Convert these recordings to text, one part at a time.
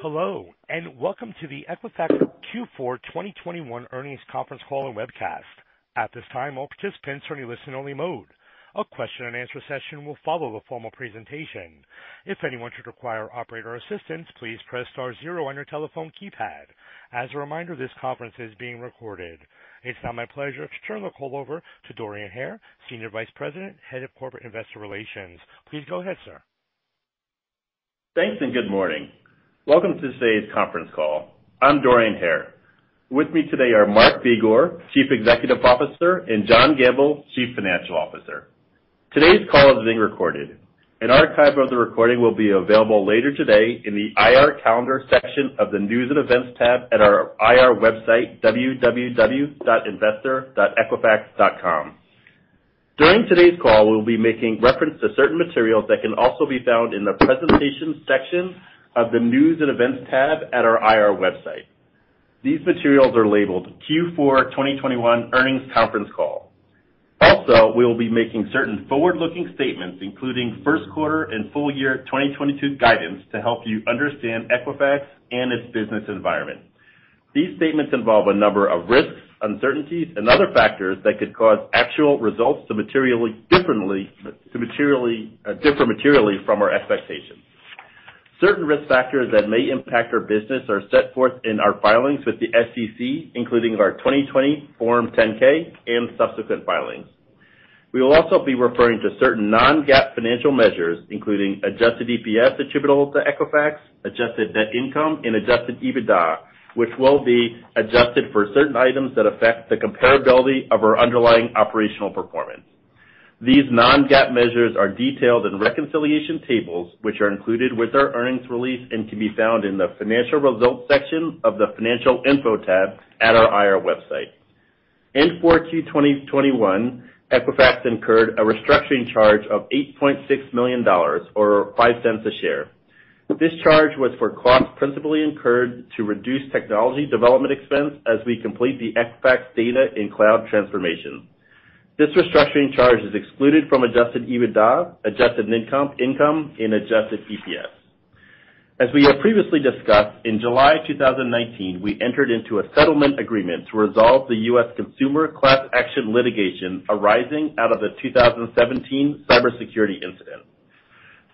Hello, and welcome to the Equifax Q4 2021 earnings conference call and webcast. At this time, all participants are in listen only mode. A question and answer session will follow the formal presentation. If anyone should require operator assistance, please press star zero on your telephone keypad. As a reminder, this conference is being recorded. It's now my pleasure to turn the call over to Dorian Hare, Senior Vice President, Head of Corporate Investor Relations. Please go ahead, sir. Thanks and good morning. Welcome to today's conference call. I'm Dorian Hare. With me today are Mark Begor, Chief Executive Officer, and John Gamble, Chief Financial Officer. Today's call is being recorded. An archive of the recording will be available later today in the IR calendar section of the News and Events tab at our IR website, www.investor.equifax.com. During today's call, we'll be making reference to certain materials that can also be found in the presentations section of the News and Events tab at our IR website. These materials are labeled Q4 2021 earnings conference call. Also, we will be making certain forward-looking statements, including first quarter and full year 2022 guidance to help you understand Equifax and its business environment. These statements involve a number of risks, uncertainties, and other factors that could cause actual results to differ materially from our expectations. Certain risk factors that may impact our business are set forth in our filings with the SEC, including our 2020 Form 10-K and subsequent filings. We will also be referring to certain non-GAAP financial measures, including adjusted EPS attributable to Equifax, adjusted net income, and adjusted EBITDA, which will be adjusted for certain items that affect the comparability of our underlying operational performance. These non-GAAP measures are detailed in reconciliation tables, which are included with our earnings release and can be found in the financial results section of the Financial Info tab at our IR website. In 4Q 2021, Equifax incurred a restructuring charge of $8.6 million or $0.05 a share. This charge was for costs principally incurred to reduce technology development expense as we complete the Equifax data and cloud transformation. This restructuring charge is excluded from adjusted EBITDA, adjusted net income, and adjusted EPS. As we have previously discussed, in July 2019, we entered into a settlement agreement to resolve the U.S. consumer class action litigation arising out of the 2017 cybersecurity incident.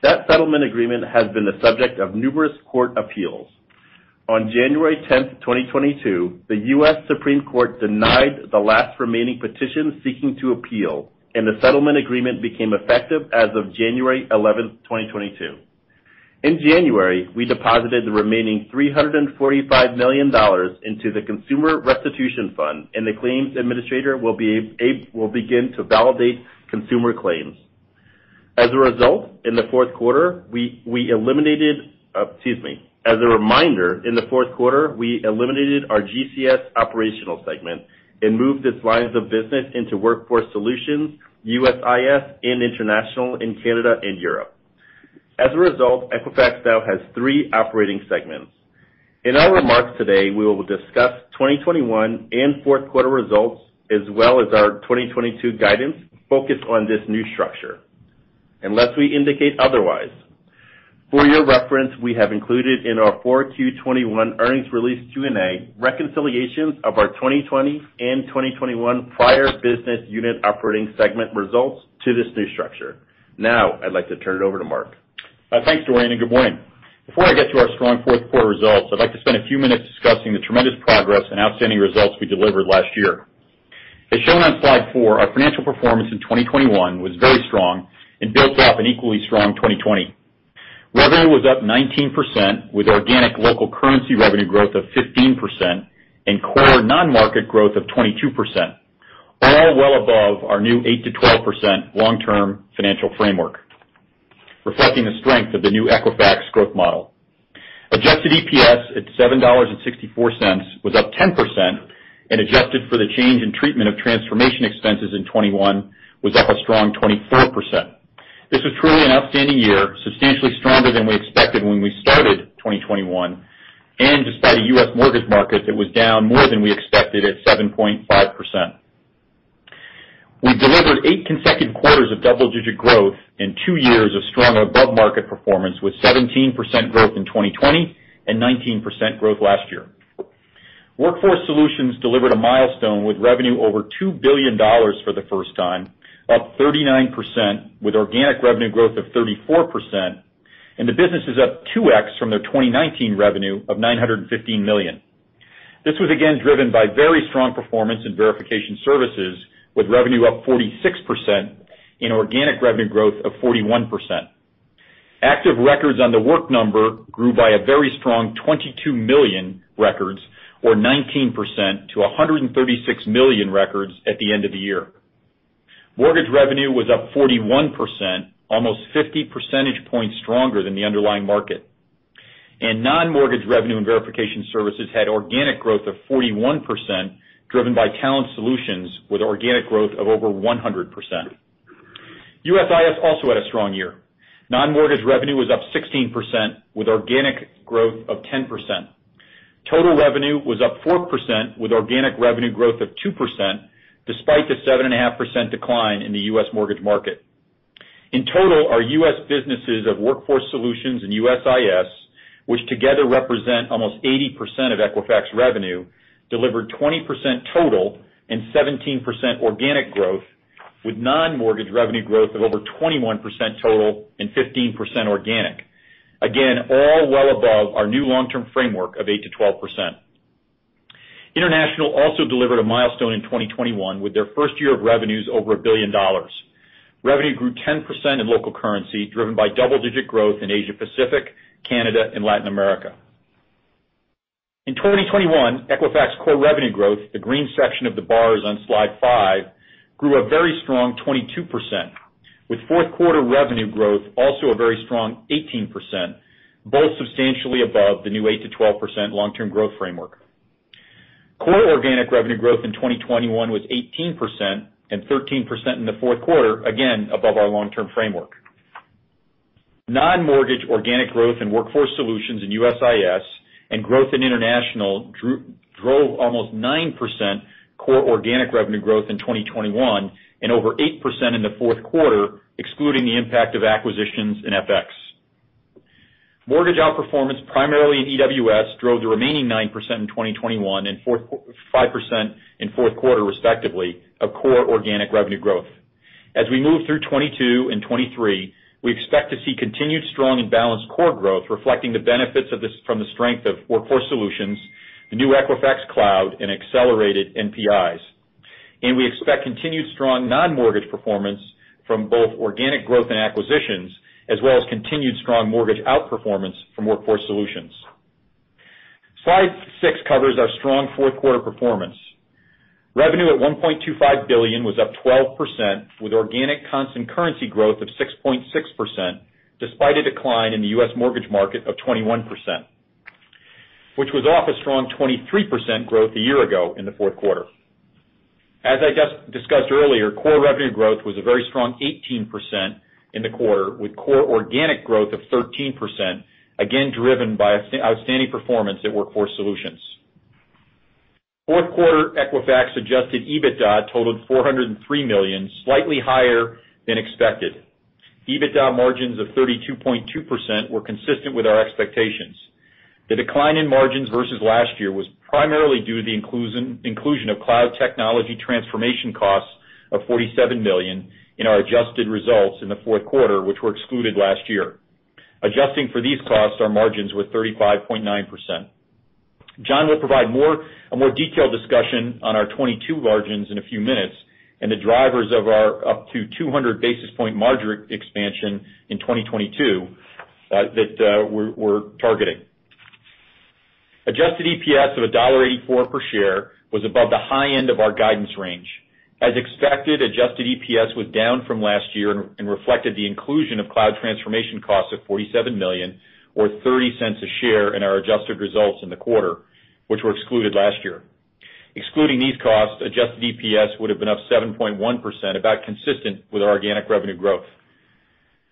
That settlement agreement has been the subject of numerous court appeals. On January 10th, 2022, the U.S. Supreme Court denied the last remaining petition seeking to appeal, and the settlement agreement became effective as of January 11th, 2022. In January, we deposited the remaining $345 million into the consumer restitution fund, and the claims administrator will begin to validate consumer claims. As a result, in the fourth quarter, we eliminated. As a reminder, in the fourth quarter, we eliminated our GCS operational segment and moved its lines of business into Workforce Solutions, USIS, and International in Canada and Europe. As a result, Equifax now has three operating segments. In our remarks today, we will discuss 2021 and fourth quarter results as well as our 2022 guidance focused on this new structure, unless we indicate otherwise. For your reference, we have included in our 4Q 2021 earnings release Q&A reconciliations of our 2020 and 2021 prior business unit operating segment results to this new structure. Now, I'd like to turn it over to Mark. Thanks, Dorian, and good morning. Before I get to our strong fourth quarter results, I'd like to spend a few minutes discussing the tremendous progress and outstanding results we delivered last year. As shown on slide four, our financial performance in 2021 was very strong and built off an equally strong 2020. Revenue was up 19%, with organic local currency revenue growth of 15% and core non-market growth of 22%, all well above our new 8%-12% long-term financial framework, reflecting the strength of the new Equifax growth model. Adjusted EPS at $7.64 was up 10% and adjusted for the change in treatment of transformation expenses in 2021 was up a strong 24%. This was truly an outstanding year, substantially stronger than we expected when we started 2021, and despite a U.S. mortgage market that was down more than we expected at 7.5%. We delivered eight consecutive quarters of double-digit growth and two years of strong above-market performance with 17% growth in 2020 and 19% growth last year. Workforce Solutions delivered a milestone with revenue over $2 billion for the first time, up 39%, with organic revenue growth of 34%, and the business is up 2x from their 2019 revenue of $915 million. This was again driven by very strong performance in verification services, with revenue up 46% and organic revenue growth of 41%. Active records on The Work Number grew by a very strong 22 million records or 19% to 136 million records at the end of the year. Mortgage revenue was up 41%, almost 50 percentage points stronger than the underlying market. Non-mortgage revenue and verification services had organic growth of 41%, driven by talent solutions with organic growth of over 100%. USIS also had a strong year. Non-mortgage revenue was up 16% with organic growth of 10%. Total revenue was up 4% with organic revenue growth of 2% despite the 7.5% decline in the U.S. mortgage market. In total, our U.S. businesses of Workforce Solutions and USIS, which together represent almost 80% of Equifax revenue, delivered 20% total and 17% organic growth, with non-mortgage revenue growth of over 21% total and 15% organic. Again, all well above our new long-term framework of 8%-12%. International also delivered a milestone in 2021 with their first year of revenues over $1 billion. Revenue grew 10% in local currency, driven by double-digit growth in Asia Pacific, Canada and Latin America. In 2021, Equifax core revenue growth, the green section of the bars on slide five, grew a very strong 22%, with fourth quarter revenue growth also a very strong 18%, both substantially above the new 8%-12% long-term growth framework. Core organic revenue growth in 2021 was 18% and 13% in the fourth quarter, again above our long-term framework. Non-mortgage organic growth in Workforce Solutions in USIS and growth in international drove almost 9% core organic revenue growth in 2021 and over 8% in the fourth quarter, excluding the impact of acquisitions in FX. Mortgage outperformance primarily in EWS drove the remaining 9% in 2021 and five percent in fourth quarter respectively of core organic revenue growth. As we move through 2022 and 2023, we expect to see continued strong and balanced core growth reflecting the benefits of this from the strength of Workforce Solutions, the new Equifax Cloud and accelerated NPIs. We expect continued strong non-mortgage performance from both organic growth and acquisitions, as well as continued strong mortgage outperformance from Workforce Solutions. Slide six covers our strong fourth quarter performance. Revenue at $1.25 billion was up 12% with organic constant currency growth of 6.6% despite a decline in the U.S. mortgage market of 21%, which was off a strong 23% growth a year ago in the fourth quarter. As I just discussed earlier, core revenue growth was a very strong 18% in the quarter, with core organic growth of 13%, again driven by outstanding performance at Workforce Solutions. Fourth quarter Equifax adjusted EBITDA totaled $403 million, slightly higher than expected. EBITDA margins of 32.2% were consistent with our expectations. The decline in margins versus last year was primarily due to the inclusion of cloud technology transformation costs of $47 million in our adjusted results in the fourth quarter, which were excluded last year. Adjusting for these costs, our margins were 35.9%. John will provide a more detailed discussion on our 2022 margins in a few minutes and the drivers of our up to 200 basis point margin expansion in 2022 that we're targeting. Adjusted EPS of $1.84 per share was above the high end of our guidance range. As expected, adjusted EPS was down from last year and reflected the inclusion of cloud transformation costs of $47 million or $0.30 a share in our adjusted results in the quarter, which were excluded last year. Excluding these costs, adjusted EPS would have been up 7.1%, about consistent with our organic revenue growth.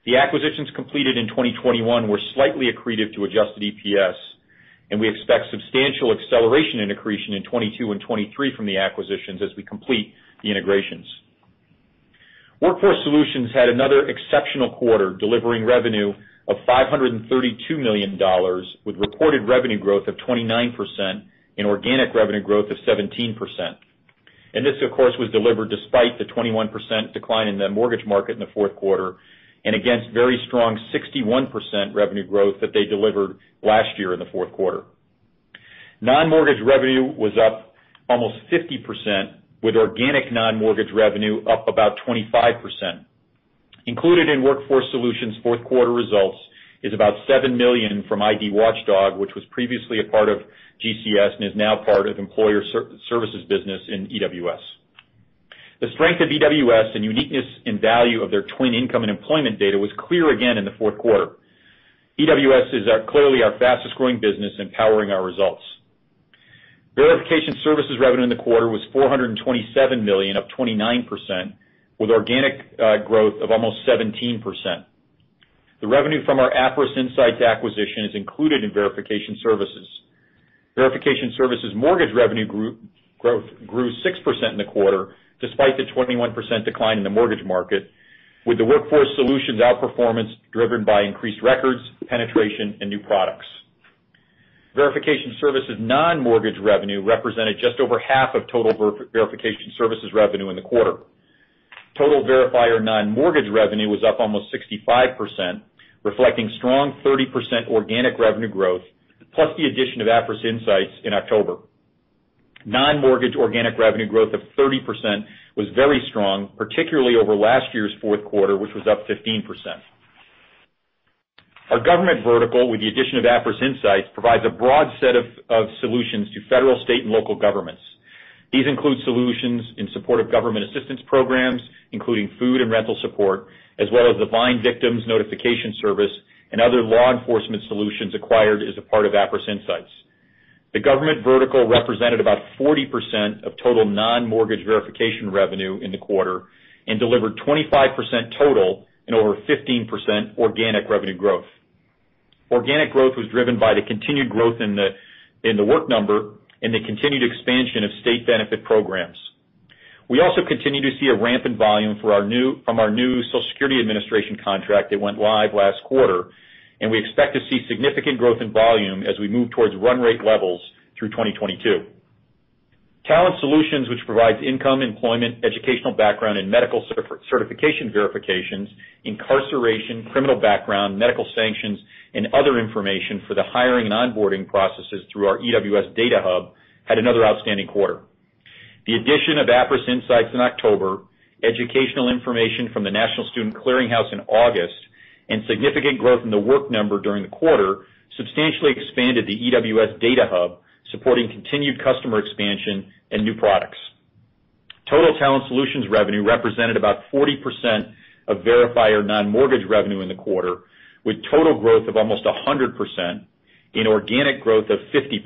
The acquisitions completed in 2021 were slightly accretive to adjusted EPS, and we expect substantial acceleration in accretion in 2022 and 2023 from the acquisitions as we complete the integrations. Workforce Solutions had another exceptional quarter, delivering revenue of $532 million with reported revenue growth of 29% and organic revenue growth of 17%. This, of course, was delivered despite the 21% decline in the mortgage market in the fourth quarter and against very strong 61% revenue growth that they delivered last year in the fourth quarter. Non-mortgage revenue was up almost 50%, with organic non-mortgage revenue up about 25%. Included in Workforce Solutions fourth quarter results is about $7 million from ID Watchdog, which was previously a part of GCS and is now part of employer services business in EWS. The strength of EWS and uniqueness and value of their TWN income and employment data was clear again in the fourth quarter. EWS is clearly our fastest growing business and powering our results. Verification services revenue in the quarter was $427 million, up 29%, with organic growth of almost 17%. The revenue from our Appriss Insights acquisition is included in verification services. Verification services mortgage revenue group growth grew 6% in the quarter, despite the 21% decline in the mortgage market, with the Workforce Solutions outperformance driven by increased records, penetration and new products. Verification services non-mortgage revenue represented just over half of total verification services revenue in the quarter. Total verifier non-mortgage revenue was up almost 65%, reflecting strong 30% organic revenue growth, plus the addition of Appriss Insights in October. Non-mortgage organic revenue growth of 30% was very strong, particularly over last year's fourth quarter, which was up 15%. Our government vertical, with the addition of Appriss Insights, provides a broad set of solutions to federal, state, and local governments. These include solutions in support of government assistance programs, including food and rental support, as well as the VINE Victims Notification Service and other law enforcement solutions acquired as a part of Appriss Insights. The government vertical represented about 40% of total non-mortgage verification revenue in the quarter and delivered 25% total and over 15% organic revenue growth. Organic growth was driven by the continued growth in the The Work Number and the continued expansion of state benefit programs. We also continue to see a ramp in volume for our new Social Security Administration contract that went live last quarter, and we expect to see significant growth in volume as we move towards run rate levels through 2022. Talent Solutions, which provides income, employment, educational background and medical certification verifications, incarceration, criminal background, medical sanctions and other information for the hiring and onboarding processes through our EWS Data Hub, had another outstanding quarter. The addition of Appriss Insights in October, educational information from the National Student Clearinghouse in August, and significant growth in The Work Number during the quarter substantially expanded the EWS Data Hub, supporting continued customer expansion and new products. Total Talent Solutions revenue represented about 40% of verification non-mortgage revenue in the quarter, with total growth of almost 100% in organic growth of 50%.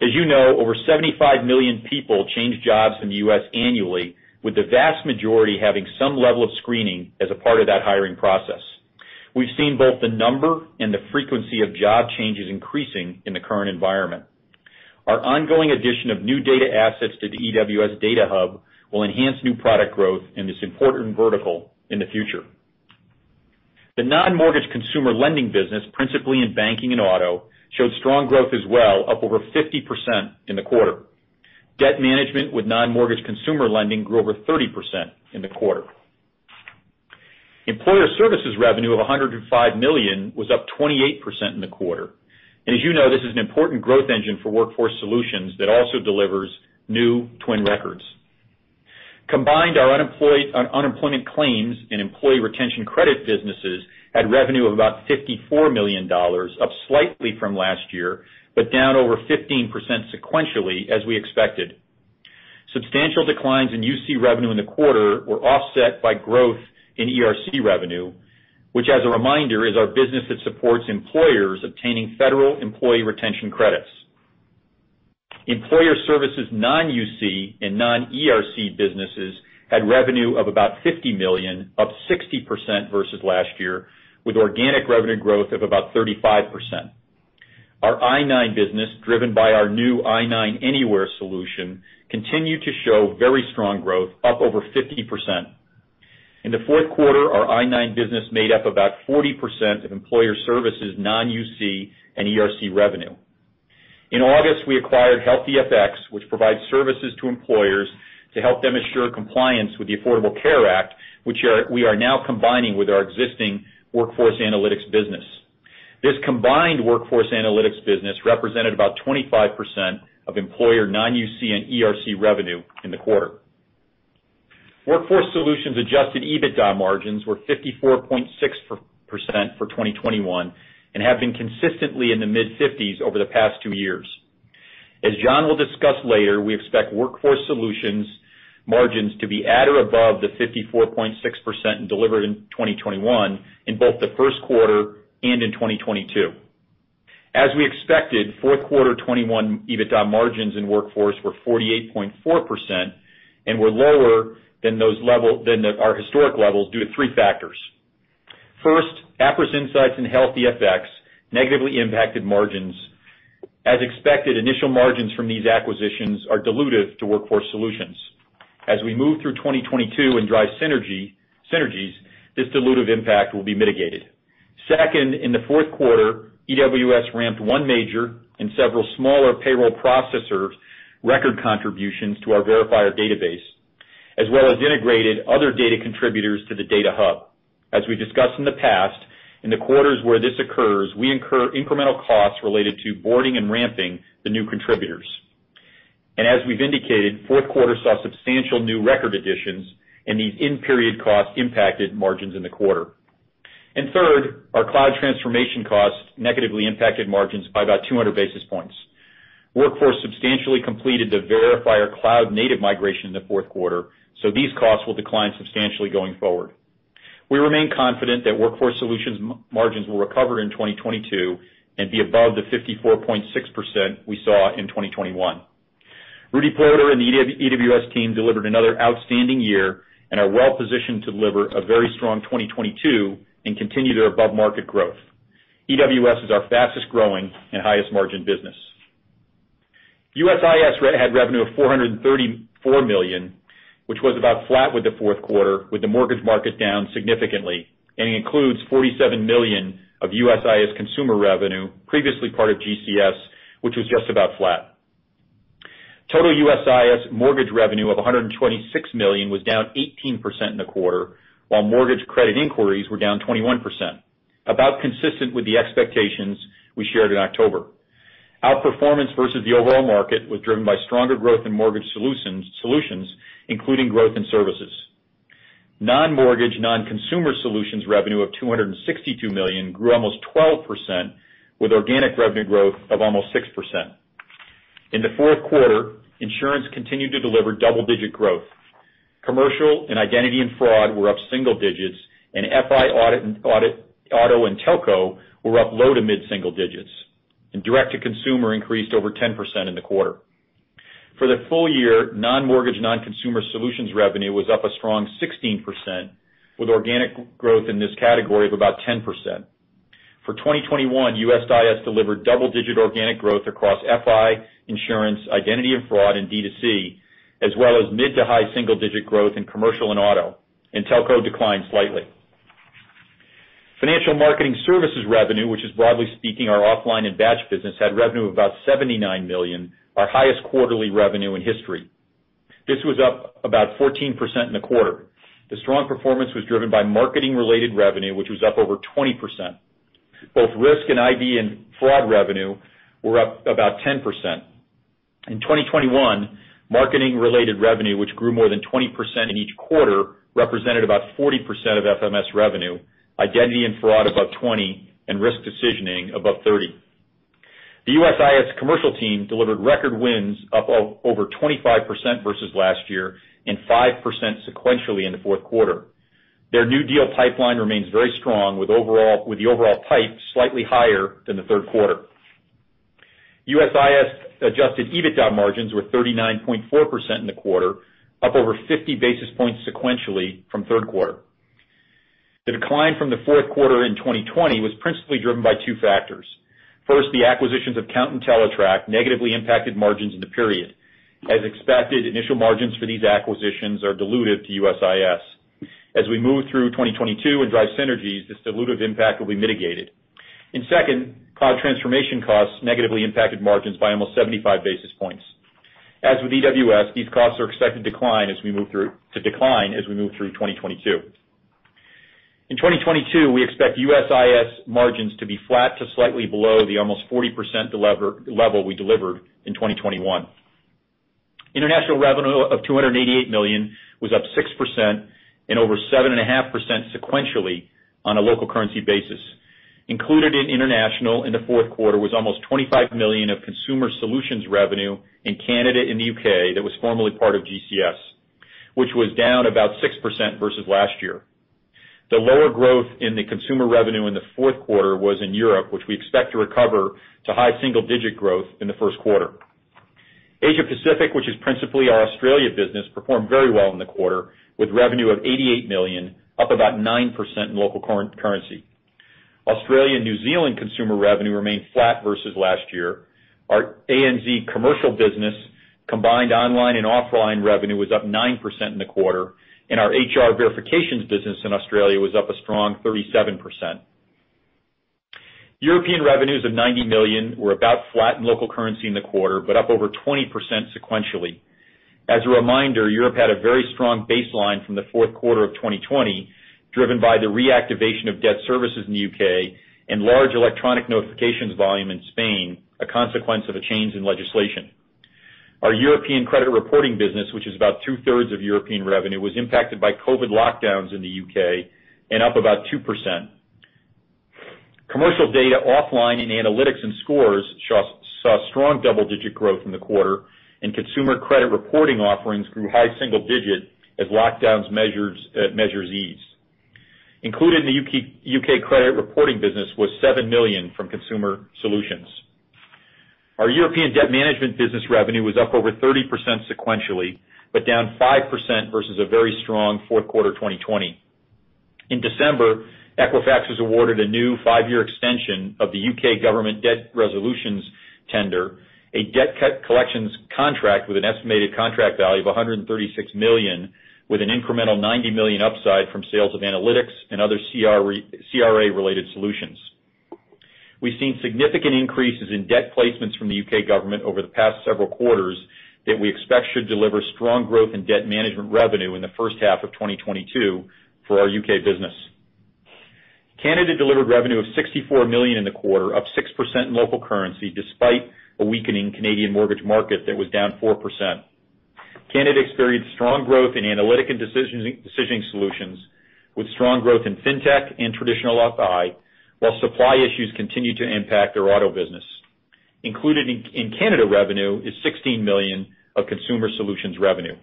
As you know, over 75 million people change jobs in the U.S. annually, with the vast majority having some level of screening as a part of that hiring process. We've seen both the number and the frequency of job changes increasing in the current environment. Our ongoing addition of new data assets to the EWS Data Hub will enhance new product growth in this important vertical in the future. The non-mortgage consumer lending business, principally in banking and auto, showed strong growth as well, up over 50% in the quarter. Debt management with non-mortgage consumer lending grew over 30% in the quarter. Employer services revenue of $105 million was up 28% in the quarter. As you know, this is an important growth engine for Workforce Solutions that also delivers new TWN records. Combined, our unemployment claims and employee retention credit businesses had revenue of about $54 million, up slightly from last year, but down over 15% sequentially as we expected. Substantial declines in UC revenue in the quarter were offset by growth in ERC revenue, which as a reminder, is our business that supports employers obtaining federal employee retention credits. Employer services non-UC and non-ERC businesses had revenue of about $50 million, up 60% versus last year, with organic revenue growth of about 35%. Our I-9 business, driven by our new I-9 Anywhere solution, continued to show very strong growth, up over 50%. In the fourth quarter, our I-9 business made up about 40% of employer services non-UC and ERC revenue. In August, we acquired Health e(fx), which provides services to employers to help them ensure compliance with the Affordable Care Act, which we are now combining with our existing workforce analytics business. This combined workforce analytics business represented about 25% of employer non-UC and ERC revenue in the quarter. Workforce Solutions adjusted EBITDA margins were 54.6% for 2021, and have been consistently in the mid-50s over the past two years. As John will discuss later, we expect Workforce Solutions margins to be at or above the 54.6% delivered in 2021 in both the first quarter and in 2022. As we expected, fourth quarter 2021 EBITDA margins in Workforce were 48.4% and were lower than our historic levels due to three factors. First, Appriss Insights and Health e(fx) negatively impacted margins. As expected, initial margins from these acquisitions are dilutive to Workforce Solutions. As we move through 2022 and drive synergies, this dilutive impact will be mitigated. Second, in the fourth quarter, EWS ramped one major and several smaller payroll processors record contributions to our Verifier database, as well as integrated other data contributors to the Data Hub. As we discussed in the past, in the quarters where this occurs, we incur incremental costs related to boarding and ramping the new contributors. As we've indicated, fourth quarter saw substantial new record additions and these in-period costs impacted margins in the quarter. Third, our cloud transformation costs negatively impacted margins by about 200 basis points. Workforce substantially completed the Verifier cloud native migration in the fourth quarter, so these costs will decline substantially going forward. We remain confident that Workforce Solutions margins will recover in 2022 and be above the 54.6% we saw in 2021. Rudy Ploder and the EWS team delivered another outstanding year and are well positioned to deliver a very strong 2022 and continue their above market growth. EWS is our fastest growing and highest margin business. USIS had revenue of $434 million, which was about flat with the fourth quarter with the mortgage market down significantly, and includes $47 million of USIS consumer revenue, previously part of GCS, which was just about flat. Total USIS mortgage revenue of $126 million was down 18% in the quarter, while mortgage credit inquiries were down 21%. About as consistent with the expectations we shared in October. Outperformance versus the overall market was driven by stronger growth in mortgage solutions, including growth in services. Non-mortgage, non-consumer solutions revenue of $262 million grew almost 12%, with organic revenue growth of almost 6%. In the fourth quarter, insurance continued to deliver double-digit growth. Commercial and identity and fraud were up single digits, and FI, audit, auto and telco were up low- to mid-single digits. Direct to consumer increased over 10% in the quarter. For the full year, non-mortgage, non-consumer solutions revenue was up a strong 16%, with organic growth in this category of about 10%. For 2021, USIS delivered double-digit organic growth across FI, insurance, identity and fraud, and D2C, as well as mid- to high-single-digit growth in commercial and auto, and telco declined slightly. Financial marketing services revenue, which is broadly speaking, our offline and batch business, had revenue of about $79 million, our highest quarterly revenue in history. This was up about 14% in the quarter. The strong performance was driven by marketing-related revenue, which was up over 20%. Both risk and ID and fraud revenue were up about 10%. In 2021, marketing-related revenue, which grew more than 20% in each quarter, represented about 40% of FMS revenue, identity and fraud above 20%, and risk decisioning above 30%. The USIS commercial team delivered record wins up over 25% versus last year and 5% sequentially in the fourth quarter. Their new deal pipeline remains very strong, with the overall pipe slightly higher than the third quarter. USIS adjusted EBITDA margins were 39.4% in the quarter, up over 50 basis points sequentially from third quarter. The decline from the fourth quarter in 2020 was principally driven by two factors. First, the acquisitions of Kount and Teletrack negatively impacted margins in the period. As expected, initial margins for these acquisitions are dilutive to USIS. As we move through 2022 and drive synergies, this dilutive impact will be mitigated. Second, cloud transformation costs negatively impacted margins by almost 75 basis points. As with EWS, these costs are expected to decline as we move through 2022. In 2022, we expect USIS margins to be flat to slightly below the almost 40% level we delivered in 2021. International revenue of $288 million was up 6% and over 7.5% sequentially on a local currency basis. Included in international in the fourth quarter was almost $25 million of consumer solutions revenue in Canada and the U.K. that was formerly part of GCS, which was down about 6% versus last year. The lower growth in the consumer revenue in the fourth quarter was in Europe, which we expect to recover to high single-digit growth in the first quarter. Asia Pacific, which is principally our Australia business, performed very well in the quarter, with revenue of $88 million, up about 9% in local currency. Australia and New Zealand consumer revenue remained flat versus last year. Our ANZ commercial business combined online and offline revenue was up 9% in the quarter, and our HR verifications business in Australia was up a strong 37%. European revenues of $90 million were about flat in local currency in the quarter, but up over 20% sequentially. As a reminder, Europe had a very strong baseline from the fourth quarter of 2020, driven by the reactivation of debt services in the U.K. and large electronic notifications volume in Spain, a consequence of a change in legislation. Our European credit reporting business, which is about 2/3 of European revenue, was impacted by COVID lockdowns in the U.K. and up about 2%. Commercial data online and analytics and scores saw strong double-digit growth in the quarter, and consumer credit reporting offerings grew high single-digit as lockdown measures eased. Included in the U.K. credit reporting business was $7 million from consumer solutions. Our European debt management business revenue was up over 30% sequentially, but down 5% versus a very strong fourth quarter 2020. In December, Equifax was awarded a new five-year extension of the U.K. government debt resolutions tender, a debt collections contract with an estimated contract value of 136 million, with an incremental 90 million upside from sales of analytics and other CRA-related solutions. We've seen significant increases in debt placements from the U.K. government over the past several quarters that we expect should deliver strong growth in debt management revenue in the first half of 2022 for our U.K. business. Canada delivered revenue of 64 million in the quarter, up 6% in local currency, despite a weakening Canadian mortgage market that was down 4%. Canada experienced strong growth in analytics and decisioning solutions, with strong growth in Fintech and traditional FI, while supply issues continued to impact their auto business. Included in Canada revenue is 16 million of consumer solutions revenue.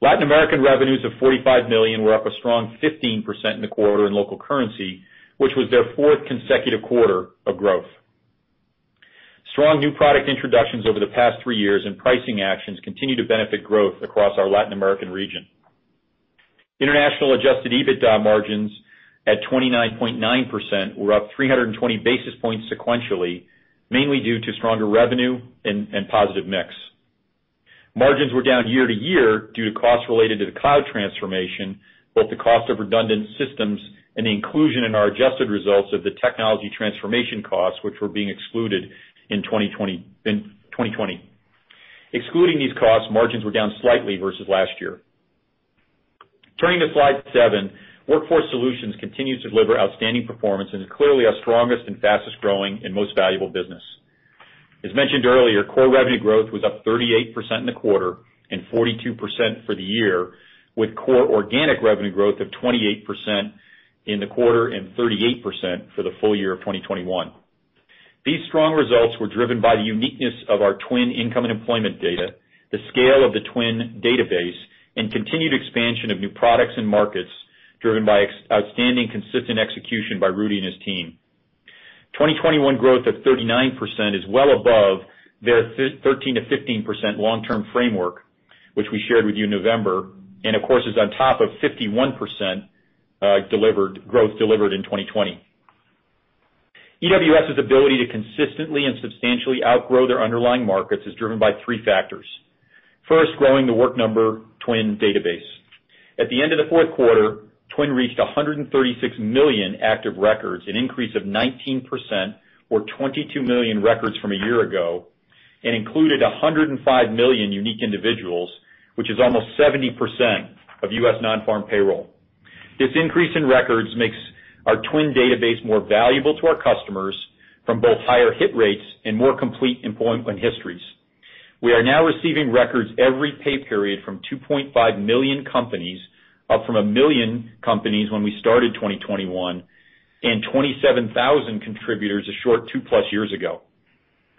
Latin American revenues of $45 million were up a strong 15% in the quarter in local currency, which was their fourth consecutive quarter of growth. Strong new product introductions over the past three years and pricing actions continue to benefit growth across our Latin American region. International adjusted EBITDA margins at 29.9% were up 320 basis points sequentially, mainly due to stronger revenue and positive mix. Margins were down year-over-year due to costs related to the cloud transformation, both the cost of redundant systems and the inclusion in our adjusted results of the technology transformation costs, which were being excluded in 2020. Excluding these costs, margins were down slightly versus last year. Turning to slide seven, Workforce Solutions continues to deliver outstanding performance and is clearly our strongest and fastest-growing and most valuable business. As mentioned earlier, core revenue growth was up 38% in the quarter and 42% for the year, with core organic revenue growth of 28% in the quarter and 38% for the full year of 2021. These strong results were driven by the uniqueness of our TWN income and employment data, the scale of the TWN database, and continued expansion of new products and markets driven by outstanding consistent execution by Rudy and his team. 2021 growth of 39% is well above their 13%-15% long-term framework, which we shared with you in November, and of course, is on top of 51% growth delivered in 2020. EWS's ability to consistently and substantially outgrow their underlying markets is driven by three factors. First, growing the Work Number TWN database. At the end of the fourth quarter, TWN reached 136 million active records, an increase of 19% or 22 million records from a year ago, and included 105 million unique individuals, which is almost 70% of U.S. non-farm payroll. This increase in records makes our TWN database more valuable to our customers from both higher hit rates and more complete employment histories. We are now receiving records every pay period from 2.5 million companies, up from one million companies when we started 2021, and 27,000 contributors a short 2+ years ago.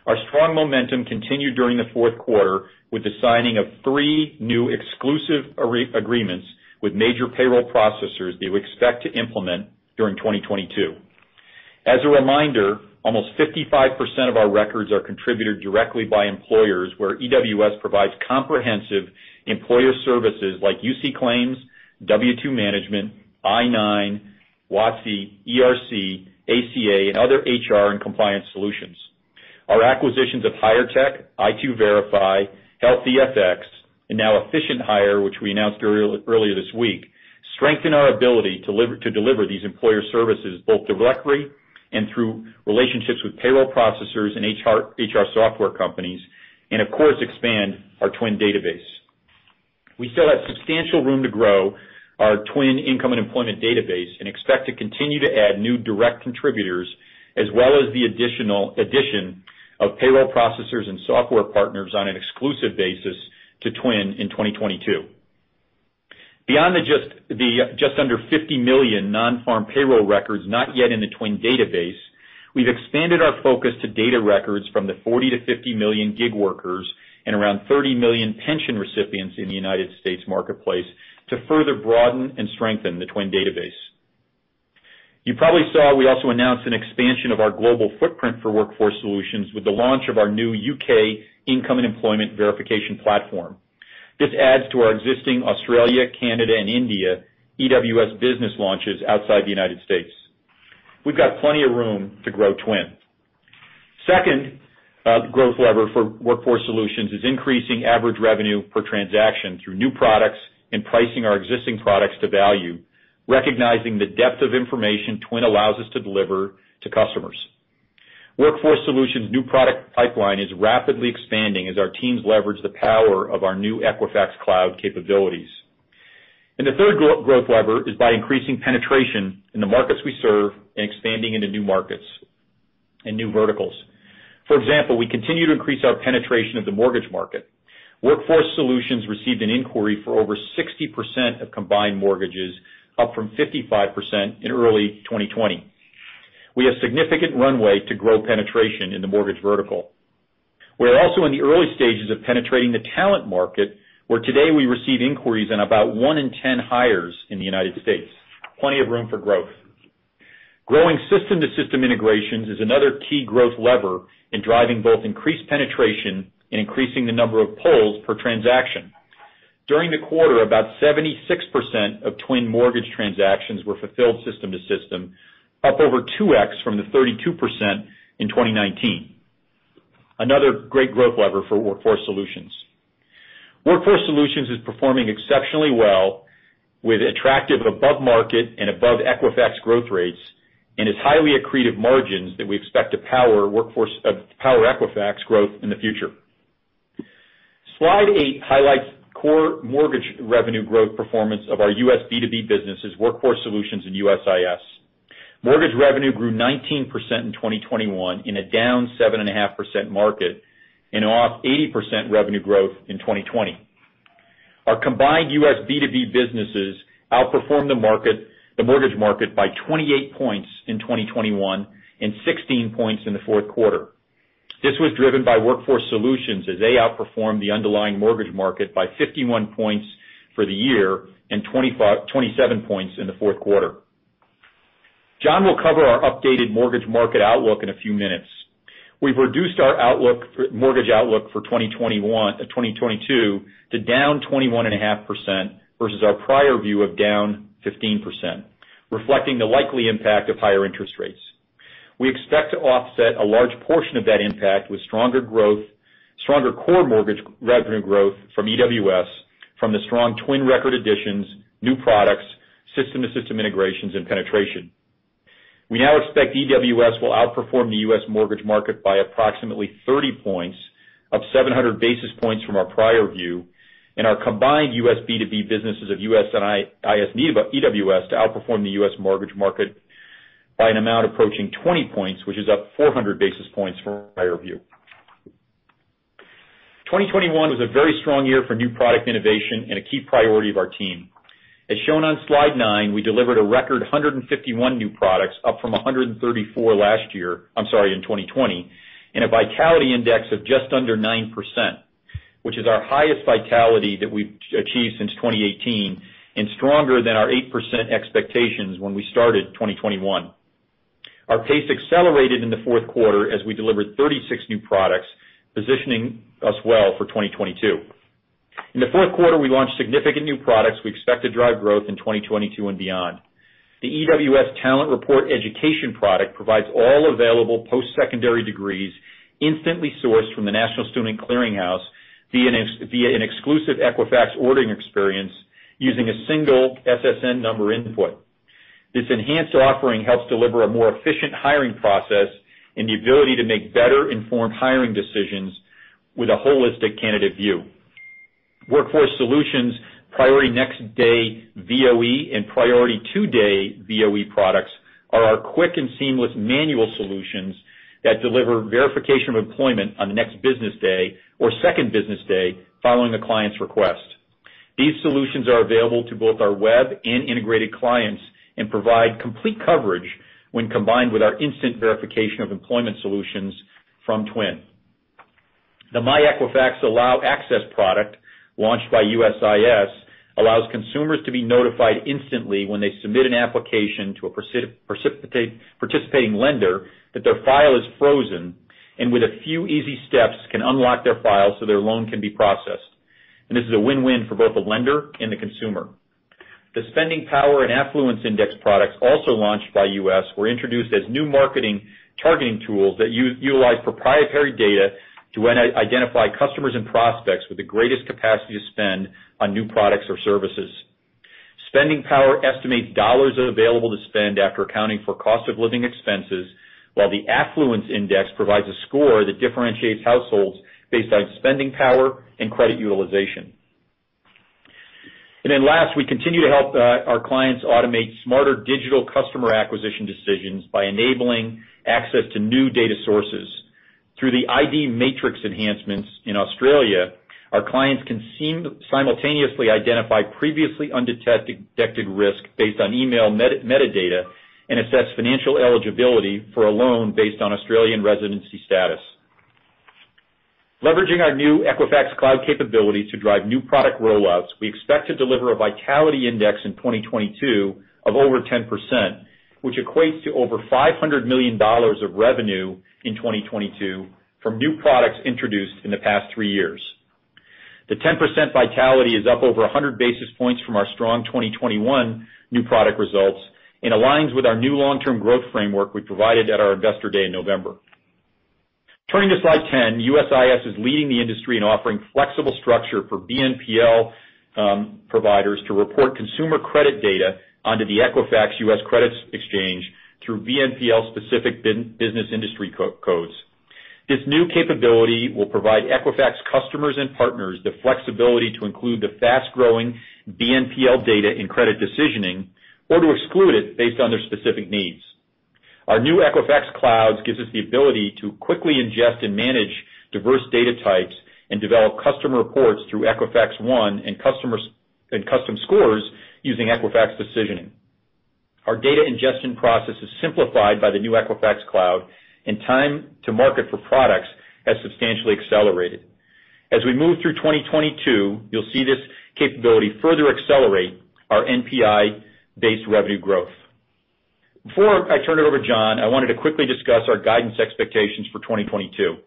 Our strong momentum continued during the fourth quarter with the signing of three new exclusive agreements with major payroll processors that we expect to implement during 2022. As a reminder, almost 55% of our records are contributed directly by employers where EWS provides comprehensive employer services like UC claims, W-2 management, I-9, WOTC, ERC, ACA, and other HR and compliance solutions. Our acquisitions of HIREtech, i2Verify, Health e(fx), and now Efficient Hire, which we announced earlier this week, strengthen our ability to deliver these employer services both directly and through relationships with payroll processors and HR software companies, and of course, expand our TWN database. We still have substantial room to grow our TWN income and employment database and expect to continue to add new direct contributors as well as the additional addition of payroll processors and software partners on an exclusive basis to TWN in 2022. Beyond the just under 50 million non-farm payroll records not yet in the Twin database, we've expanded our focus to data records from the 40-50 million gig workers and around 30 million pension recipients in the United States marketplace to further broaden and strengthen the Twin database. You probably saw we also announced an expansion of our global footprint for Workforce Solutions with the launch of our new U.K. Income and Employment Verification platform. This adds to our existing Australia, Canada, and India EWS business launches outside the United States. We've got plenty of room to grow Twin. Second, growth lever for Workforce Solutions is increasing average revenue per transaction through new products and pricing our existing products to value, recognizing the depth of information Twin allows us to deliver to customers. Workforce Solutions' new product pipeline is rapidly expanding as our teams leverage the power of our new Equifax cloud capabilities. The third growth lever is by increasing penetration in the markets we serve and expanding into new markets and new verticals. For example, we continue to increase our penetration of the mortgage market. Workforce Solutions received an inquiry for over 60% of combined mortgages, up from 55% in early 2020. We have significant runway to grow penetration in the mortgage vertical. We're also in the early stages of penetrating the talent market, where today we receive inquiries in about one in 10 hires in the United States. Plenty of room for growth. Growing system-to-system integrations is another key growth lever in driving both increased penetration and increasing the number of pulls per transaction. During the quarter, about 76% of TWN mortgage transactions were fulfilled system to system, up over 2x from the 32% in 2019. Another great growth lever for Workforce Solutions. Workforce Solutions is performing exceptionally well with attractive above market and above Equifax growth rates and its highly accretive margins that we expect to power Equifax growth in the future. Slide eight highlights core mortgage revenue growth performance of our U.S. B2B businesses, Workforce Solutions and USIS. Mortgage revenue grew 19% in 2021 in a down 7.5% market and off 80% revenue growth in 2020. Our combined U.S. B2B businesses outperformed the market, the mortgage market by 28 points in 2021 and 16 points in the fourth quarter. This was driven by Workforce Solutions as they outperformed the underlying mortgage market by 51 points for the year and 27 points in the fourth quarter. John will cover our updated mortgage market outlook in a few minutes. We've reduced our mortgage outlook for 2021, 2022 to down 21.5% versus our prior view of down 15%, reflecting the likely impact of higher interest rates. We expect to offset a large portion of that impact with stronger growth, stronger core mortgage revenue growth from EWS from the strong TWN record additions, new products, system-to-system integrations and penetration. We now expect EWS will outperform the U.S. mortgage market by approximately 30 points, up 700 basis points from our prior view, and our combined U.S. B2B businesses of U.S. and USIS, namely EWS to outperform the U.S. mortgage market by an amount approaching 20 points, which is up 400 basis points from our prior view. 2021 was a very strong year for new product innovation and a key priority of our team. As shown on slide nine, we delivered a record 151 new products up from 134 last year, I'm sorry, in 2020, and a Vitality Index of just under 9%. Which is our highest vitality that we've achieved since 2018, and stronger than our 8% expectations when we started 2021. Our pace accelerated in the fourth quarter as we delivered 36 new products, positioning us well for 2022. In the fourth quarter, we launched significant new products we expect to drive growth in 2022 and beyond. The EWS Talent Report Education product provides all available post-secondary degrees instantly sourced from the National Student Clearinghouse via an exclusive Equifax ordering experience using a single SSN number input. This enhanced offering helps deliver a more efficient hiring process and the ability to make better-informed hiring decisions with a holistic candidate view. Workforce Solutions priority next-day VOE and priority two-day VOE products are our quick and seamless manual solutions that deliver verification of employment on the next business day or second business day following the client's request. These solutions are available to both our web and integrated clients and provide complete coverage when combined with our instant verification of employment solutions from Twin. The myEquifax Allow Access product, launched by USIS, allows consumers to be notified instantly when they submit an application to a participating lender that their file is frozen, and with a few easy steps, can unlock their files so their loan can be processed. This is a win-win for both the lender and the consumer. The Spending Power and Affluence Index products also launched by USIS were introduced as new marketing targeting tools that utilize proprietary data to identify customers and prospects with the greatest capacity to spend on new products or services. Spending Power estimates dollars available to spend after accounting for cost of living expenses, while the Affluence Index provides a score that differentiates households based on spending power and credit utilization. Last, we continue to help our clients automate smarter digital customer acquisition decisions by enabling access to new data sources. Through the IDMatrix enhancements in Australia, our clients can simultaneously identify previously undetected risk based on email metadata and assess financial eligibility for a loan based on Australian residency status. Leveraging our new Equifax Cloud capabilities to drive new product rollouts, we expect to deliver a Vitality Index in 2022 of over 10%, which equates to over $500 million of revenue in 2022 from new products introduced in the past three years. The 10% Vitality Index is up over 100 basis points from our strong 2021 new product results and aligns with our new long-term growth framework we provided at our Investor Day in November. Turning to slide 10, USIS is leading the industry in offering flexible structure for BNPL providers to report consumer credit data onto the Equifax U.S. credit exchange through BNPL-specific business industry co-codes. This new capability will provide Equifax customers and partners the flexibility to include the fast-growing BNPL data in credit decisioning or to exclude it based on their specific needs. Our new Equifax Cloud gives us the ability to quickly ingest and manage diverse data types and develop customer reports through OneView and custom scores using Equifax decisioning. Our data ingestion process is simplified by the new Equifax Cloud, and time to market for products has substantially accelerated. As we move through 2022, you'll see this capability further accelerate our NPI-based revenue growth. Before I turn it over to John, I wanted to quickly discuss our guidance expectations for 2022.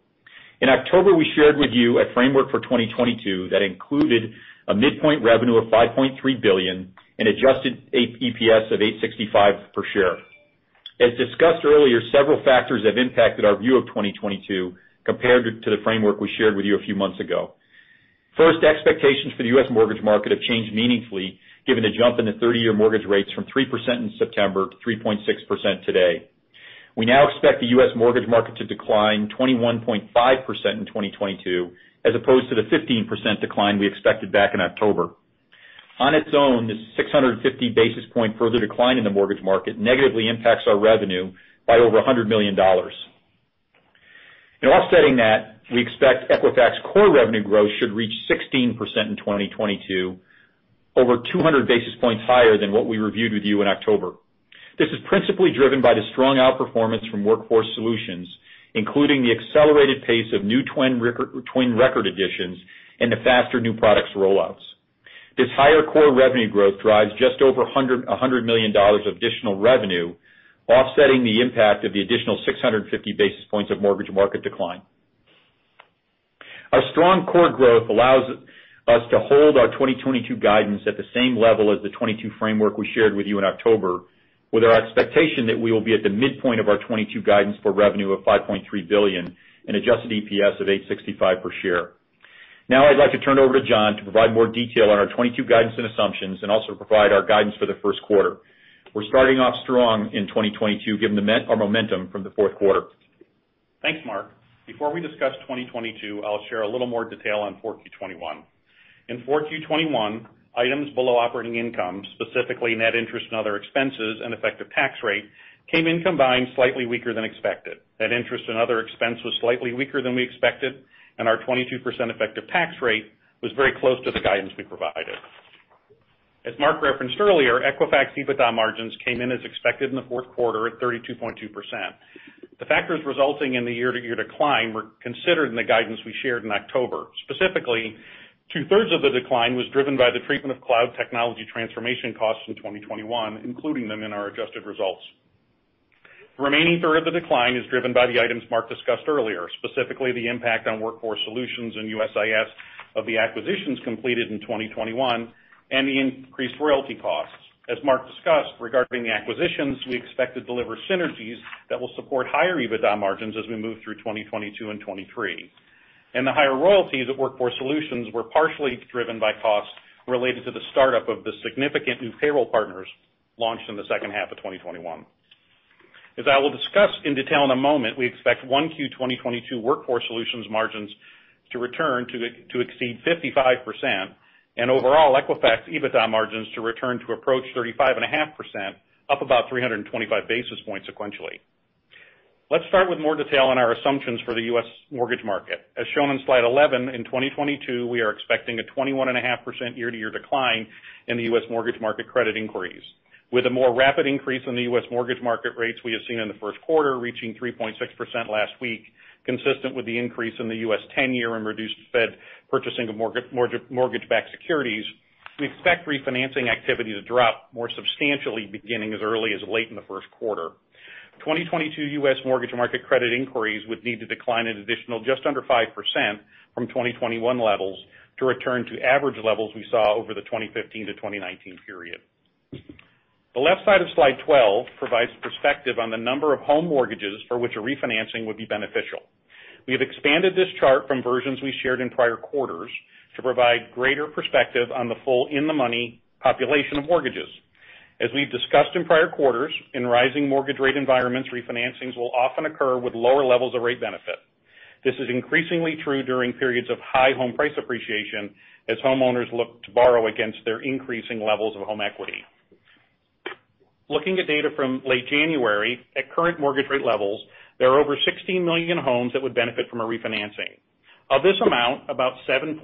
In October, we shared with you a framework for 2022 that included a midpoint revenue of $5.3 billion and adjusted EPS of $8.65 per share. As discussed earlier, several factors have impacted our view of 2022 compared to the framework we shared with you a few months ago. First, expectations for the U.S. mortgage market have changed meaningfully given a jump in the 30-year mortgage rates from 3% in September to 3.6% today. We now expect the U.S. mortgage market to decline 21.5% in 2022, as opposed to the 15% decline we expected back in October. On its own, this 650 basis point further decline in the mortgage market negatively impacts our revenue by over $100 million. In offsetting that, we expect Equifax core revenue growth should reach 16% in 2022, over 200 basis points higher than what we reviewed with you in October. This is principally driven by the strong outperformance from Workforce Solutions, including the accelerated pace of new TWN record additions and the faster new products rollouts. This higher core revenue growth drives just over $100 million of additional revenue, offsetting the impact of the additional 650 basis points of mortgage market decline. Our strong core growth allows us to hold our 2022 guidance at the same level as the 2022 framework we shared with you in October, with our expectation that we will be at the midpoint of our 2022 guidance for revenue of $5.3 billion and adjusted EPS of $8.65 per share. Now I'd like to turn it over to John to provide more detail on our 2022 guidance and assumptions and also provide our guidance for the first quarter. We're starting off strong in 2022 given our momentum from the fourth quarter. Thanks, Mark. Before we discuss 2022, I'll share a little more detail on 4Q 2021. In 4Q 2021, items below operating income, specifically net interest and other expenses and effective tax rate, came in combined slightly weaker than expected. Net interest and other expense was slightly weaker than we expected, and our 22% effective tax rate was very close to the guidance we provided. As Mark referenced earlier, Equifax EBITDA margins came in as expected in the fourth quarter at 32.2%. The factors resulting in the year-to-year decline were considered in the guidance we shared in October. Specifically, 2/3 of the decline was driven by the treatment of cloud technology transformation costs in 2021, including them in our adjusted results. Remaining third of the decline is driven by the items Mark discussed earlier, specifically the impact on Workforce Solutions and USIS of the acquisitions completed in 2021 and the increased royalty costs. As Mark discussed regarding the acquisitions, we expect to deliver synergies that will support higher EBITDA margins as we move through 2022 and 2023. The higher royalties at Workforce Solutions were partially driven by costs related to the startup of the significant new payroll partners launched in the second half of 2021. As I will discuss in detail in a moment, we expect 1Q 2022 Workforce Solutions margins to return to exceed 55%, and overall Equifax EBITDA margins to return to approach 35.5%, up about 325 basis points sequentially. Let's start with more detail on our assumptions for the U.S. mortgage market. As shown on slide 11, in 2022, we are expecting a 21.5% year-to-year decline in the U.S. mortgage market credit inquiries. With a more rapid increase in the U.S. mortgage market rates we have seen in the first quarter reaching 3.6% last week, consistent with the increase in the U.S. 10-year and reduced Fed purchasing of mortgage-backed securities, we expect refinancing activity to drop more substantially beginning as early as late in the first quarter. 2022 U.S. mortgage market credit inquiries would need to decline an additional just under 5% from 2021 levels to return to average levels we saw over the 2015 to 2019 period. The left side of slide 12 provides perspective on the number of home mortgages for which a refinancing would be beneficial. We have expanded this chart from versions we shared in prior quarters to provide greater perspective on the full in-the-money population of mortgages. As we've discussed in prior quarters, in rising mortgage rate environments, refinancings will often occur with lower levels of rate benefit. This is increasingly true during periods of high home price appreciation as homeowners look to borrow against their increasing levels of home equity. Looking at data from late January, at current mortgage rate levels, there are over 16 million homes that would benefit from a refinancing. Of this amount, about 7.8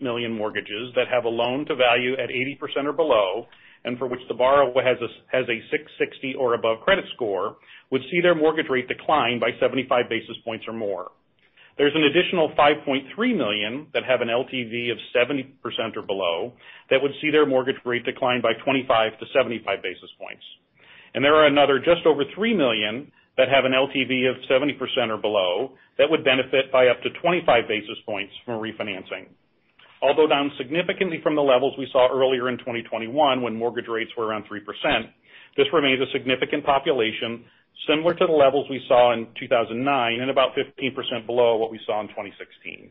million mortgages that have a loan to value at 80% or below, and for which the borrower has a 660 or above credit score, would see their mortgage rate decline by 75 basis points or more. There's an additional 5.3 million that have an LTV of 70% or below that would see their mortgage rate decline by 25-75 basis points. There are another just over three million that have an LTV of 70% or below that would benefit by up to 25 basis points from refinancing. Although down significantly from the levels we saw earlier in 2021 when mortgage rates were around 3%, this remains a significant population similar to the levels we saw in 2009 and about 15% below what we saw in 2016.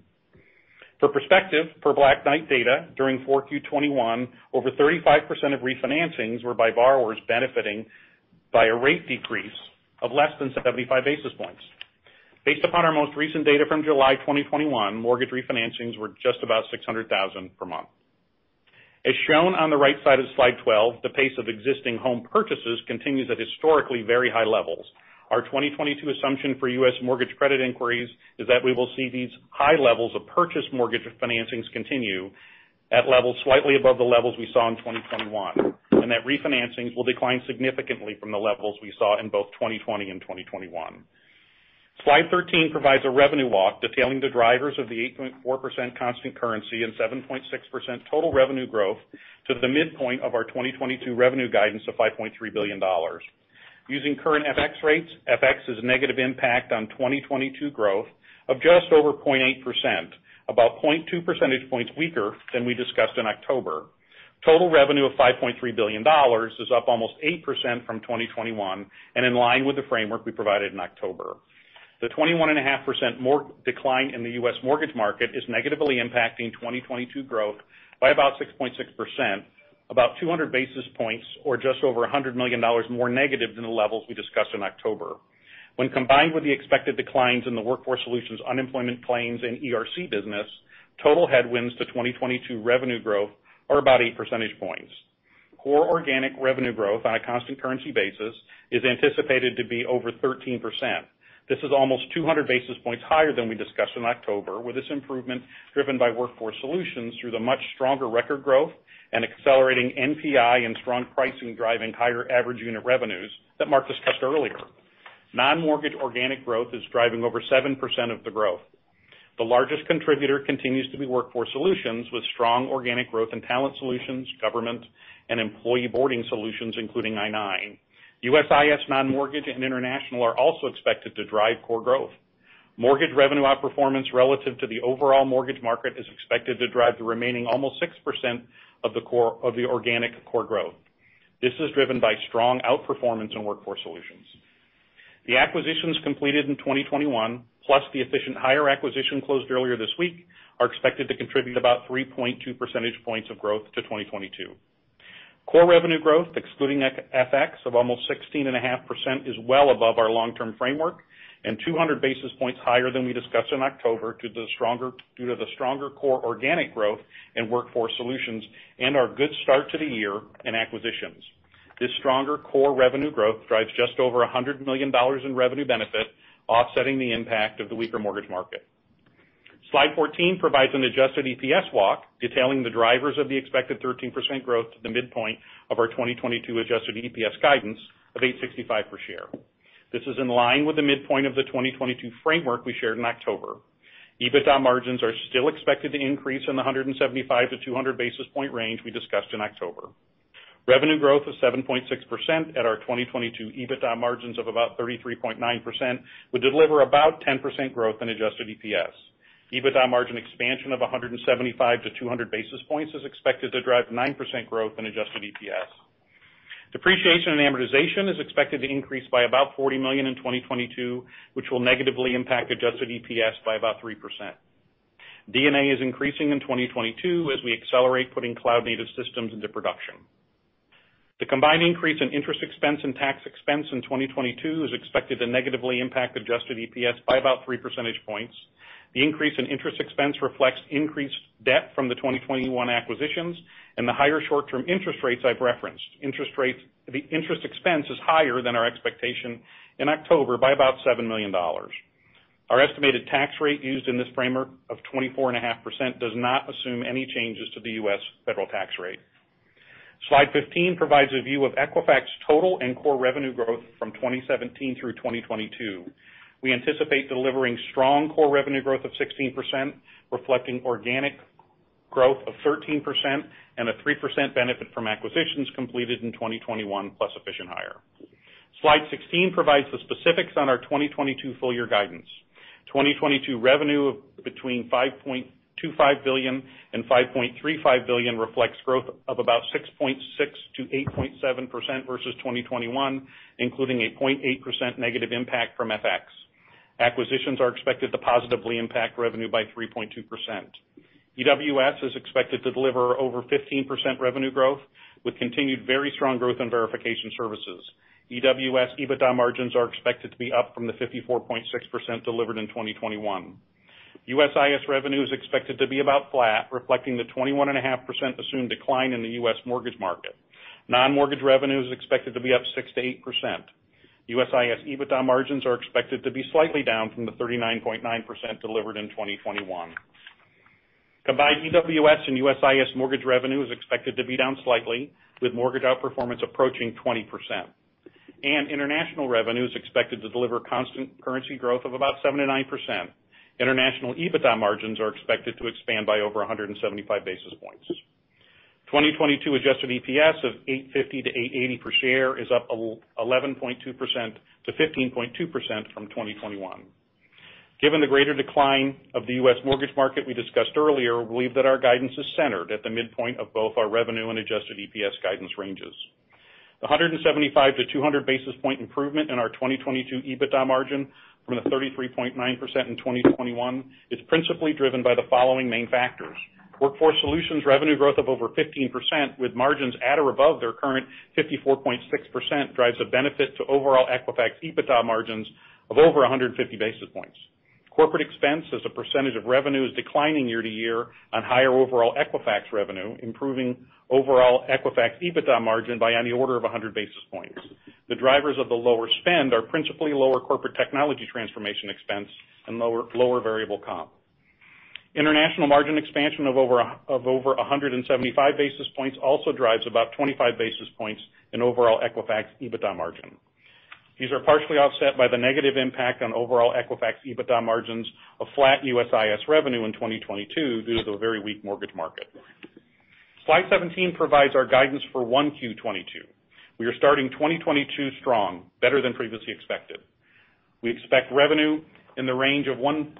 For perspective, per Black Knight data, during 4Q 2021, over 35% of refinancings were by borrowers benefiting by a rate decrease of less than 75 basis points. Based upon our most recent data from July 2021, mortgage refinancings were just about 600,000 per month. As shown on the right side of slide 12, the pace of existing home purchases continues at historically very high levels. Our 2022 assumption for U.S. mortgage credit inquiries is that we will see these high levels of purchase mortgage financings continue at levels slightly above the levels we saw in 2021, and that refinancings will decline significantly from the levels we saw in both 2020 and 2021. Slide 13 provides a revenue walk detailing the drivers of the 8.4% constant currency and 7.6% total revenue growth to the midpoint of our 2022 revenue guidance of $5.3 billion. Using current FX rates, FX is a negative impact on 2022 growth of just over 0.8%, about 0.2 percentage points weaker than we discussed in October. Total revenue of $5.3 billion is up almost 8% from 2021 and in line with the framework we provided in October. The 21.5% decline in the U.S. mortgage market is negatively impacting 2022 growth by about 6.6%, about 200 basis points or just over $100 million more negative than the levels we discussed in October. When combined with the expected declines in the Workforce Solutions unemployment claims and ERC business, total headwinds to 2022 revenue growth are about 8 percentage points. Core organic revenue growth on a constant currency basis is anticipated to be over 13%. This is almost 200 basis points higher than we discussed in October, with this improvement driven by Workforce Solutions through the much stronger record growth and accelerating NPI and strong pricing driving higher average unit revenues that Mark discussed earlier. Non-mortgage organic growth is driving over 7% of the growth. The largest contributor continues to be Workforce Solutions, with strong organic growth in Talent Solutions, Government and Employee Onboarding Solutions, including I-9. USIS non-mortgage and international are also expected to drive core growth. Mortgage revenue outperformance relative to the overall mortgage market is expected to drive the remaining almost 6% of the organic core growth. This is driven by strong outperformance in Workforce Solutions. The acquisitions completed in 2021, plus the Efficient Hire acquisition closed earlier this week, are expected to contribute about 3.2 percentage points of growth to 2022. Core revenue growth, excluding FX of almost 16.5% is well above our long-term framework and 200 basis points higher than we discussed in October due to the stronger core organic growth in Workforce Solutions and our good start to the year in acquisitions. This stronger core revenue growth drives just over $100 million in revenue benefit, offsetting the impact of the weaker mortgage market. Slide fourteen provides an adjusted EPS walk, detailing the drivers of the expected 13% growth to the midpoint of our 2022 adjusted EPS guidance of $8.65 per share. This is in line with the midpoint of the 2022 framework we shared in October. EBITDA margins are still expected to increase in the 175-200 basis point range we discussed in October. Revenue growth of 7.6% at our 2022 EBITDA margins of about 33.9% would deliver about 10% growth in adjusted EPS. EBITDA margin expansion of 175-200 basis points is expected to drive 9% growth in adjusted EPS. Depreciation and amortization is expected to increase by about $40 million in 2022, which will negatively impact adjusted EPS by about 3%. D&A is increasing in 2022 as we accelerate putting cloud-native systems into production. The combined increase in interest expense and tax expense in 2022 is expected to negatively impact adjusted EPS by about 3 percentage points. The increase in interest expense reflects increased debt from the 2021 acquisitions and the higher short-term interest rates I've referenced. Interest rates, the interest expense is higher than our expectation in October by about $7 million. Our estimated tax rate used in this framework of 24.5% does not assume any changes to the U.S. federal tax rate. Slide 15 provides a view of Equifax total and core revenue growth from 2017 through 2022. We anticipate delivering strong core revenue growth of 16%, reflecting organic growth of 13% and a 3% benefit from acquisitions completed in 2021 plus Efficient Hire. Slide 16 provides the specifics on our 2022 full year guidance. 2022 revenue of between $5.25 billion and $5.35 billion reflects growth of about 6.6%-8.7% versus 2021, including a 0.8% negative impact from FX. Acquisitions are expected to positively impact revenue by 3.2%. EWS is expected to deliver over 15% revenue growth with continued very strong growth in verification services. EWS EBITDA margins are expected to be up from the 54.6% delivered in 2021. USIS revenue is expected to be about flat, reflecting the 21.5% assumed decline in the US mortgage market. Non-mortgage revenue is expected to be up 6%-8%. USIS EBITDA margins are expected to be slightly down from the 39.9% delivered in 2021. Combined EWS and USIS mortgage revenue is expected to be down slightly, with mortgage outperformance approaching 20%. International revenue is expected to deliver constant currency growth of about 7%-9%. International EBITDA margins are expected to expand by over 175 basis points. 2022 adjusted EPS of $8.50-$8.80 per share is up 11.2%-15.2% from 2021. Given the greater decline of the U.S. mortgage market we discussed earlier, we believe that our guidance is centered at the midpoint of both our revenue and adjusted EPS guidance ranges. The 175-200 basis point improvement in our 2022 EBITDA margin from the 33.9% in 2021 is principally driven by the following main factors. Workforce Solutions revenue growth of over 15%, with margins at or above their current 54.6% drives a benefit to overall Equifax EBITDA margins of over 150 basis points. Corporate expense as a percentage of revenue is declining year-over-year on higher overall Equifax revenue, improving overall Equifax EBITDA margin by on the order of 100 basis points. The drivers of the lower spend are principally lower corporate technology transformation expense and lower variable comp. International margin expansion of over 175 basis points also drives about 25 basis points in overall Equifax EBITDA margin. These are partially offset by the negative impact on overall Equifax EBITDA margins of flat USIS revenue in 2022 due to a very weak mortgage market. Slide 17 provides our guidance for 1Q 2022. We are starting 2022 strong, better than previously expected. We expect revenue in the range of $1.32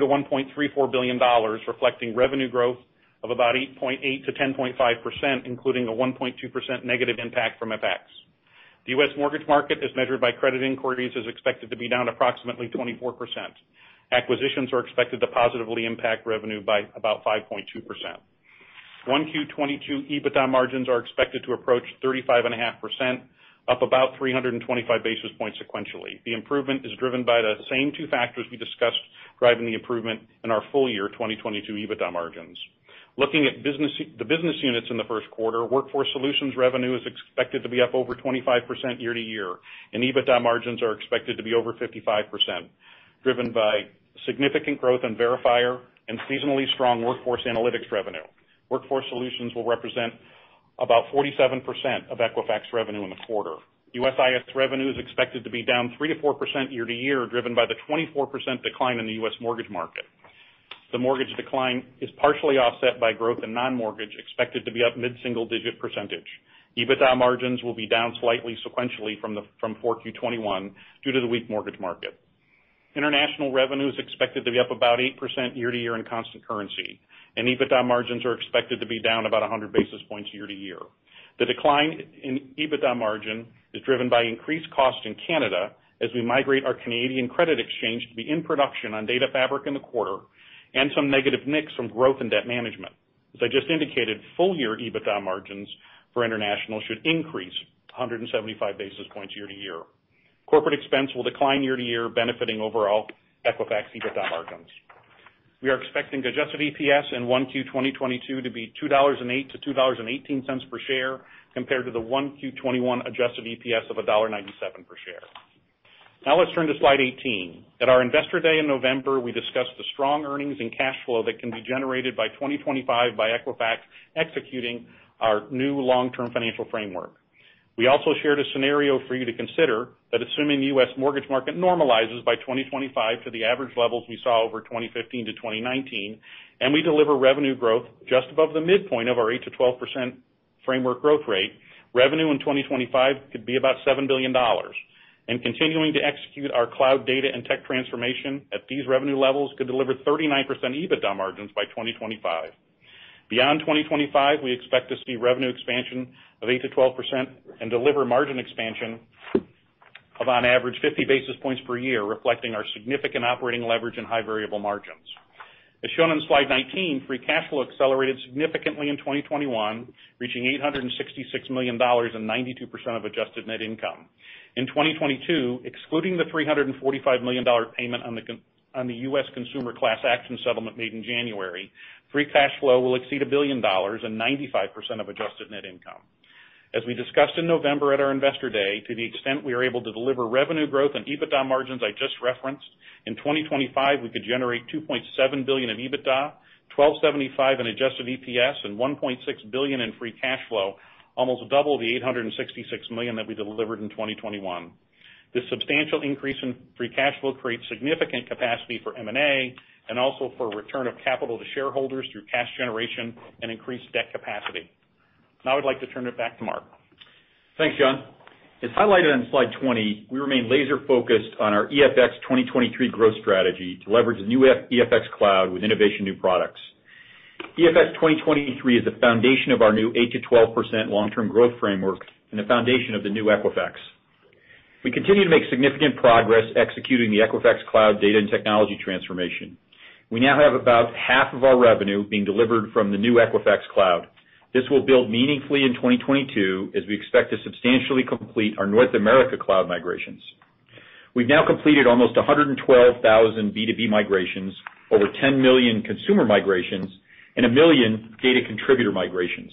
billion-$1.34 billion, reflecting revenue growth of about 8.8%-10.5%, including a 1.2% negative impact from FX. The U.S. mortgage market, as measured by credit inquiries, is expected to be down approximately 24%. Acquisitions are expected to positively impact revenue by about 5.2%. 1Q 2022 EBITDA margins are expected to approach 35.5%, up about 325 basis points sequentially. The improvement is driven by the same two factors we discussed driving the improvement in our full year 2022 EBITDA margins. Looking at business units in the first quarter, Workforce Solutions revenue is expected to be up over 25% year-over-year, and EBITDA margins are expected to be over 55%, driven by significant growth in Verifier and seasonally strong Workforce Analytics revenue. Workforce Solutions will represent about 47% of Equifax revenue in the quarter. USIS revenue is expected to be down 3%-4% year-over-year, driven by the 24% decline in the U.S. mortgage market. The mortgage decline is partially offset by growth in non-mortgage, expected to be up mid-single-digit percentage. EBITDA margins will be down slightly sequentially from 4Q 2021 due to the weak mortgage market. International revenue is expected to be up about 8% year-over-year in constant currency, and EBITDA margins are expected to be down about 100 basis points year-over-year. The decline in EBITDA margin is driven by increased costs in Canada as we migrate our Canadian credit exchange to be in production on data fabric in the quarter and some negative mix from growth in debt management. As I just indicated, full-year EBITDA margins for international should increase 175 basis points year-over-year. Corporate expense will decline year-over-year, benefiting overall Equifax EBITDA margins. We are expecting adjusted EPS in 1Q 2022 to be $2.08-$2.18 per share, compared to the 1Q 2021 adjusted EPS of $1.97 per share. Now let's turn to slide 18. At our Investor Day in November, we discussed the strong earnings and cash flow that can be generated by 2025 by Equifax executing our new long-term financial framework. We also shared a scenario for you to consider that assuming the U.S. mortgage market normalizes by 2025 to the average levels we saw over 2015-2019, and we deliver revenue growth just above the midpoint of our 8%-12% framework growth rate, revenue in 2025 could be about $7 billion. Continuing to execute our cloud data and tech transformation at these revenue levels could deliver 39% EBITDA margins by 2025. Beyond 2025, we expect to see revenue expansion of 8%-12% and deliver margin expansion of on average 50 basis points per year, reflecting our significant operating leverage and high variable margins. As shown on slide 19, free cash flow accelerated significantly in 2021, reaching $866 million and 92% of adjusted net income. In 2022, excluding the $345 million payment on the U.S. consumer class action settlement made in January, free cash flow will exceed $1 billion and 95% of adjusted net income. As we discussed in November at our Investor Day, to the extent we are able to deliver revenue growth and EBITDA margins I just referenced, in 2025, we could generate $2.7 billion in EBITDA, $12.75 in adjusted EPS, and $1.6 billion in free cash flow, almost double the $866 million that we delivered in 2021. This substantial increase in free cash flow creates significant capacity for M&A, and also for return of capital to shareholders through cash generation and increased debt capacity. Now I'd like to turn it back to Mark. Thanks, John. As highlighted on slide 20, we remain laser focused on our EFX 2023 growth strategy to leverage the new EFX Cloud with innovative new products. EFX 2023 is the foundation of our new 8%-12% long-term growth framework and the foundation of the new Equifax. We continue to make significant progress executing the Equifax Cloud data and technology transformation. We now have about half of our revenue being delivered from the new Equifax Cloud. This will build meaningfully in 2022, as we expect to substantially complete our North America cloud migrations. We've now completed almost 112,000 B2B migrations, over 10 million consumer migrations, and one million data contributor migrations.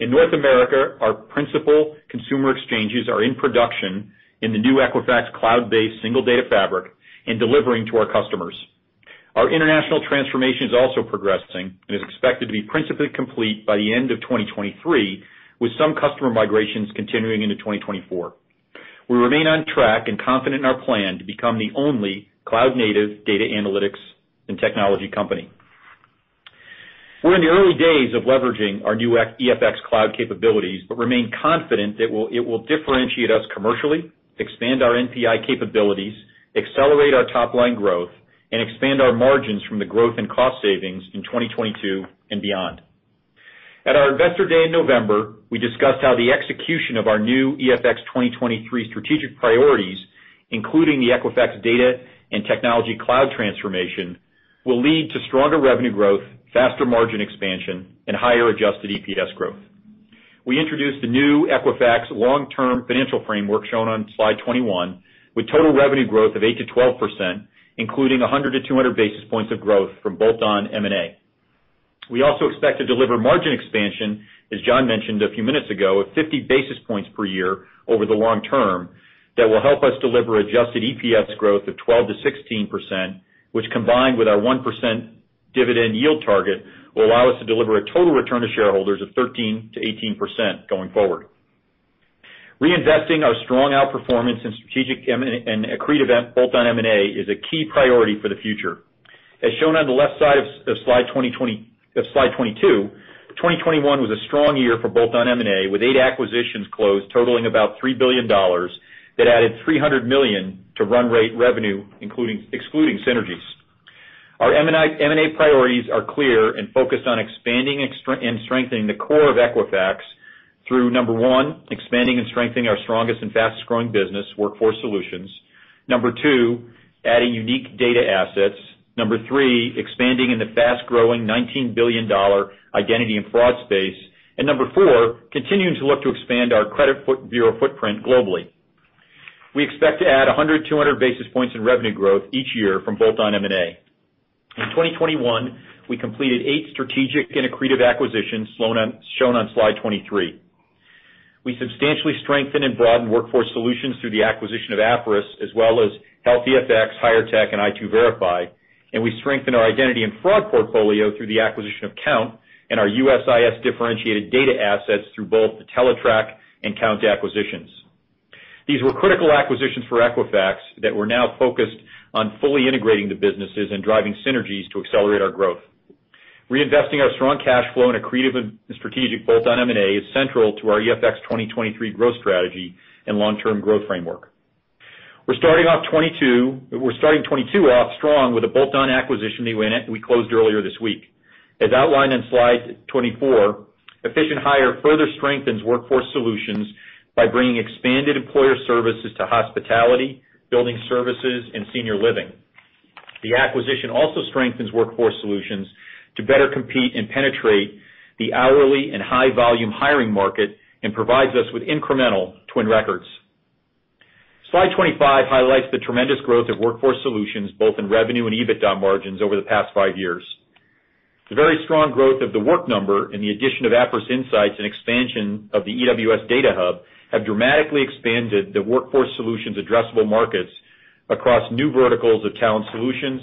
In North America, our principal consumer exchanges are in production in the new Equifax cloud-based single data fabric and delivering to our customers. Our international transformation is also progressing and is expected to be principally complete by the end of 2023, with some customer migrations continuing into 2024. We remain on track and confident in our plan to become the only cloud-native data analytics and technology company. We're in the early days of leveraging our new EFX Cloud capabilities, but remain confident it will differentiate us commercially, expand our NPI capabilities, accelerate our top-line growth, and expand our margins from the growth in cost savings in 2022 and beyond. At our Investor Day in November, we discussed how the execution of our new EFX 2023 strategic priorities, including the Equifax data and technology cloud transformation, will lead to stronger revenue growth, faster margin expansion, and higher adjusted EPS growth. We introduced the new Equifax long-term financial framework shown on slide 21, with total revenue growth of 8%-12%, including 100-200 basis points of growth from bolt-on M&A. We also expect to deliver margin expansion, as John mentioned a few minutes ago, of 50 basis points per year over the long term that will help us deliver adjusted EPS growth of 12%-16%, which combined with our 1% dividend yield target, will allow us to deliver a total return to shareholders of 13%-18% going forward. Reinvesting our strong outperformance in strategic and accretive bolt-on M&A is a key priority for the future. As shown on the left side of slide 22, 2021 was a strong year for bolt-on M&A, with eight acquisitions closed totaling about $3 billion that added $300 million to run rate revenue, excluding synergies. Our M&A priorities are clear and focused on expanding and strengthening the core of Equifax through, number one, expanding and strengthening our strongest and fastest growing business, Workforce Solutions. Number two, adding unique data assets. Number three, expanding in the fast-growing $19 billion identity and fraud space. Number four, continuing to look to expand our credit bureau footprint globally. We expect to add 100-200 basis points in revenue growth each year from bolt-on M&A. In 2021, we completed eight strategic and accretive acquisitions shown on slide 23. We substantially strengthened and broadened Workforce Solutions through the acquisition of Appriss, as well as Health e(fx), HIREtech, and i2Verify. We strengthened our identity and fraud portfolio through the acquisition of Kount and our USIS differentiated data assets through both the Teletrack and Kount acquisitions. These were critical acquisitions for Equifax that we're now focused on fully integrating the businesses and driving synergies to accelerate our growth. Reinvesting our strong cash flow in accretive and strategic bolt-on M&A is central to our EFX 2023 growth strategy and long-term growth framework. We're starting 2022 off strong with a bolt-on acquisition we closed earlier this week. As outlined on slide 24, Efficient Hire further strengthens Workforce Solutions by bringing expanded employer services to hospitality, building services, and senior living. The acquisition also strengthens Workforce Solutions to better compete and penetrate the hourly and high-volume hiring market and provides us with incremental TWN records. Slide 25 highlights the tremendous growth of Workforce Solutions, both in revenue and EBITDA margins over the past five years. The very strong growth of The Work Number and the addition of Appriss Insights and expansion of the EWS Data Hub have dramatically expanded the Workforce Solutions addressable markets across new verticals of talent solutions,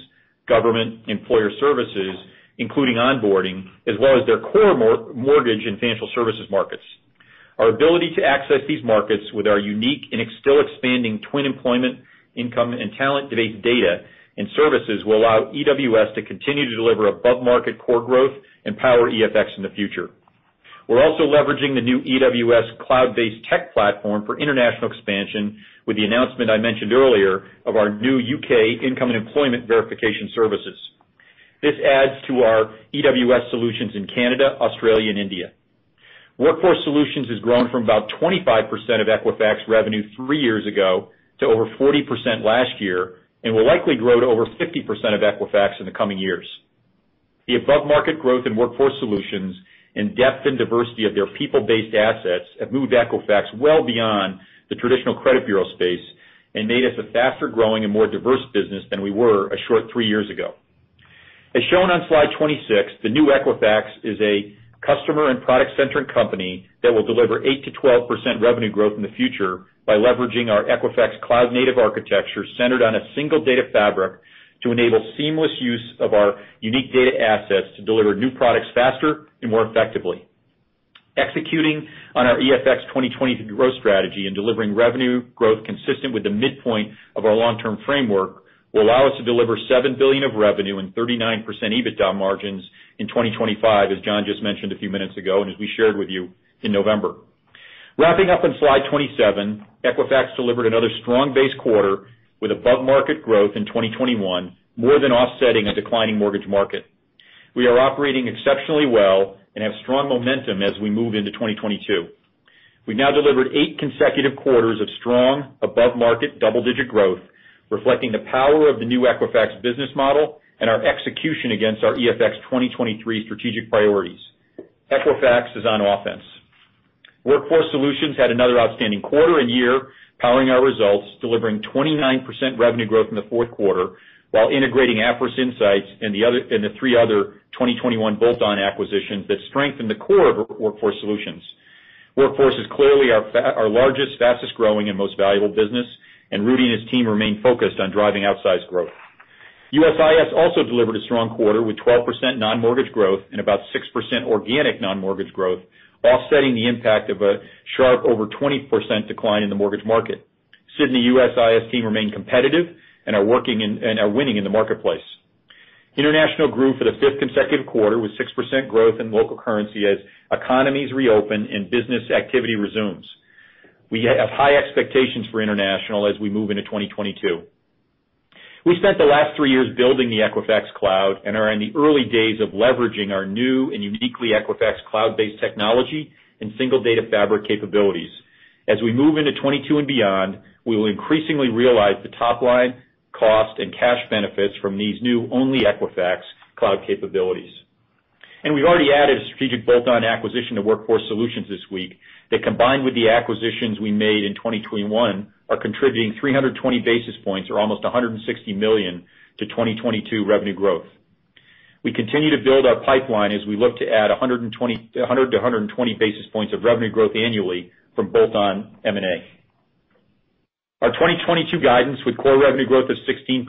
government employer services, including onboarding, as well as their core mortgage and financial services markets. Our ability to access these markets with our unique and still expanding TWN employment, income, and talent-based data and services will allow EWS to continue to deliver above-market core growth and power EFX in the future. We're also leveraging the new EWS cloud-based tech platform for international expansion with the announcement I mentioned earlier of our new U.K. income and employment verification services. This adds to our EWS solutions in Canada, Australia, and India. Workforce Solutions has grown from about 25% of Equifax revenue three years ago to over 40% last year and will likely grow to over 50% of Equifax in the coming years. The above-market growth in Workforce Solutions and depth and diversity of their people-based assets have moved Equifax well beyond the traditional credit bureau space and made us a faster-growing and more diverse business than we were a short three years ago. As shown on slide 26, the new Equifax is a customer and product-centric company that will deliver 8%-12% revenue growth in the future by leveraging our Equifax cloud-native architecture centered on a single data fabric to enable seamless use of our unique data assets to deliver new products faster and more effectively. Executing on our EFX 2023 growth strategy and delivering revenue growth consistent with the midpoint of our long-term framework will allow us to deliver $7 billion of revenue and 39% EBITDA margins in 2025, as John just mentioned a few minutes ago, and as we shared with you in November. Wrapping up on slide 27, Equifax delivered another strong base quarter with above-market growth in 2021, more than offsetting a declining mortgage market. We are operating exceptionally well and have strong momentum as we move into 2022. We've now delivered 8 consecutive quarters of strong above-market double-digit growth, reflecting the power of the new Equifax business model and our execution against our EFX2023 strategic priorities. Equifax is on offense. Workforce Solutions had another outstanding quarter and year powering our results, delivering 29% revenue growth in the fourth quarter while integrating Appriss Insights and the other three 2021 bolt-on acquisitions that strengthened the core of Workforce Solutions. Workforce is clearly our largest, fastest-growing, and most valuable business, and Rudy and his team remain focused on driving outsized growth. USIS also delivered a strong quarter with 12% non-mortgage growth and about 6% organic non-mortgage growth, offsetting the impact of a sharp over 20% decline in the mortgage market. Sid and the USIS team remain competitive and are working and are winning in the marketplace. International grew for the fifth consecutive quarter with 6% growth in local currency as economies reopen and business activity resumes. We have high expectations for international as we move into 2022. We spent the last three years building the Equifax Cloud and are in the early days of leveraging our new and uniquely Equifax cloud-based technology and single data fabric capabilities. As we move into 2022 and beyond, we will increasingly realize the top line cost and cash benefits from these new only Equifax cloud capabilities. We've already added a strategic bolt-on acquisition to Workforce Solutions this week that combined with the acquisitions we made in 2021, are contributing 320 basis points or almost $160 million to 2022 revenue growth. We continue to build our pipeline as we look to add 100-120 basis points of revenue growth annually from bolt-on M&A. Our 2022 guidance with core revenue growth of 16%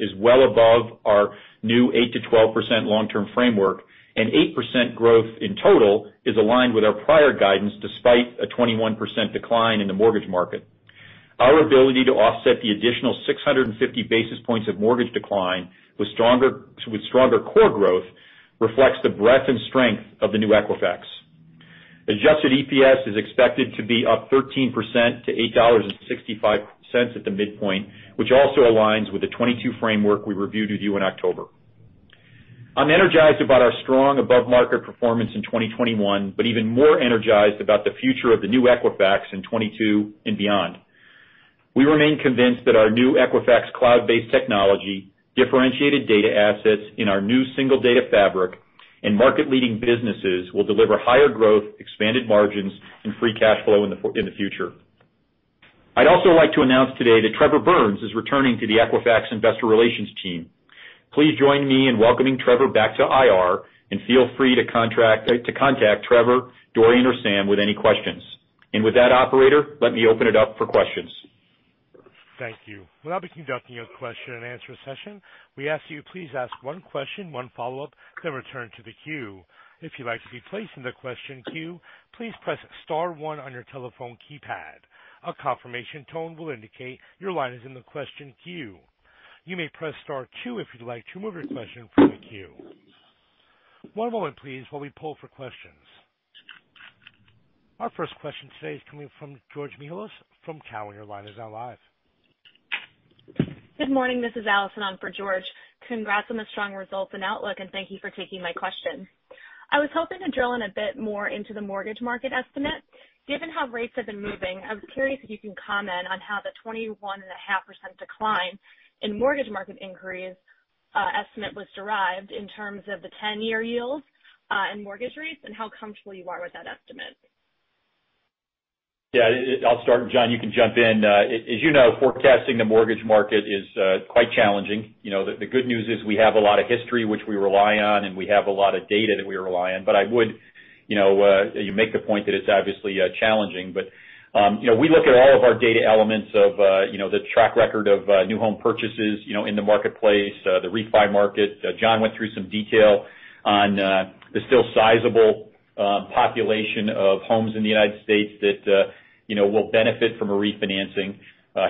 is well above our new 8%-12% long-term framework, and 8% growth in total is aligned with our prior guidance despite a 21% decline in the mortgage market. Our ability to offset the additional 650 basis points of mortgage decline with stronger core growth reflects the breadth and strength of the new Equifax. Adjusted EPS is expected to be up 13% to $8.65 at the midpoint, which also aligns with the 2022 framework we reviewed with you in October. I'm energized about our strong above-market performance in 2021, but even more energized about the future of the new Equifax in 2022 and beyond. We remain convinced that our new Equifax cloud-based technology, differentiated data assets in our new single data fabric, and market-leading businesses will deliver higher growth, expanded margins, and free cash flow in the future. I'd also like to announce today that Trevor Burns is returning to the Equifax Investor Relations team. Please join me in welcoming Trevor back to IR and feel free to contact Trevor, Dorian, or Sam with any questions. With that, operator, let me open it up for questions. Thank you. We'll now be conducting a question-and-answer session. We ask you please ask one question, one follow-up, then return to the queue. If you'd like to be placed in the question queue, please press star one on your telephone keypad. A confirmation tone will indicate your line is in the question queue. You may press star two if you'd like to remove your question from the queue. One moment please while we poll for questions. Our first question today is coming from George Mihalos from Cowen. Your line is now live. Good morning. This is Allison on for George. Congrats on the strong results and outlook, and thank you for taking my question. I was hoping to drill in a bit more into the mortgage market estimate. Given how rates have been moving, I was curious if you can comment on how the 21.5% decline in mortgage market inquiries estimate was derived in terms of the ten-year yields, and mortgage rates, and how comfortable you are with that estimate. Yeah, I'll start, John, you can jump in. As you know, forecasting the mortgage market is quite challenging. You know, the good news is we have a lot of history which we rely on, and we have a lot of data that we rely on. But I would, you know, you make the point that it's obviously challenging. But you know, we look at all of our data elements of you know, the track record of new home purchases, you know, in the marketplace, the refi market. John went through some detail on the still sizable population of homes in the United States that you know, will benefit from a refinancing.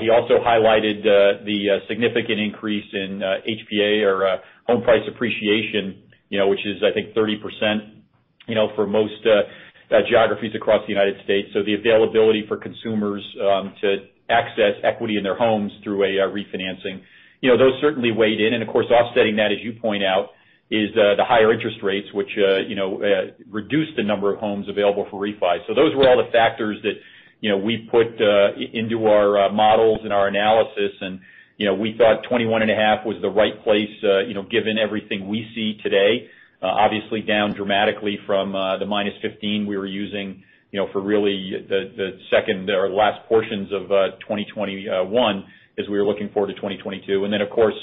He also highlighted the significant increase in HPA or home price appreciation, you know, which is, I think 30%, you know, for most geographies across the United States. The availability for consumers to access equity in their homes through a refinancing certainly weighed in. Of course, offsetting that, as you point out, is the higher interest rates, which you know reduce the number of homes available for refi. Those were all the factors that, you know, we put into our models and our analysis and, you know, we thought 21.5 was the right place, you know, given everything we see today. Obviously down dramatically from the -15% we were using, you know, for really the second or last portions of 2021, as we were looking forward to 2022. Then, of course,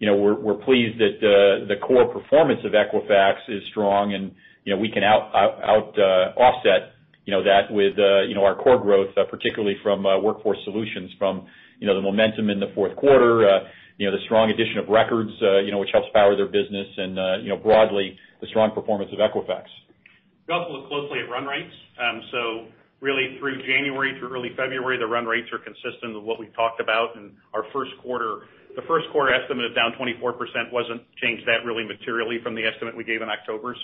you know, we're pleased that the core performance of Equifax is strong and, you know, we can offset, you know, that with, you know, our core growth, particularly from Workforce Solutions, you know, the momentum in the fourth quarter, you know, the strong addition of records, you know, which helps power their business and, you know, broadly, the strong performance of Equifax. We also look closely at run rates. Really through January through early February, the run rates are consistent with what we've talked about in our first quarter. The first quarter estimate is down 24%, wasn't changed that really materially from the estimate we gave in October.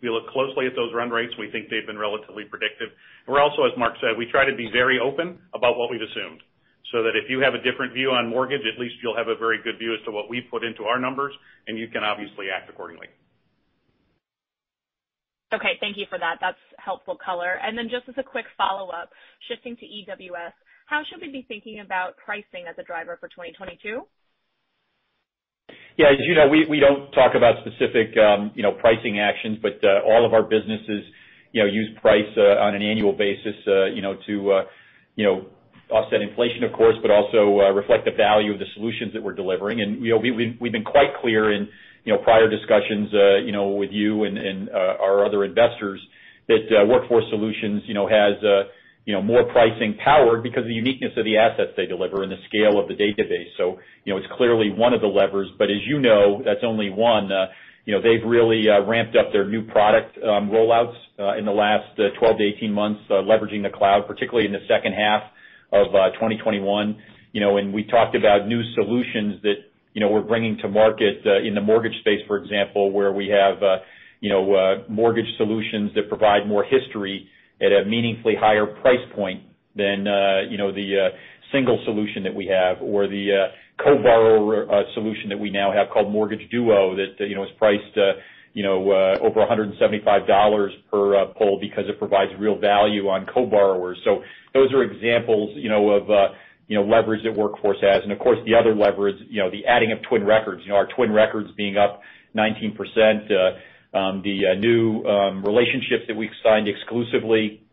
We look closely at those run rates. We think they've been relatively predictive. We're also, as Mark said, we try to be very open about what we've assumed, so that if you have a different view on mortgage, at least you'll have a very good view as to what we put into our numbers, and you can obviously act accordingly. Okay. Thank you for that. That's helpful color. Just as a quick follow-up, shifting to EWS, how should we be thinking about pricing as a driver for 2022? Yeah. As you know, we don't talk about specific, you know, pricing actions, but all of our businesses, you know, use price on an annual basis, you know, to offset inflation of course, but also reflect the value of the solutions that we're delivering. You know, we've been quite clear in, you know, prior discussions, you know, with you and our other investors that Workforce Solutions, you know, has, you know, more pricing power because of the uniqueness of the assets they deliver and the scale of the database. You know, it's clearly one of the levers. As you know, that's only one. You know, they've really ramped up their new product rollouts in the last 12-18 months, leveraging the cloud, particularly in the second half of 2021. You know, and we talked about new solutions that, you know, we're bringing to market in the mortgage space, for example, where we have, you know, mortgage solutions that provide more history at a meaningfully higher price point than, you know, the single solution that we have or the co-borrower solution that we now have called Mortgage Duo that, you know, is priced, you know, over $175 per pull because it provides real value on co-borrowers. Those are examples, you know, of, you know, leverage that Workforce has. Of course, the other leverage, you know, the adding of TWN records. You know, our TWN records being up 19%. The new relationships that we've signed exclusively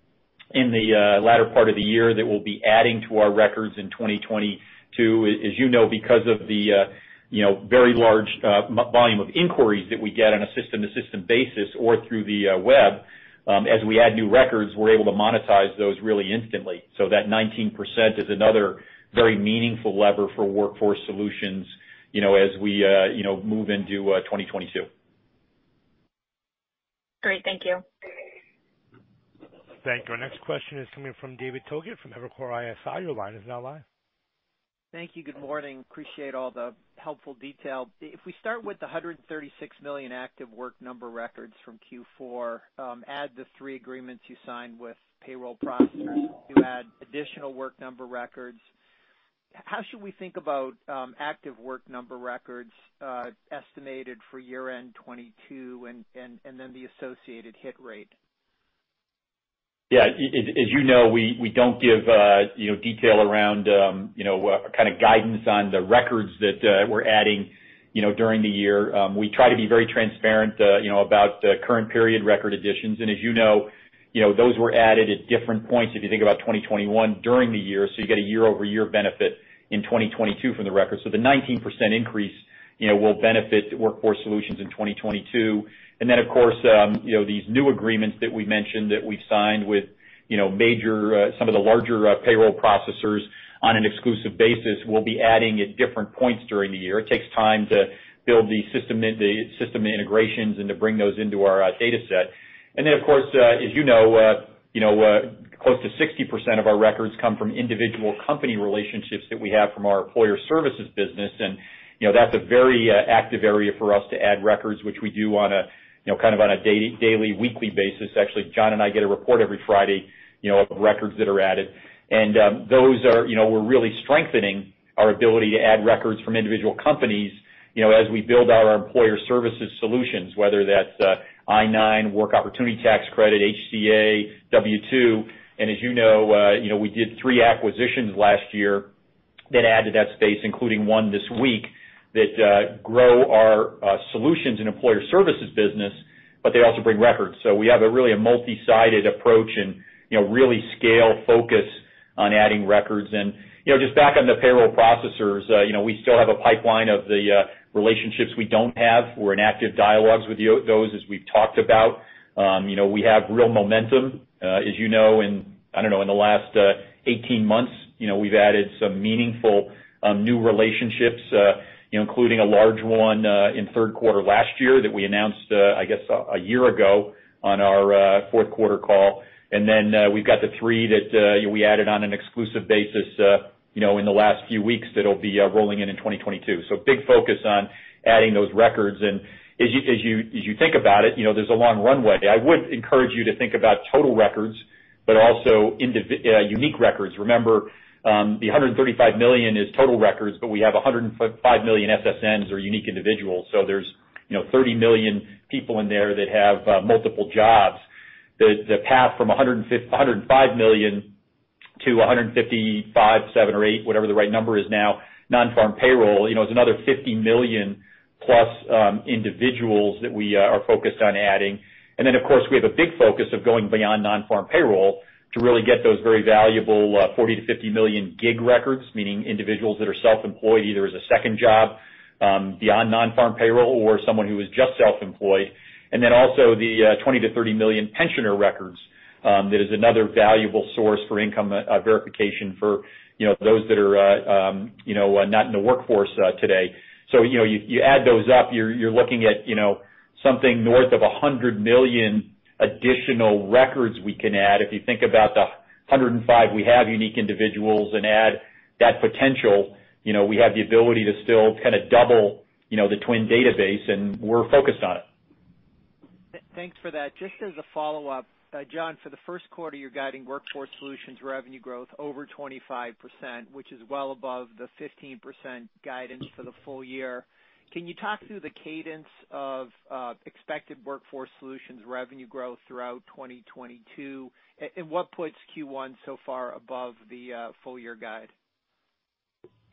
in the latter part of the year that we'll be adding to our records in 2022. As you know, because of the, you know, very large volume of inquiries that we get on a system-to-system basis or through the web, as we add new records, we're able to monetize those really instantly. So that 19% is another very meaningful lever for Workforce Solutions, you know, as we, you know, move into 2022. Great. Thank you. Thank you. Our next question is coming from David Togut from Evercore ISI. Your line is now live. Thank you. Good morning. Appreciate all the helpful detail. If we start with the 136 million active Work Number records from Q4, add the three agreements you signed with payroll processors to add additional Work Number records, how should we think about active Work Number records estimated for year-end 2022 and then the associated hit rate? As you know, we don't give you know detail around you know kind of guidance on the records that we're adding you know during the year. We try to be very transparent you know about the current period record additions. As you know, those were added at different points, if you think about 2021 during the year, so you get a year-over-year benefit in 2022 from the record. The 19% increase you know will benefit Workforce Solutions in 2022. Then, of course, you know these new agreements that we mentioned that we've signed with you know major some of the larger payroll processors on an exclusive basis will be adding at different points during the year. It takes time to build the system integrations and to bring those into our dataset. Of course, as you know, you know, close to 60% of our records come from individual company relationships that we have from our employer services business. You know, that's a very active area for us to add records, which we do on a, you know, kind of on a daily, weekly basis. Actually, John and I get a report every Friday, you know, of records that are added. Those are, you know, we're really strengthening our ability to add records from individual companies, you know, as we build out our employer services solutions, whether that's I-9, Work Opportunity Tax Credit, ACA, W-2. As you know, you know, we did three acquisitions last year that add to that space, including one this week that grow our solutions and employer services business, but they also bring records. We have a real multi-sided approach and, you know, real scale focus on adding records and, you know, just back on the payroll processors, you know, we still have a pipeline of the relationships we don't have. We're in active dialogues with those as we've talked about. You know, we have real momentum, as you know, in, I don't know, in the last 18 months, you know, we've added some meaningful new relationships, including a large one in third quarter last year that we announced, I guess a year ago on our fourth quarter call. We've got the three that we added on an exclusive basis, you know, in the last few weeks that'll be rolling in in 2022. Big focus on adding those records. As you think about it, you know, there's a long runway. I would encourage you to think about total records, but also unique records. Remember, the 135 million is total records, but we have 105 million SSNs or unique individuals. There's, you know, 30 million people in there that have multiple jobs. The path from 105 million to 155, 157 or 158, whatever the right number is now, non-farm payroll, you know, is another 50 million plus individuals that we are focused on adding. Of course, we have a big focus of going beyond non-farm payroll to really get those very valuable, 40-50 million gig records, meaning individuals that are self-employed, either as a second job, beyond non-farm payroll, or someone who is just self-employed. Also the 20-30 million pensioner records, that is another valuable source for income verification for you know those that are you know not in the workforce today. You know, you add those up, you're looking at you know something north of 100 million additional records we can add. If you think about the 105 we have unique individuals and add that potential, you know, we have the ability to still kind of double you know the TWN database, and we're focused on it. Thanks for that. Just as a follow-up, John, for the first quarter, you're guiding Workforce Solutions revenue growth over 25%, which is well above the 15% guidance for the full year. Can you talk through the cadence of expected Workforce Solutions revenue growth throughout 2022? And what puts Q1 so far above the full year guide?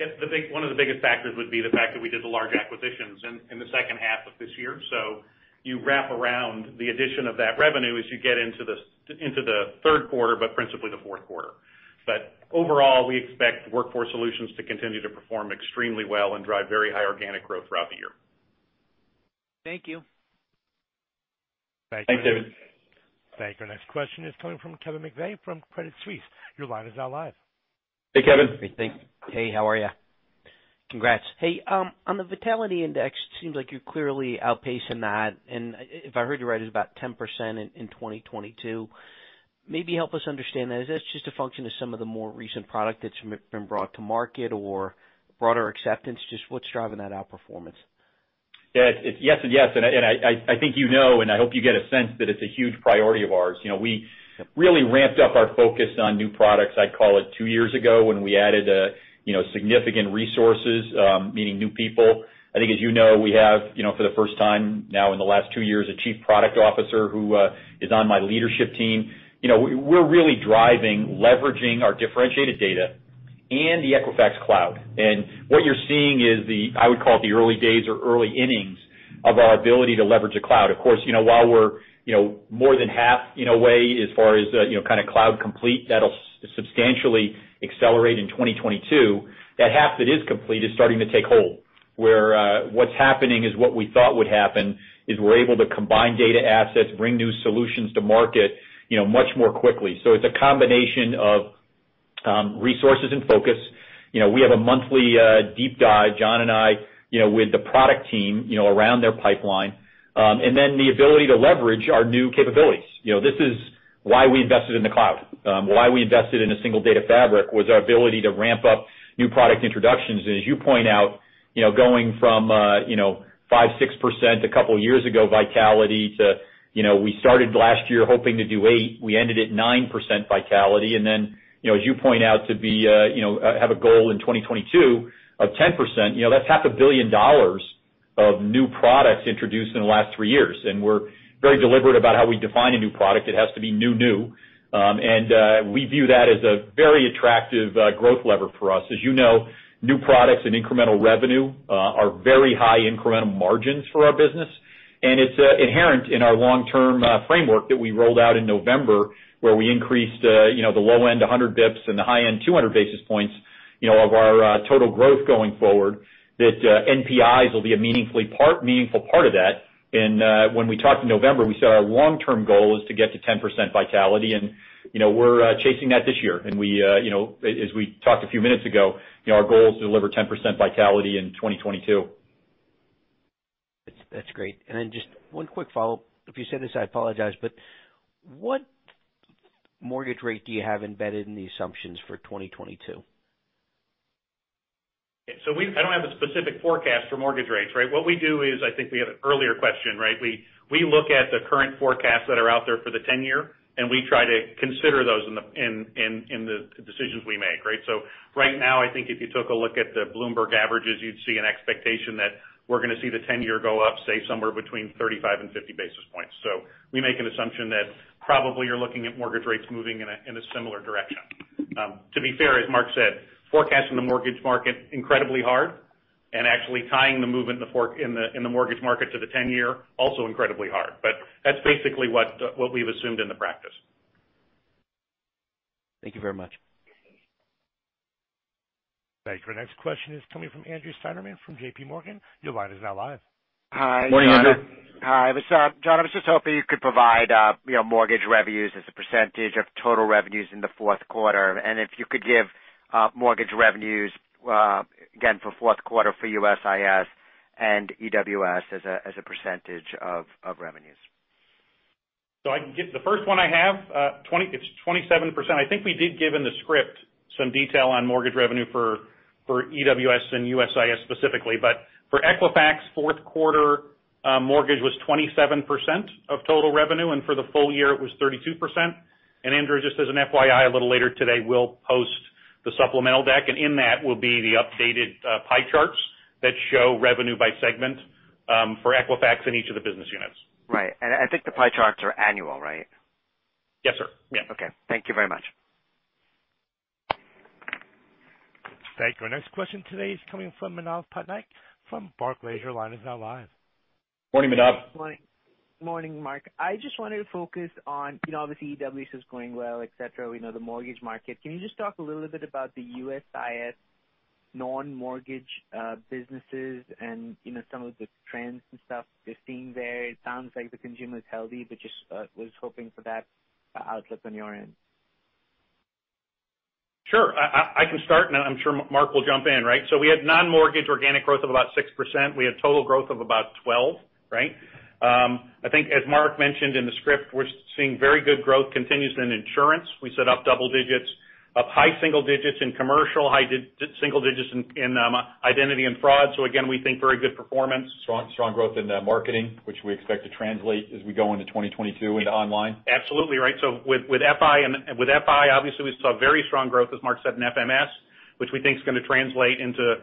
Yeah. One of the biggest factors would be the fact that we did the large acquisitions in the second half of this year. You wrap around the addition of that revenue as you get into the third quarter, but principally the fourth quarter. Overall, we expect Workforce Solutions to continue to perform extremely well and drive very high organic growth throughout the year. Thank you. Thanks, David. Thank you. Our next question is coming from Kevin McVeigh from Credit Suisse. Your line is now live. Hey, Kevin. Great, thanks. Hey, how are you? Congrats. Hey, on the Vitality Index, it seems like you're clearly outpacing that. If I heard you right, it's about 10% in 2022. Maybe help us understand that. Is this just a function of some of the more recent product that's been brought to market or broader acceptance? Just what's driving that outperformance? Yeah. It's yes and yes. I think you know, and I hope you get a sense that it's a huge priority of ours. You know, we really ramped up our focus on new products, I'd call it two years ago, when we added, you know, significant resources, meaning new people. I think, as you know, we have, you know, for the first time now in the last two years, a chief product officer who is on my leadership team. You know, we're really driving, leveraging our differentiated data and the Equifax Cloud. What you're seeing is the, I would call it the early days or early innings of our ability to leverage a cloud. Of course, you know, while we're, you know, more than half in a way, as far as, you know, kind of cloud complete, that'll substantially accelerate in 2022. That half that is complete is starting to take hold, where what's happening is what we thought would happen is we're able to combine data assets, bring new solutions to market, you know, much more quickly. It's a combination of resources and focus. You know, we have a monthly deep dive, John and I, you know, with the product team, you know, around their pipeline, and then the ability to leverage our new capabilities. You know, this is why we invested in the cloud. Why we invested in a single data fabric was our ability to ramp up new product introductions. As you point out, you know, going from, you know, 5%-6% a couple of years ago Vitality to, you know, we started last year hoping to do 8%, we ended at 9% Vitality. You know, as you point out to be, you know, have a goal in 2022 of 10%, you know, that's half a billion dollars of new products introduced in the last three years. We're very deliberate about how we define a new product. It has to be new. We view that as a very attractive growth lever for us. As you know, new products and incremental revenue are very high incremental margins for our business. It's inherent in our long-term framework that we rolled out in November, where we increased, you know, the low end 100 bps and the high end 200 basis points, you know, of our total growth going forward, that NPIs will be a meaningful part of that. When we talked in November, we said our long-term goal is to get to 10% Vitality. You know, we're chasing that this year. We, you know, as we talked a few minutes ago, you know, our goal is to deliver 10% Vitality in 2022. That's great. Just one quick follow-up. If you said this, I apologize, but what mortgage rate do you have embedded in the assumptions for 2022? I don't have a specific forecast for mortgage rates, right? What we do is, I think we had an earlier question, right? We look at the current forecasts that are out there for the 10-year, and we try to consider those in the decisions we make, right? Right now, I think if you took a look at the Bloomberg averages, you'd see an expectation that we're gonna see the 10-year go up, say somewhere between 35-50 basis points. We make an assumption that probably you're looking at mortgage rates moving in a similar direction. To be fair, as Mark said, forecasting the mortgage market incredibly hard and actually tying the movement in the mortgage market to the 10-year also incredibly hard. That's basically what we've assumed in the practice. Thank you very much. Thank you. Our next question is coming from Andrew Steinerman from JPMorgan. Your line is now live. Hi. Morning, Andrew. Hi. What's up? John, I was just hoping you could provide mortgage revenues as a percentage of total revenues in the fourth quarter, and if you could give mortgage revenues again for fourth quarter for USIS and EWS as a percentage of revenues. The first one I have is 27%. I think we did give in the script some detail on mortgage revenue for EWS and USIS specifically, but for Equifax, fourth quarter, mortgage was 27% of total revenue, and for the full year it was 32%. Andrew, just as an FYI, a little later today, we'll post the supplemental deck, and in that will be the updated pie charts that show revenue by segment for Equifax in each of the business units. Right. I think the pie charts are annual, right? Yes, sir. Yeah. Okay. Thank you very much. Thank you. Our next question today is coming from Manav Patnaik from Barclays. Your line is now live. Morning, Manav. Morning. Morning, Mark. I just wanted to focus on, you know, obviously EWS is going well, et cetera. We know the mortgage market. Can you just talk a little bit about the USIS non-mortgage businesses and, you know, some of the trends and stuff you're seeing there? It sounds like the consumer is healthy, but just was hoping for that outlook on your end. I can start, and I'm sure Mark will jump in, right? We had non-mortgage organic growth of about 6%. We had total growth of about 12%, right? I think as Mark mentioned in the script, we're seeing very good growth continues in insurance. We saw double digits or high single digits in commercial, high single digits in identity and fraud. Again, we think very good performance. Strong growth in marketing, which we expect to translate as we go into 2022 into online. Absolutely right. With FI, obviously we saw very strong growth, as Mark said, in FMS, which we think is gonna translate into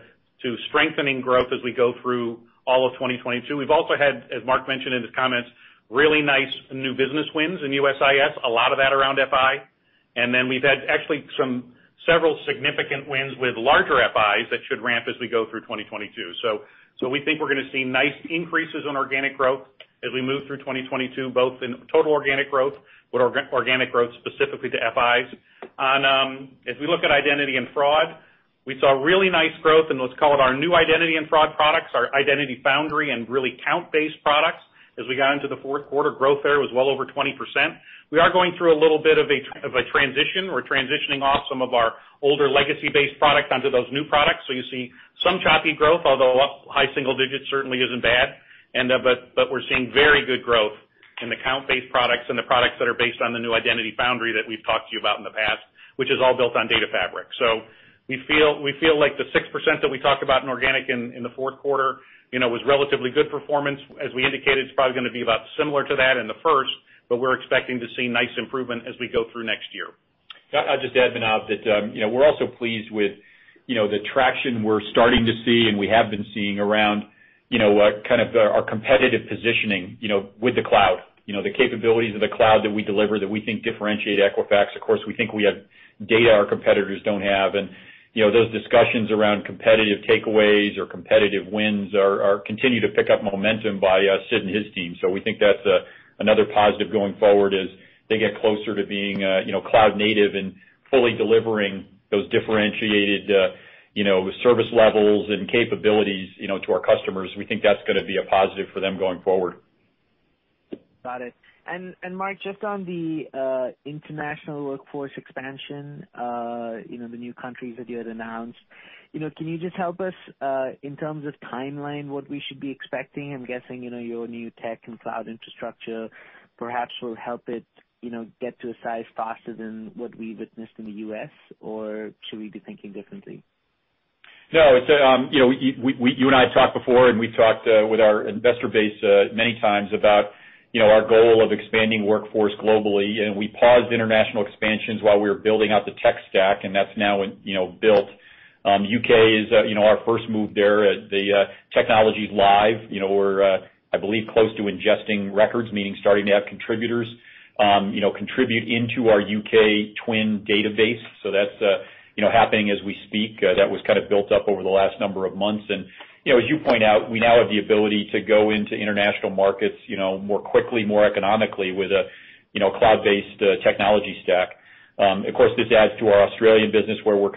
strengthening growth as we go through all of 2022. We've also had, as Mark mentioned in his comments, really nice new business wins in USIS, a lot of that around FI. Then we've had actually several significant wins with larger FIs that should ramp as we go through 2022. We think we're gonna see nice increases in organic growth as we move through 2022, both in total organic growth with organic growth, specifically to FIs. On, as we look at identity and fraud, we saw really nice growth in, let's call it, our new identity and fraud products, our identity foundry and really Kount-based products. As we got into the fourth quarter, growth there was well over 20%. We are going through a little bit of a transition. We're transitioning off some of our older legacy-based products onto those new products. You see some choppy growth, although high single digits certainly isn't bad. But we're seeing very good growth in the Kount-based products and the products that are based on the new identity foundry that we've talked to you about in the past, which is all built on data fabric. We feel like the 6% that we talked about in organic in the fourth quarter, you know, was relatively good performance. As we indicated, it's probably gonna be about similar to that in the first, but we're expecting to see nice improvement as we go through next year. I'll just add, Manav, that, you know, we're also pleased with, you know, the traction we're starting to see and we have been seeing around, you know, kind of our competitive positioning, you know, with the cloud. You know, the capabilities of the cloud that we deliver that we think differentiate Equifax. Of course, we think we have data our competitors don't have. You know, those discussions around competitive takeaways or competitive wins continue to pick up momentum by Sid and his team. So we think that's another positive going forward as they get closer to being, you know, cloud native and fully delivering those differentiated, you know, service levels and capabilities, you know, to our customers. We think that's gonna be a positive for them going forward. Got it. Mark, just on the international Workforce expansion, you know, the new countries that you had announced, you know, can you just help us in terms of timeline, what we should be expecting? I'm guessing, you know, your new tech and cloud infrastructure perhaps will help it, you know, get to a size faster than what we've witnessed in the U.S., or should we be thinking differently? No, it's you know, you and I talked before and we talked with our investor base many times about you know, our goal of expanding Workforce globally. We paused international expansions while we were building out the tech stack, and that's now you know, built. U.K. is you know, our first move there. The technology's live. You know, we're, I believe, close to ingesting records, meaning starting to have contributors you know, contribute into our U.K. TWN database. That's you know, happening as we speak. That was kind of built up over the last number of months. You know, as you point out, we now have the ability to go into international markets you know, more quickly, more economically with a you know, cloud-based technology stack. Of course, this adds to our Australian business where we're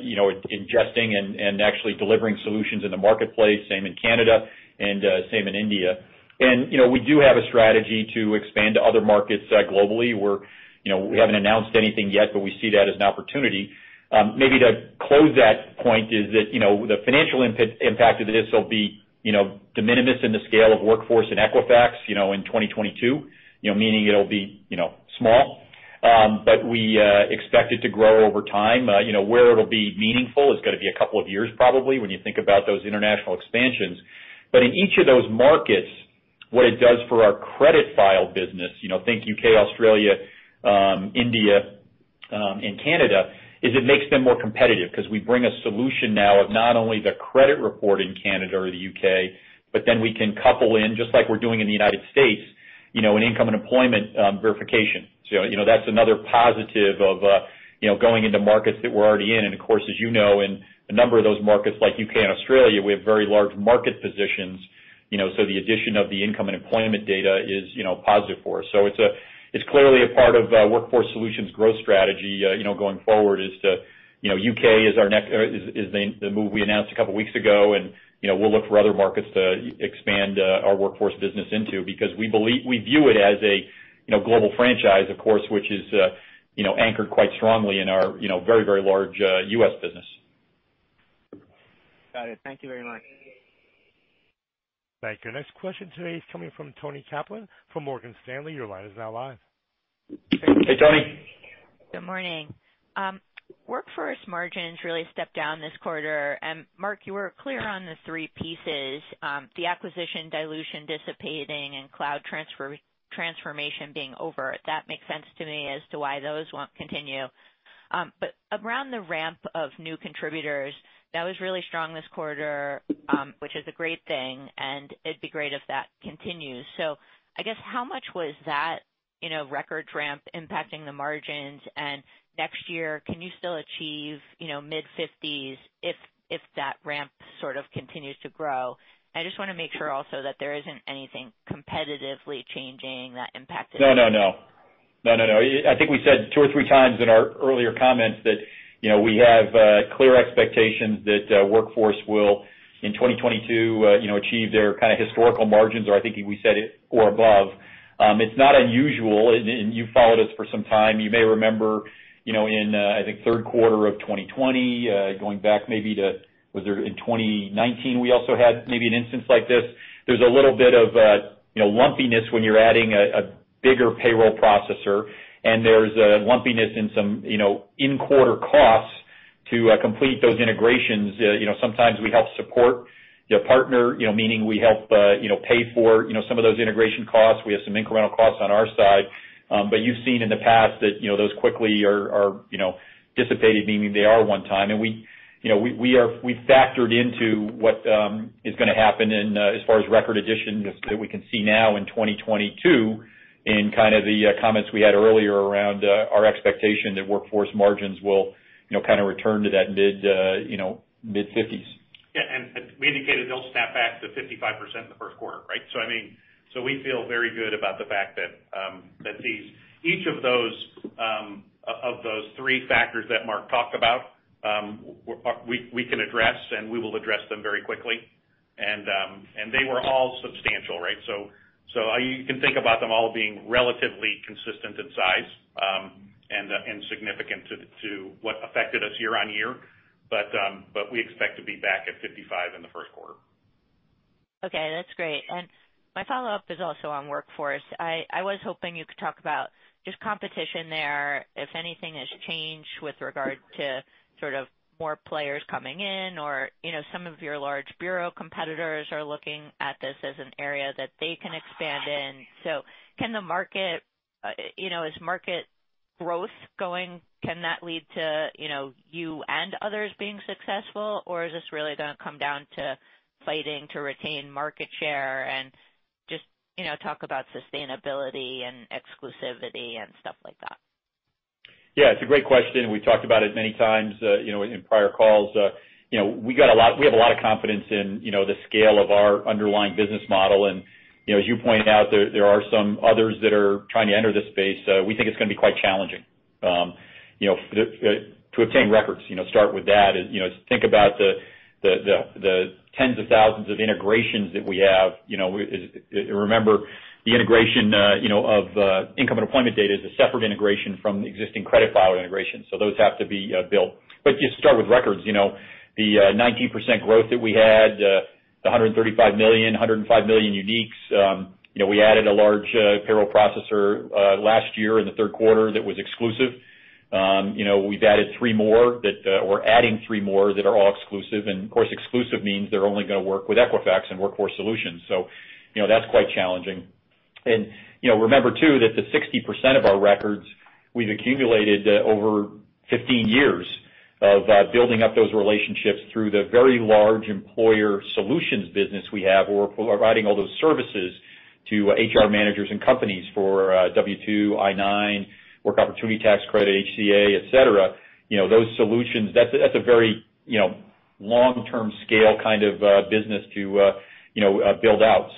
you know, ingesting and actually delivering solutions in the marketplace, same in Canada and same in India. You know, we do have a strategy to expand to other markets globally. We're, you know, we haven't announced anything yet, but we see that as an opportunity. Maybe to close that point is that, you know, the financial impact of this will be, you know, de minimis in the scale of Workforce and Equifax, you know, in 2022, you know, meaning it'll be, you know, small. We expect it to grow over time. You know, where it'll be meaningful is gonna be a couple of years probably when you think about those international expansions. In each of those markets, what it does for our credit file business, you know, think U.K., Australia, India, and Canada, is it makes them more competitive because we bring a solution now of not only the credit report in Canada or the U.K., but then we can couple in, just like we're doing in the United States. You know, an income and employment verification. You know, that's another positive of, you know, going into markets that we're already in. Of course, as you know, in a number of those markets like U.K. and Australia, we have very large market positions, you know, so the addition of the income and employment data is, you know, positive for us. It's clearly a part of our Workforce Solutions growth strategy, you know, going forward is to, you know, U.K. is our next is the move we announced a couple weeks ago and, you know, we'll look for other markets to expand our Workforce business into because we view it as a, you know, global franchise, of course, which is, you know, anchored quite strongly in our, you know, very, very large U.S. business. Got it. Thank you very much. Thank you. Next question today is coming from Toni Kaplan from Morgan Stanley. Your line is now live. Hey, Toni. Good morning. Workforce margins really stepped down this quarter. Mark, you were clear on the three pieces, the acquisition dilution dissipating and cloud transformation being over. That makes sense to me as to why those won't continue. But around the ramp of new contributors, that was really strong this quarter, which is a great thing, and it'd be great if that continues. I guess, how much was that, you know, record ramp impacting the margins? And next year, can you still achieve, you know, mid-fifties if that ramp sort of continues to grow? I just wanna make sure also that there isn't anything competitively changing that impacted- No. I think we said two or three times in our earlier comments that, you know, we have clear expectations that Workforce will, in 2022, you know, achieve their kind of historical margins, or I think we said it, or above. It's not unusual, and you followed us for some time. You may remember, you know, in I think third quarter of 2020, going back maybe to, was it in 2019, we also had maybe an instance like this. There's a little bit of, you know, lumpiness when you're adding a bigger payroll processor, and there's a lumpiness in some, you know, in-quarter costs to complete those integrations. You know, sometimes we help support the partner, you know, meaning we help, you know, pay for, you know, some of those integration costs. We have some incremental costs on our side. You've seen in the past that, you know, those quickly are, you know, dissipated, meaning they are one time. We factored into what is gonna happen in, as far as record additions that we can see now in 2022 in kind of the comments we had earlier around our expectation that Workforce margins will, you know, kind of return to that mid-50s%. Yeah. We indicated they'll snap back to 55% in the first quarter, right? I mean, we feel very good about the fact that each of those three factors that Mark talked about, we can address, and we will address them very quickly. They were all substantial, right? You can think about them all being relatively consistent in size, and significant to what affected us year-on-year. We expect to be back at 55% in the first quarter. Okay, that's great. My follow-up is also on Workforce. I was hoping you could talk about just competition there, if anything has changed with regard to sort of more players coming in or, you know, some of your large bureau competitors are looking at this as an area that they can expand in. Can the market, you know, is market growth going, can that lead to, you know, you and others being successful, or is this really gonna come down to fighting to retain market share? Just, you know, talk about sustainability and exclusivity and stuff like that. Yeah, it's a great question. We've talked about it many times in prior calls. We have a lot of confidence in the scale of our underlying business model. As you pointed out, there are some others that are trying to enter this space. We think it's gonna be quite challenging to obtain records, start with that. Think about the tens of thousands of integrations that we have. Remember, the integration of income and employment data is a separate integration from the existing credit file integration, so those have to be built. But just start with records. 19% growth that we had, the 135 million, 105 million uniques, you know, we added a large payroll processor last year in the third quarter that was exclusive. You know, we've added three more that are all exclusive. Of course, exclusive means they're only gonna work with Equifax and Workforce Solutions. You know, that's quite challenging. You know, remember too that the 60% of our records we've accumulated over 15 years of building up those relationships through the very large employer solutions business we have, where we're providing all those services to HR managers and companies for W-2, I-9, Work Opportunity Tax Credit, ACA, etc. You know, those solutions, that's a very long-term scale kind of business to build out.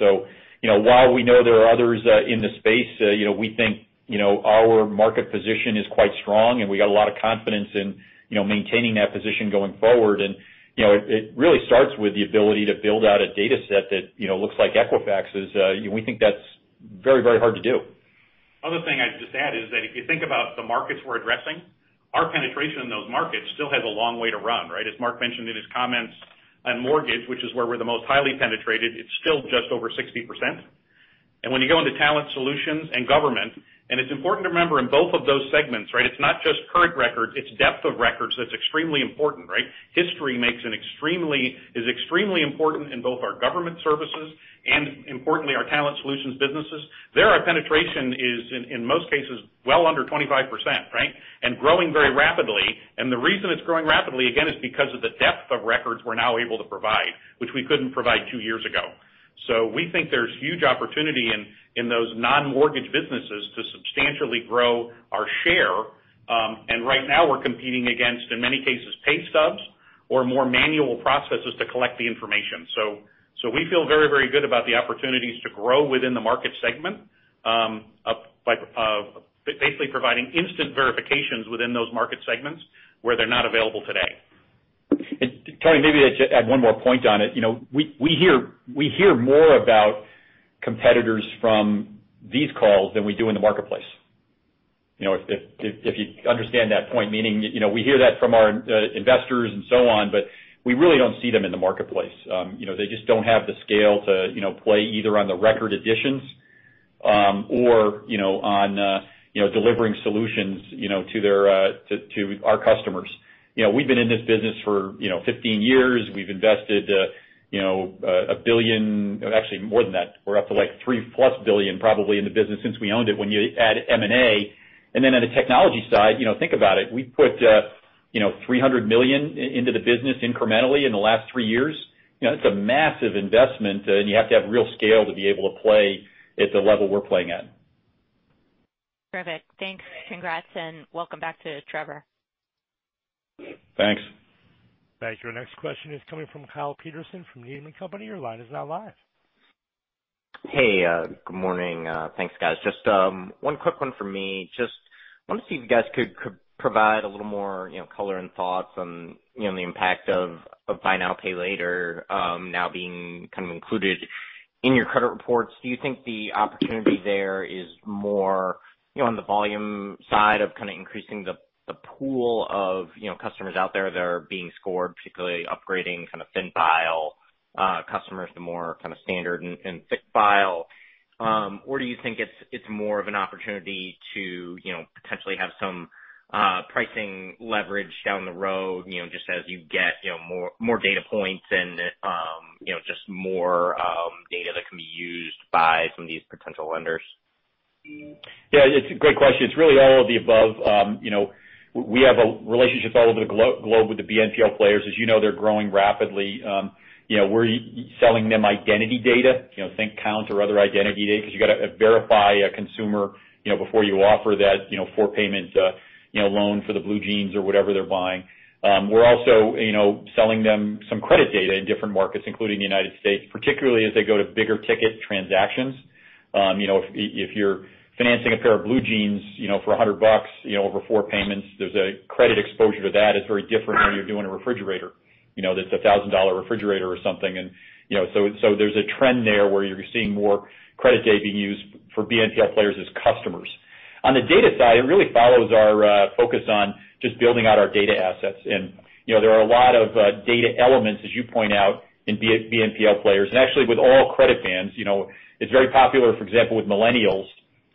You know, while we know there are others in the space, you know, we think our market position is quite strong, and we got a lot of confidence in you know, maintaining that position going forward. You know, it really starts with the ability to build out a data set that you know, looks like Equifax's, you know, we think that's very, very hard to do. Other thing I'd just add is that if you think about the markets we're addressing, our penetration in those markets still has a long way to run, right? As Mark mentioned in his comments on mortgage, which is where we're the most highly penetrated, it's still just over 60%. When you go into talent solutions and government, it's important to remember in both of those segments, right, it's not just current records, it's depth of records that's extremely important, right? History is extremely important in both our government services and importantly, our talent solutions businesses. There, our penetration is in most cases well under 25%, right? Growing very rapidly. The reason it's growing rapidly, again, is because of the depth of records we're now able to provide, which we couldn't provide two years ago. We think there's huge opportunity in those non-mortgage businesses to substantially grow our share. Right now we're competing against, in many cases, pay stubs or more manual processes to collect the information. We feel very, very good about the opportunities to grow within the market segment, like, basically providing instant verifications within those market segments where they're not available today. Toni, maybe to add one more point on it. You know, we hear more about competitors from these calls than we do in the marketplace. You know, if you understand that point, meaning, you know, we hear that from our investors and so on, but we really don't see them in the marketplace. You know, they just don't have the scale to, you know, play either on the record additions, or, you know, on delivering solutions, you know, to our customers. You know, we've been in this business for, you know, 15 years. We've invested, you know, $1 billion or actually more than that. We're up to, like, $3+ billion probably in the business since we owned it when you add M&A. On the technology side, you know, think about it, we've put $300 million into the business incrementally in the last three years. You know, it's a massive investment, and you have to have real scale to be able to play at the level we're playing at. Perfect. Thanks. Congrats, and welcome back to Trevor. Thanks. Thank you. Our next question is coming from Kyle Peterson from Needham & Company. Your line is now live. Hey, good morning. Thanks, guys. Just one quick one for me. Just want to see if you guys could provide a little more, you know, color and thoughts on, you know, the impact of buy now, pay later now being kind of included in your credit reports. Do you think the opportunity there is more, you know, on the volume side of kind of increasing the pool of, you know, customers out there that are being scored, particularly upgrading kind of thin file customers to more kind of standard and thick file? Do you think it's more of an opportunity to, you know, potentially have some pricing leverage down the road, you know, just as you get, you know, more data points and, you know, just more data that can be used by some of these potential lenders? Yeah, it's a great question. It's really all of the above. You know, we have relationships all over the globe with the BNPL players. As you know, they're growing rapidly. You know, we're selling them identity data, you know, think Kount or other identity data, 'cause you gotta verify a consumer, you know, before you offer that, you know, four payments, you know, loan for the blue jeans or whatever they're buying. We're also, you know, selling them some credit data in different markets, including the United States, particularly as they go to bigger ticket transactions. You know, if you're financing a pair of blue jeans, you know, for $100, you know, over four payments, there's a credit exposure to that is very different than you're doing a refrigerator. You know, that's a $1,000 refrigerator or something. You know, there's a trend there where you're seeing more credit data being used for BNPL players as customers. On the data side, it really follows our focus on just building out our data assets. You know, there are a lot of data elements, as you point out, in BNPL players and actually with all credit bands. You know, it's very popular, for example, with millennials,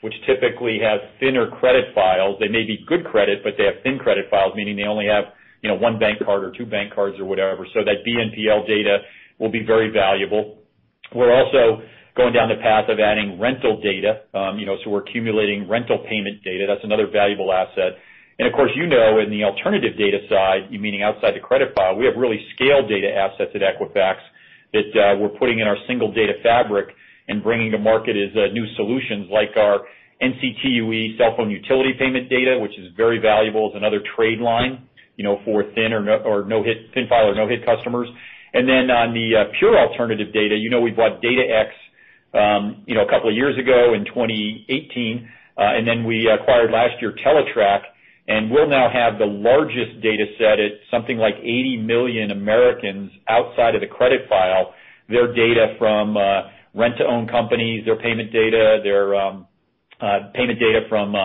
which typically have thinner credit files. They may be good credit, but they have thin credit files, meaning they only have, you know, one bank card or two bank cards or whatever. That BNPL data will be very valuable. We're also going down the path of adding rental data. You know, we're accumulating rental payment data. That's another valuable asset. Of course, you know, in the alternative data side, meaning outside the credit file, we have really scaled data assets at Equifax that we're putting in our single data fabric and bringing to market as new solutions like our NCTUE cell phone utility payment data, which is very valuable as another trade line, you know, for thin or no hit, thin file or no hit customers. On the pure alternative data, you know, we bought DataX a couple of years ago in 2018, and then we acquired last year Teletrack, and we'll now have the largest data set at something like 80 million Americans outside of the credit file, their data from rent-to-own companies, their payment data from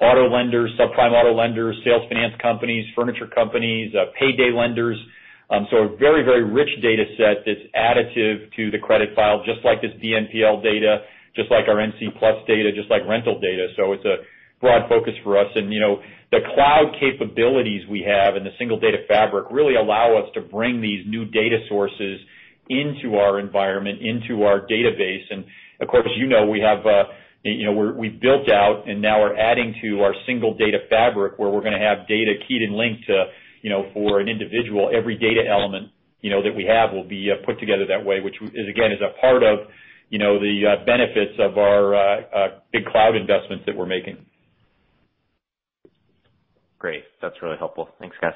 auto lenders, subprime auto lenders, sales finance companies, furniture companies, payday lenders. A very, very rich data set that's additive to the credit file, just like this BNPL data, just like our NC Plus data, just like rental data. It's a broad focus for us. You know, the cloud capabilities we have in the single data fabric really allow us to bring these new data sources into our environment, into our database. You know, we built out and now we're adding to our single data fabric, where we're gonna have data keyed and linked to, you know, for an individual. Every data element, you know, that we have will be put together that way, which is again a part of, you know, the big cloud investments that we're making. Great. That's really helpful. Thanks, guys.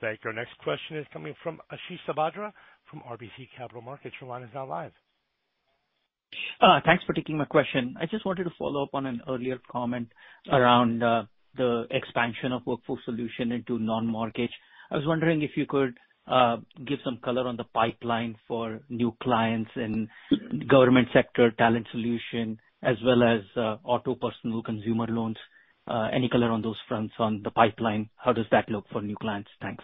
Thank you. Our next question is coming from Ashish Sabadra from RBC Capital Markets. Your line is now live. Thanks for taking my question. I just wanted to follow up on an earlier comment around the expansion of Workforce Solutions into non-mortgage. I was wondering if you could give some color on the pipeline for new clients in government sector talent solution as well as auto personal consumer loans. Any color on those fronts on the pipeline? How does that look for new clients? Thanks.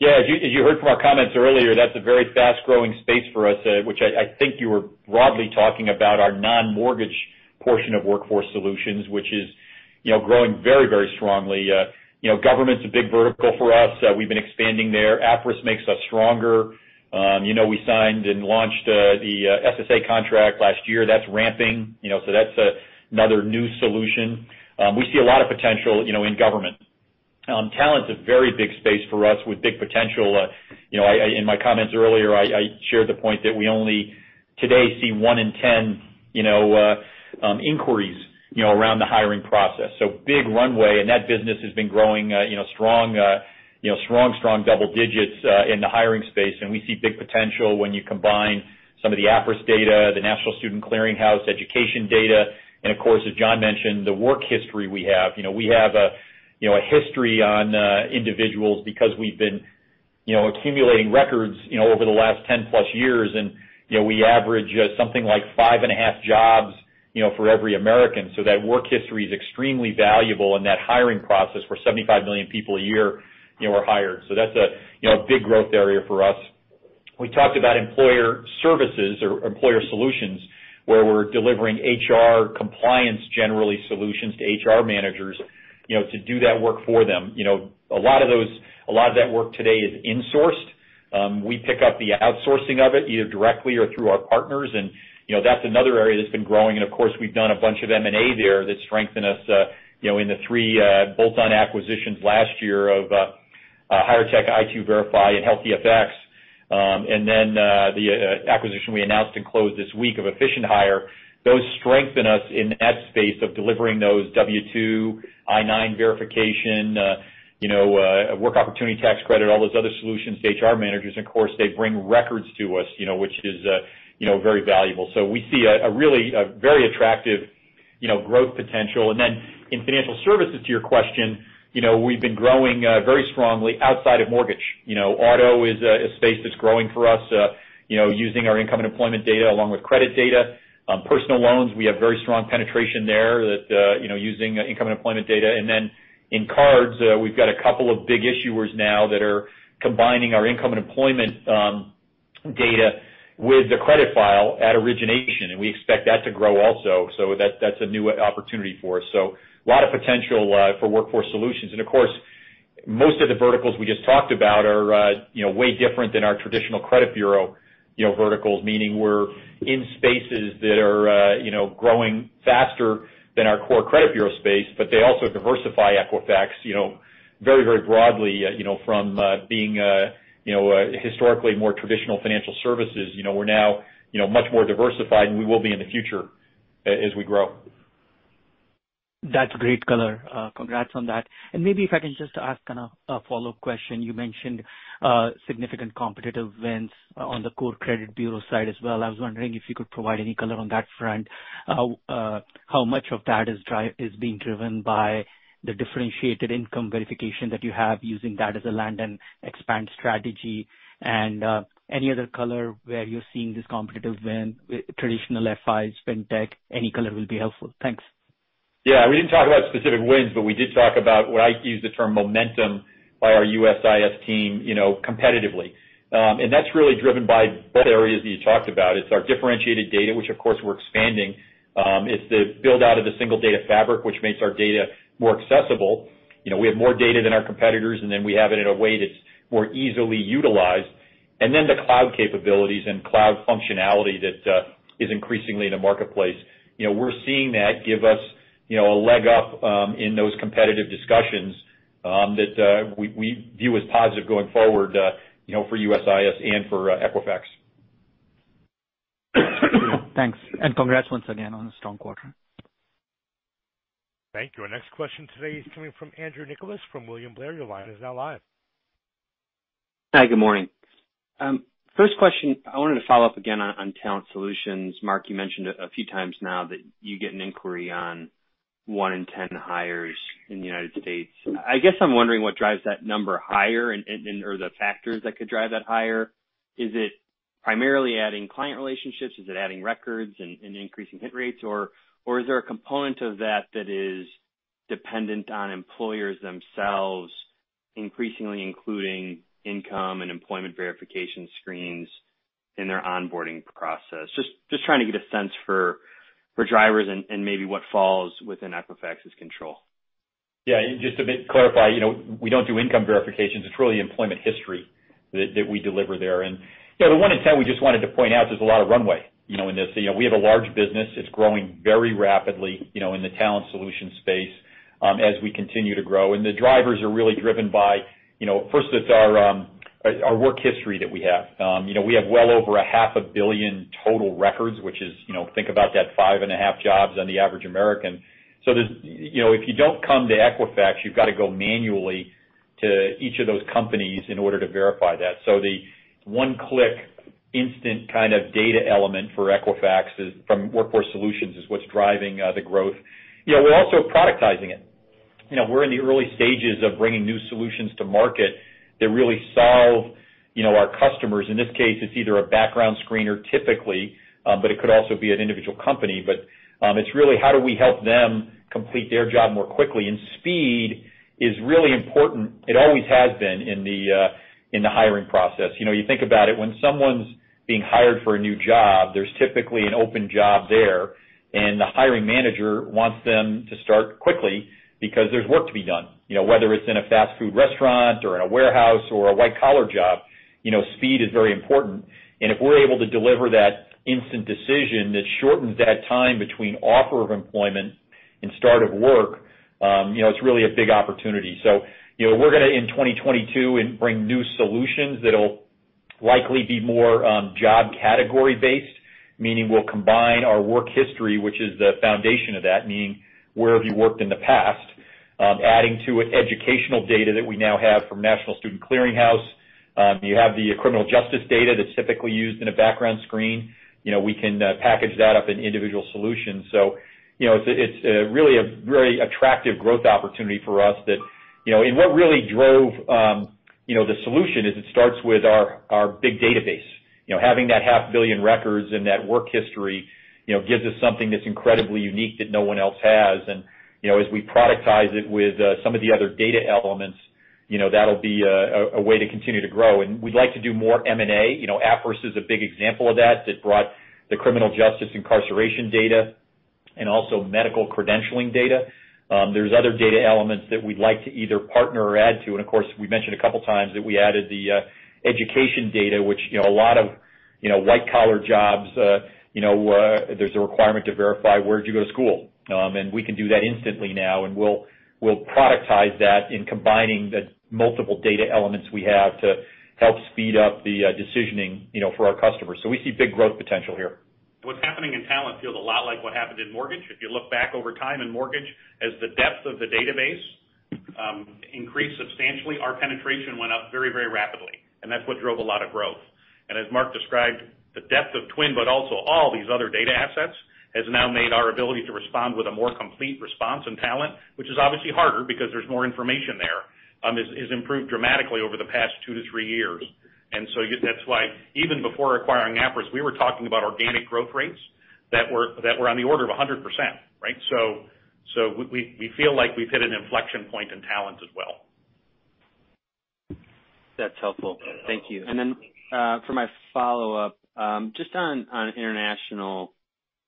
Yeah. As you heard from our comments earlier, that's a very fast-growing space for us, which I think you were broadly talking about our non-mortgage portion of Workforce Solutions, which is, you know, growing very, very strongly. You know, government's a big vertical for us. We've been expanding there. Appriss makes us stronger. You know, we signed and launched the SSA contract last year. That's ramping, you know, so that's another new solution. We see a lot of potential, you know, in government. Talent's a very big space for us with big potential. You know, in my comments earlier, I shared the point that we only today see one in ten, you know, inquiries, you know, around the hiring process. So big runway. That business has been growing, you know, strong double digits in the hiring space. We see big potential when you combine some of the Appriss data, the National Student Clearinghouse education data, and of course, as John mentioned, the work history we have. You know, we have a history on individuals because we've been accumulating records over the last 10+ years and we average something like 5.5 jobs for every American. That work history is extremely valuable in that hiring process where 75 million people a year, you know, are hired. That's a big growth area for us. We talked about employer services or employer solutions where we're delivering HR compliance, generally solutions to HR managers, you know, to do that work for them. You know, a lot of that work today is insourced. We pick up the outsourcing of it, either directly or through our partners. You know, that's another area that's been growing. Of course, we've done a bunch of M&A there that strengthen us, you know, in the three bolt-on acquisitions last year of HIREtech, i2Verify, and Health e(fx). And then, the acquisition we announced and closed this week of Efficient Hire. Those strengthen us in that space of delivering those W-2, I-9 verification, you know, Work Opportunity Tax Credit, all those other solutions to HR managers. Of course, they bring records to us, you know, which is, you know, very valuable. We see a really very attractive, you know, growth potential. In financial services, to your question, you know, we've been growing very strongly outside of mortgage. You know, auto is a space that's growing for us, you know, using our income and employment data along with credit data. Personal loans, we have very strong penetration there that, you know, using income and employment data. In cards, we've got a couple of big issuers now that are combining our income and employment data with the credit file at origination, and we expect that to grow also. That's a new opportunity for us. A lot of potential for Workforce Solutions. Of course, most of the verticals we just talked about are, you know, way different than our traditional credit bureau, you know, verticals. Meaning we're in spaces that are, you know, growing faster than our core credit bureau space, but they also diversify Equifax, you know, very, very broadly, you know, from being a, you know, a historically more traditional financial services. You know, we're now, you know, much more diversified, and we will be in the future as we grow. That's great color. Congrats on that. Maybe if I can just ask kind of a follow-up question. You mentioned significant competitive wins on the core credit bureau side as well. I was wondering if you could provide any color on that front. How much of that is being driven by the differentiated income verification that you have using that as a land and expand strategy? Any other color where you're seeing this competitive win with traditional FIs, fintech? Any color will be helpful. Thanks. Yeah, we didn't talk about specific wins, but we did talk about, well, I used the term momentum by our USIS team, you know, competitively. That's really driven by both areas that you talked about. It's our differentiated data, which of course we're expanding. It's the build out of the single data fabric, which makes our data more accessible. You know, we have more data than our competitors, and then we have it in a way that's more easily utilized. And then the cloud capabilities and cloud functionality that is increasingly in the marketplace. You know, we're seeing that give us, you know, a leg up in those competitive discussions that we view as positive going forward, you know, for USIS and for Equifax. Thanks, and congrats once again on a strong quarter. Thank you. Our next question today is coming from Andrew Nicholas from William Blair. Your line is now live. Hi, good morning. First question, I wanted to follow up again on Talent Solutions. Mark, you mentioned a few times now that you get an inquiry on one in ten hires in the United States. I guess I'm wondering what drives that number higher and or the factors that could drive that higher. Is it primarily adding client relationships? Is it adding records and increasing hit rates? Or is there a component of that that is dependent on employers themselves increasingly including income and employment verification screens in their onboarding process? Just trying to get a sense for drivers and maybe what falls within Equifax's control. Just to clarify, you know, we don't do income verifications. It's really employment history that we deliver there. You know, the one in ten, we just wanted to point out there's a lot of runway, you know, in this. You know, we have a large business. It's growing very rapidly, you know, in the Talent Solutions space as we continue to grow. The drivers are really driven by, you know, first it's our work history that we have. You know, we have well over 500 million total records, which is, you know, think about that 5.5 jobs on the average American. You know, if you don't come to Equifax, you've got to go manually to each of those companies in order to verify that. The one-click instant kind of data element for Equifax from Workforce Solutions is what's driving the growth. You know, we're also productizing it. You know, we're in the early stages of bringing new solutions to market that really solve, you know, our customers. In this case, it's either a background screener typically, but it could also be an individual company. It's really how do we help them complete their job more quickly. Speed is really important. It always has been in the hiring process. You know, you think about it, when someone's being hired for a new job, there's typically an open job there, and the hiring manager wants them to start quickly because there's work to be done. You know, whether it's in a fast food restaurant or in a warehouse or a white-collar job. You know, speed is very important. If we're able to deliver that instant decision that shortens that time between offer of employment and start of work, you know, it's really a big opportunity. You know, we're gonna, in 2022, bring new solutions that'll likely be more job category-based, meaning we'll combine our work history, which is the foundation of that, meaning where have you worked in the past, adding to it educational data that we now have from National Student Clearinghouse. You have the criminal justice data that's typically used in a background screen. You know, we can package that up in individual solutions. You know, it's really a very attractive growth opportunity for us that, you know, and what really drove the solution is it starts with our big database. You know, having that 500 million records and that work history, you know, gives us something that's incredibly unique that no one else has. You know, as we productize it with some of the other data elements, you know, that'll be a way to continue to grow. We'd like to do more M&A. You know, Appriss Insights is a big example of that that brought the criminal justice incarceration data and also medical credentialing data. There's other data elements that we'd like to either partner or add to. Of course, we mentioned a couple times that we added the education data, which, you know, a lot of, you know, white collar jobs, you know, there's a requirement to verify where'd you go to school. We can do that instantly now, and we'll productize that in combining the multiple data elements we have to help speed up the decisioning, you know, for our customers. We see big growth potential here. What's happening in talent feels a lot like what happened in mortgage. If you look back over time in mortgage, as the depth of the database increased substantially, our penetration went up very, very rapidly, and that's what drove a lot of growth. As Mark described, the depth of TWN, but also all these other data assets, has now made our ability to respond with a more complete response in talent, which is obviously harder because there's more information there, is improved dramatically over the past two to three years. That's why even before acquiring Appriss, we were talking about organic growth rates that were on the order of 100%, right? We feel like we've hit an inflection point in talent as well. That's helpful. Thank you. For my follow-up, just on international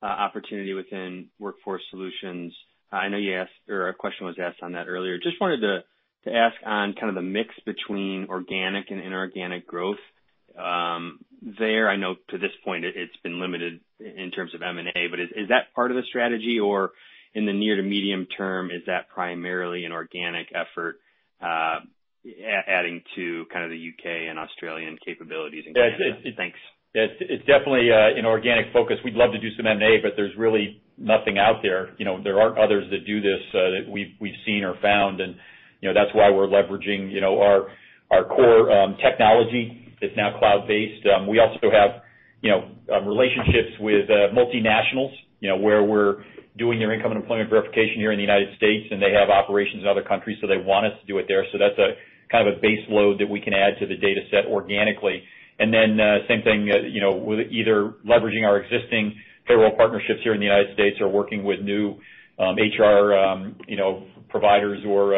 opportunity within Workforce Solutions. I know you asked or a question was asked on that earlier. Just wanted to ask on kind of the mix between organic and inorganic growth there. I know to this point it's been limited in terms of M&A, but is that part of the strategy? Or in the near to medium term, is that primarily an organic effort adding to kind of the U.K. and Australian capabilities and Canada? Thanks. It's definitely an organic focus. We'd love to do some M&A, but there's really nothing out there. You know, there aren't others that do this, that we've seen or found. You know, that's why we're leveraging our core technology that's now cloud-based. We also have relationships with multinationals where we're doing their income and employment verification here in the United States, and they have operations in other countries, so they want us to do it there. That's a kind of base load that we can add to the data set organically. Same thing, you know, with either leveraging our existing payroll partnerships here in the United States or working with new HR, you know, providers or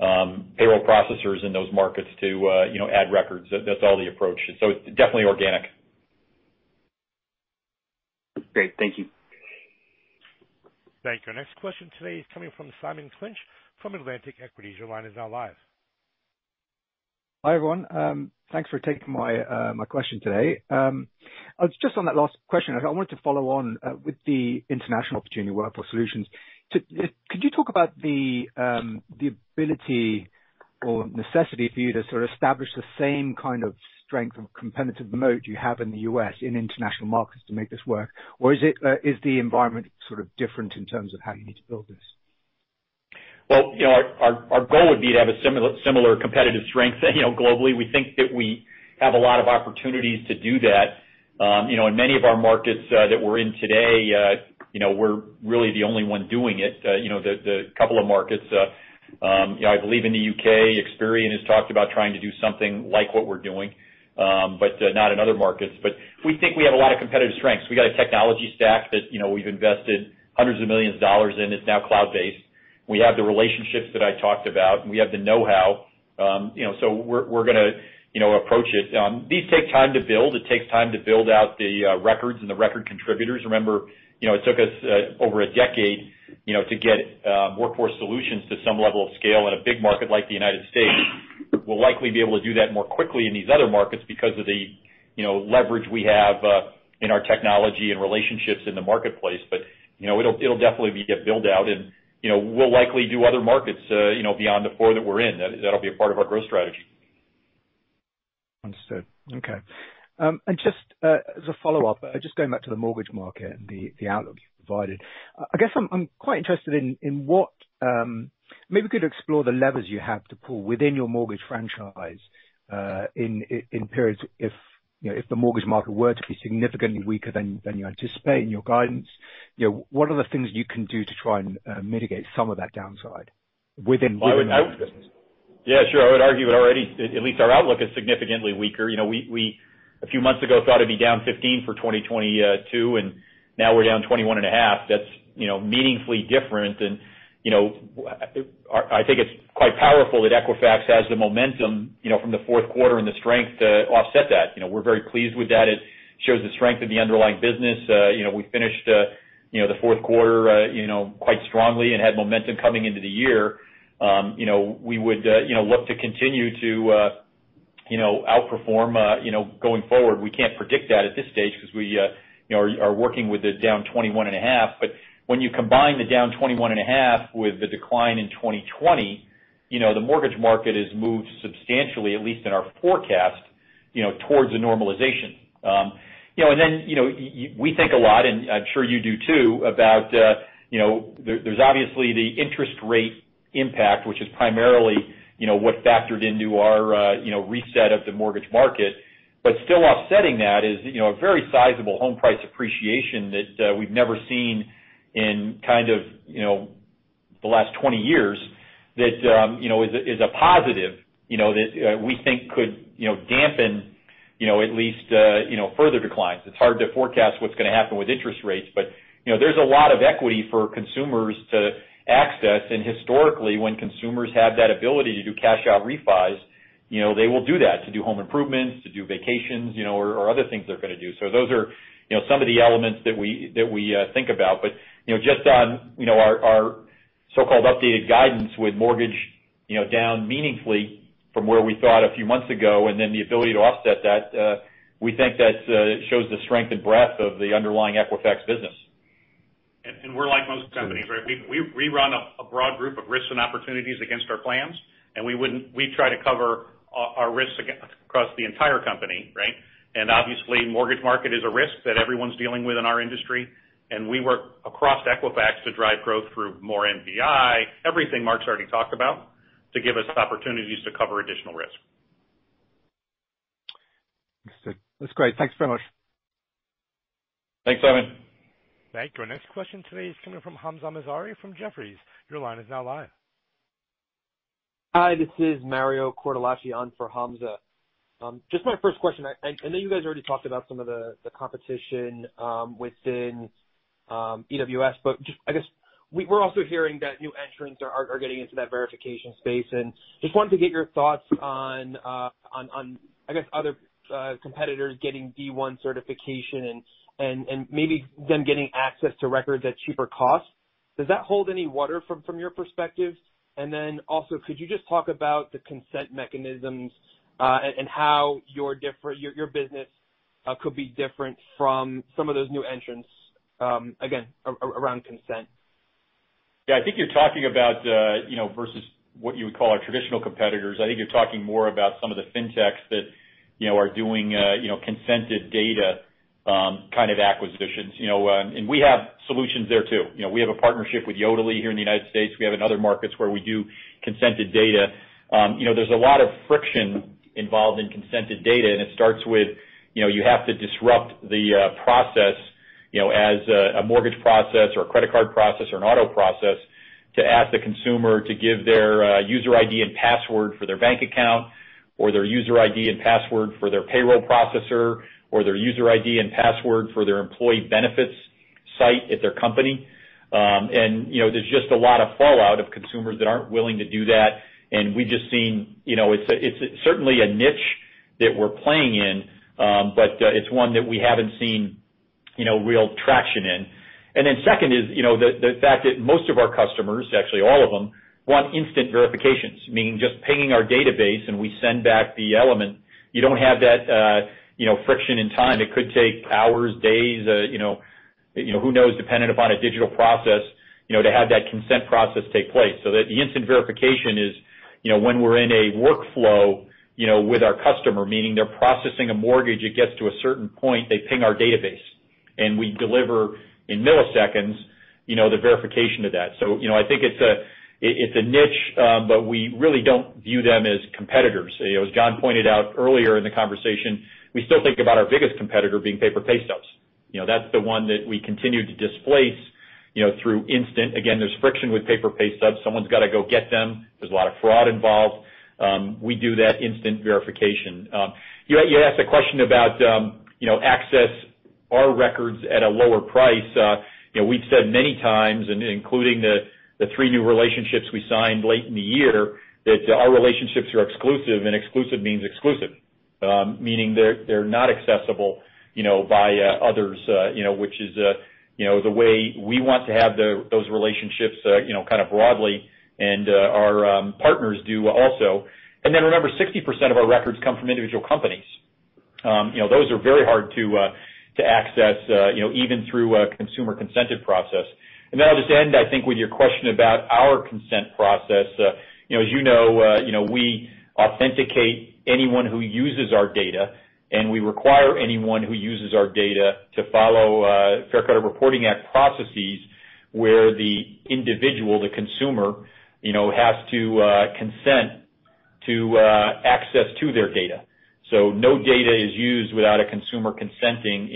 payroll processors in those markets to you know add records. That's the approach. It's definitely organic. Great. Thank you. Thank you. Our next question today is coming from Simon Clinch from Atlantic Equities. Your line is now live. Hi, everyone. Thanks for taking my question today. I was just on that last question. I wanted to follow on with the international opportunity Workforce Solutions. Could you talk about the ability or necessity for you to sort of establish the same kind of strength of competitive moat you have in the U.S. in international markets to make this work? Or is it the environment sort of different in terms of how you need to build this? Well, you know, our goal would be to have a similar competitive strength, you know, globally. We think that we have a lot of opportunities to do that. You know, in many of our markets, that we're in today, you know, we're really the only one doing it. You know, the couple of markets, you know, I believe in the U.K., Experian has talked about trying to do something like what we're doing, but not in other markets. We think we have a lot of competitive strengths. We've got a technology stack that, you know, we've invested $hundreds of millions in. It's now cloud-based. We have the relationships that I talked about, and we have the know-how. You know, we're gonna, you know, approach it. These take time to build. It takes time to build out the records and the record contributors. Remember, you know, it took us over a decade, you know, to get Workforce Solutions to some level of scale in a big market like the United States. We'll likely be able to do that more quickly in these other markets because of the, you know, leverage we have in our technology and relationships in the marketplace. But, you know, it'll definitely be a build-out and, you know, we'll likely do other markets, you know, beyond the four that we're in. That'll be a part of our growth strategy. Understood. Okay. Just as a follow-up, going back to the mortgage market and the outlook you provided. I guess I'm quite interested in what. Maybe you could explore the levers you have to pull within your mortgage franchise, in periods if, you know, if the mortgage market were to be significantly weaker than you anticipate in your guidance, you know, what are the things you can do to try and mitigate some of that downside within the business? Yeah, sure. I would argue already at least our outlook is significantly weaker. You know, we a few months ago thought it'd be down 15% for 2022, and now we're down 21.5%. That's, you know, meaningfully different. You know, I think it's quite powerful that Equifax has the momentum, you know, from the fourth quarter and the strength to offset that. You know, we're very pleased with that. It shows the strength of the underlying business. You know, we finished the fourth quarter quite strongly and had momentum coming into the year. You know, we would look to continue to outperform, you know, going forward. We can't predict that at this stage because we are working with a down 21.5%. When you combine the down 21.5% with the decline in 2020, you know, the mortgage market has moved substantially, at least in our forecast, you know, towards a normalization. You know, we think a lot, and I'm sure you do too, about, you know, there's obviously the interest rate impact, which is primarily, you know, what factored into our, you know, reset of the mortgage market. Still offsetting that is, you know, a very sizable home price appreciation that we've never seen in kind of, you know, the last 20 years that, you know, is a positive, you know, that we think could, you know, dampen, you know, at least, you know, further declines. It's hard to forecast what's gonna happen with interest rates, but, you know, there's a lot of equity for consumers to access. Historically, when consumers have that ability to do cash out refis, you know, they will do that to do home improvements, to do vacations, you know, or other things they're gonna do. Those are, you know, some of the elements that we think about. Just on, you know, our so-called updated guidance with mortgage, you know, down meaningfully from where we thought a few months ago and then the ability to offset that, we think that shows the strength and breadth of the underlying Equifax business. We're like most companies, right? We run a broad group of risks and opportunities against our plans, and we try to cover our risks across the entire company, right? Obviously, mortgage market is a risk that everyone's dealing with in our industry, and we work across Equifax to drive growth through more NPI, everything Mark's already talked about, to give us opportunities to cover additional risk. Understood. That's great. Thanks very much. Thanks, Evan. Thank you. Our next question today is coming from Hamzah Mazari from Jefferies. Your line is now live. Hi, this is Mario Cortellacci on for Hamzah Mazari. Just my first question. I know you guys already talked about some of the competition within EWS, but just I guess we're also hearing that new entrants are getting into that verification space. Just wanted to get your thoughts on, I guess, other competitors getting Day 1 Certainty and maybe them getting access to records at cheaper costs. Does that hold any water from your perspective? Then also, could you just talk about the consent mechanisms and how your business could be different from some of those new entrants, again, around consent? Yeah. I think you're talking about, you know, versus what you would call our traditional competitors. I think you're talking more about some of the fintechs that, you know, are doing, you know, consented data, kind of acquisitions, you know, and we have solutions there too. You know, we have a partnership with Yodlee here in the United States. We have in other markets where we do consented data. You know, there's a lot of friction involved in consented data, and it starts with, you know, you have to disrupt the process, you know, as a mortgage process or a credit card process or an auto process to ask the consumer to give their user ID and password for their bank account or their user ID and password for their payroll processor or their user ID and password for their employee benefits site at their company. You know, there's just a lot of fallout of consumers that aren't willing to do that. We've just seen, you know, it's certainly a niche that we're playing in, but it's one that we haven't seen, you know, real traction in. Second is, you know, the fact that most of our customers, actually all of them, want instant verifications, meaning just pinging our database and we send back the element. You don't have that, you know, friction and time. It could take hours, days, you know, who knows, dependent upon a digital process, you know, to have that consent process take place. So the instant verification is, you know, when we're in a workflow, you know, with our customer, meaning they're processing a mortgage, it gets to a certain point, they ping our database and we deliver in milliseconds, you know, the verification to that. So, you know, I think it's a niche, but we really don't view them as competitors. You know, as John pointed out earlier in the conversation, we still think about our biggest competitor being paper pay stubs. You know, that's the one that we continue to displace, you know, through instant. Again, there's friction with paper pay stubs. Someone's gotta go get them. There's a lot of fraud involved. We do that instant verification. You asked a question about, you know, access our records at a lower price. You know, we've said many times, and including the three new relationships we signed late in the year, that our relationships are exclusive, and exclusive means exclusive. Meaning they're not accessible, you know, by others, you know, which is, you know, the way we want to have those relationships, you know, kind of broadly and our partners do also. Remember, 60% of our records come from individual companies. You know, those are very hard to access, you know, even through a consumer consented process. I'll just end, I think, with your question about our consent process. You know, as you know, you know, we authenticate anyone who uses our data, and we require anyone who uses our data to follow Fair Credit Reporting Act processes, where the individual, the consumer, you know, has to consent to access to their data. No data is used without a consumer consenting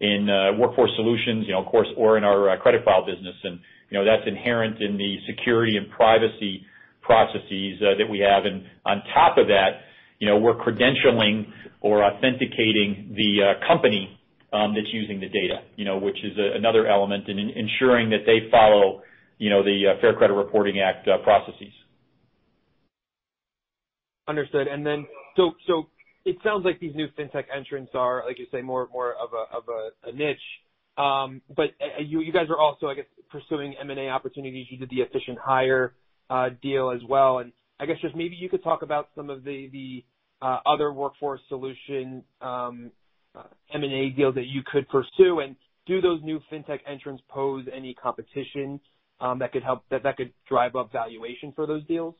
in Workforce Solutions, you know, of course, or in our credit file business. You know, that's inherent in the security and privacy processes that we have. On top of that, you know, we're credentialing or authenticating the company that's using the data, you know, which is another element in ensuring that they follow, you know, the Fair Credit Reporting Act processes. Understood. It sounds like these new Fintech entrants are, like you say, more of a niche. You guys are also, I guess, pursuing M&A opportunities. You did the Efficient Hire deal as well. I guess just maybe you could talk about some of the other Workforce Solutions M&A deals that you could pursue. Do those new Fintech entrants pose any competition that could drive up valuation for those deals?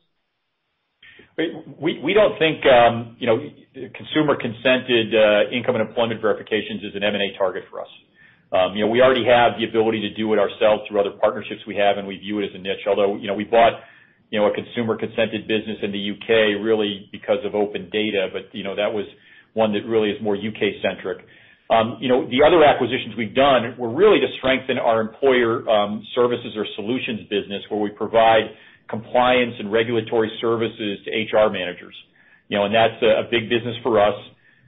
We don't think you know, consumer-consented income and employment verifications is an M&A target for us. You know, we already have the ability to do it ourselves through other partnerships we have, and we view it as a niche. Although you know, we bought you know, a consumer-consented business in the U.K. really because of open data. That was one that really is more U.K.-centric. You know, the other acquisitions we've done were really to strengthen our employer services or solutions business where we provide compliance and regulatory services to HR managers. You know, that's a big business for us.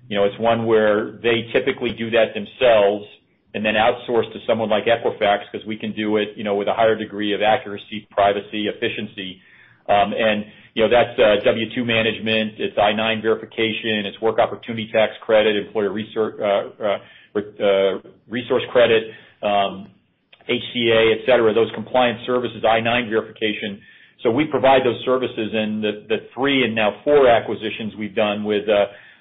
You know, it's one where they typically do that themselves and then outsource to someone like Equifax because we can do it you know, with a higher degree of accuracy, privacy, efficiency. You know, that's W-2 management, it's I-9 verification, it's Work Opportunity Tax Credit, ACA, et cetera, those compliance services, I-9 verification. We provide those services. The three and now four acquisitions we've done with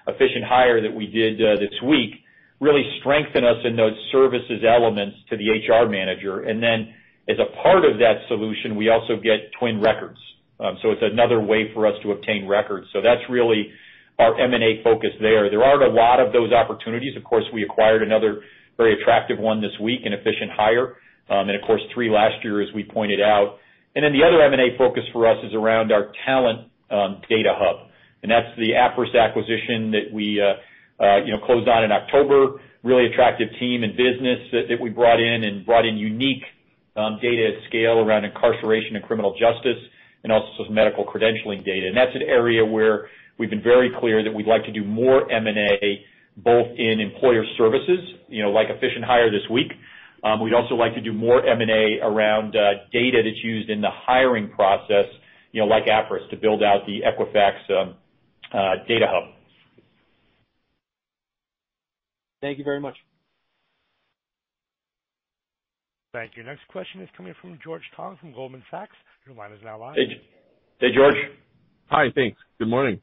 Efficient Hire that we did this week really strengthen us in those services elements to the HR manager. Then as a part of that solution, we also get TWN records. It's another way for us to obtain records. That's really our M&A focus there. There aren't a lot of those opportunities. Of course, we acquired another very attractive one this week in Efficient Hire. Of course, three last year, as we pointed out. The other M&A focus for us is around our talent data hub, and that's the Appriss Insights acquisition that we, you know, closed on in October. Really attractive team and business that we brought in unique data at scale around incarceration and criminal justice and also some medical credentialing data. That's an area where we've been very clear that we'd like to do more M&A both in employer services, you know, like Efficient Hire this week. We'd also like to do more M&A around data that's used in the hiring process, you know, like Appriss Insights, to build out the Equifax data hub. Thank you very much. Thank you. Next question is coming from George Tong from Goldman Sachs. Your line is now live. Hey, George. Hi. Thanks. Good morning.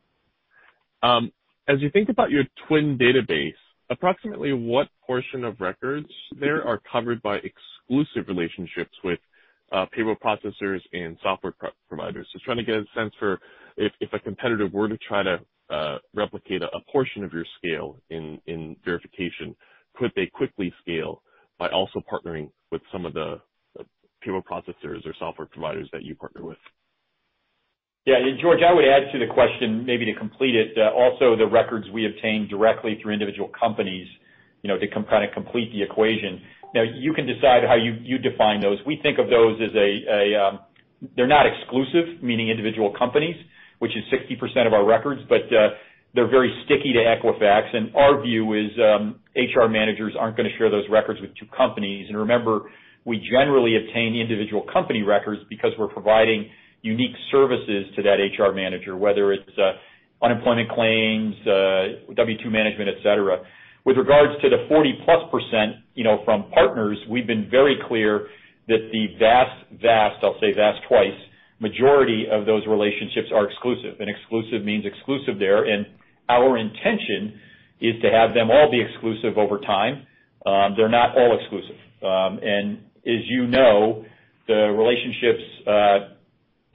As you think about your TWN database, approximately what portion of records there are covered by exclusive relationships with payroll processors and software providers? Just trying to get a sense for if a competitor were to try to replicate a portion of your scale in verification, could they quickly scale by also partnering with some of the payroll processors or software providers that you partner with? Yeah. George, I would add to the question maybe to complete it, also the records we obtain directly through individual companies, you know, to kind of complete the equation. Now, you can decide how you define those. We think of those as they're not exclusive, meaning individual companies, which is 60% of our records, but they're very sticky to Equifax. Our view is, HR managers aren't gonna share those records with two companies. Remember, we generally obtain individual company records because we're providing unique services to that HR manager, whether it's unemployment claims, W-2 management, et cetera. With regards to the 40+%, you know, from partners, we've been very clear that the vast, I'll say vast twice, majority of those relationships are exclusive, and exclusive means exclusive there. Our intention is to have them all be exclusive over time. They're not all exclusive. As you know,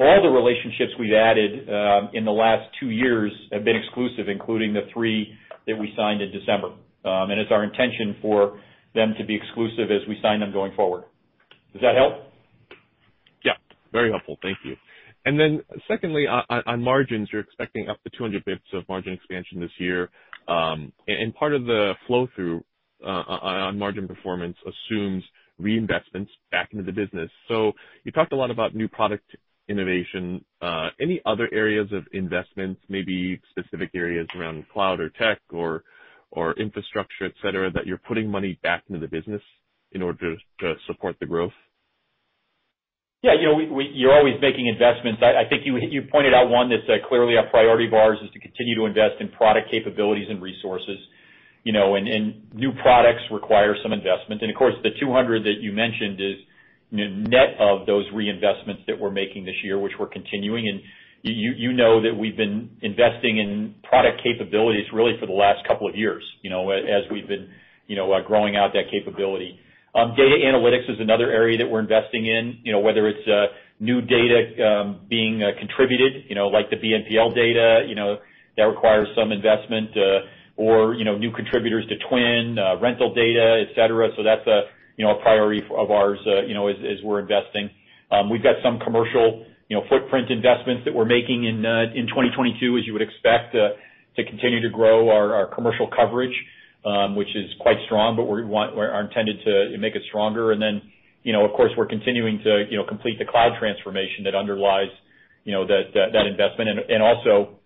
the relationships we've added in the last two years have been exclusive, including the three that we signed in December. It's our intention for them to be exclusive as we sign them going forward. Does that help? Yeah, very helpful. Thank you. Secondly, on margins, you're expecting up to 200 basis points of margin expansion this year. Part of the flow-through on margin performance assumes reinvestments back into the business. You talked a lot about new product innovation. Any other areas of investments, maybe specific areas around cloud or tech or infrastructure, et cetera, that you're putting money back into the business in order to support the growth? Yeah, you know, you're always making investments. I think you pointed out one that's clearly a priority of ours is to continue to invest in product capabilities and resources, you know. New products require some investment. Of course, the $200 that you mentioned is, you know, net of those reinvestments that we're making this year, which we're continuing. You know that we've been investing in product capabilities really for the last couple of years, you know, as we've been growing out that capability. Data analytics is another area that we're investing in. You know, whether it's new data being contributed, you know, like the BNPL data, you know, that requires some investment, or, you know, new contributors to TWN, rental data, et cetera. That's a priority of ours, you know, as we're investing. We've got some commercial footprint investments that we're making in 2022, as you would expect, to continue to grow our commercial coverage, which is quite strong, but we want and intend to make it stronger. Then, of course, we're continuing to complete the cloud transformation that underlies that investment and also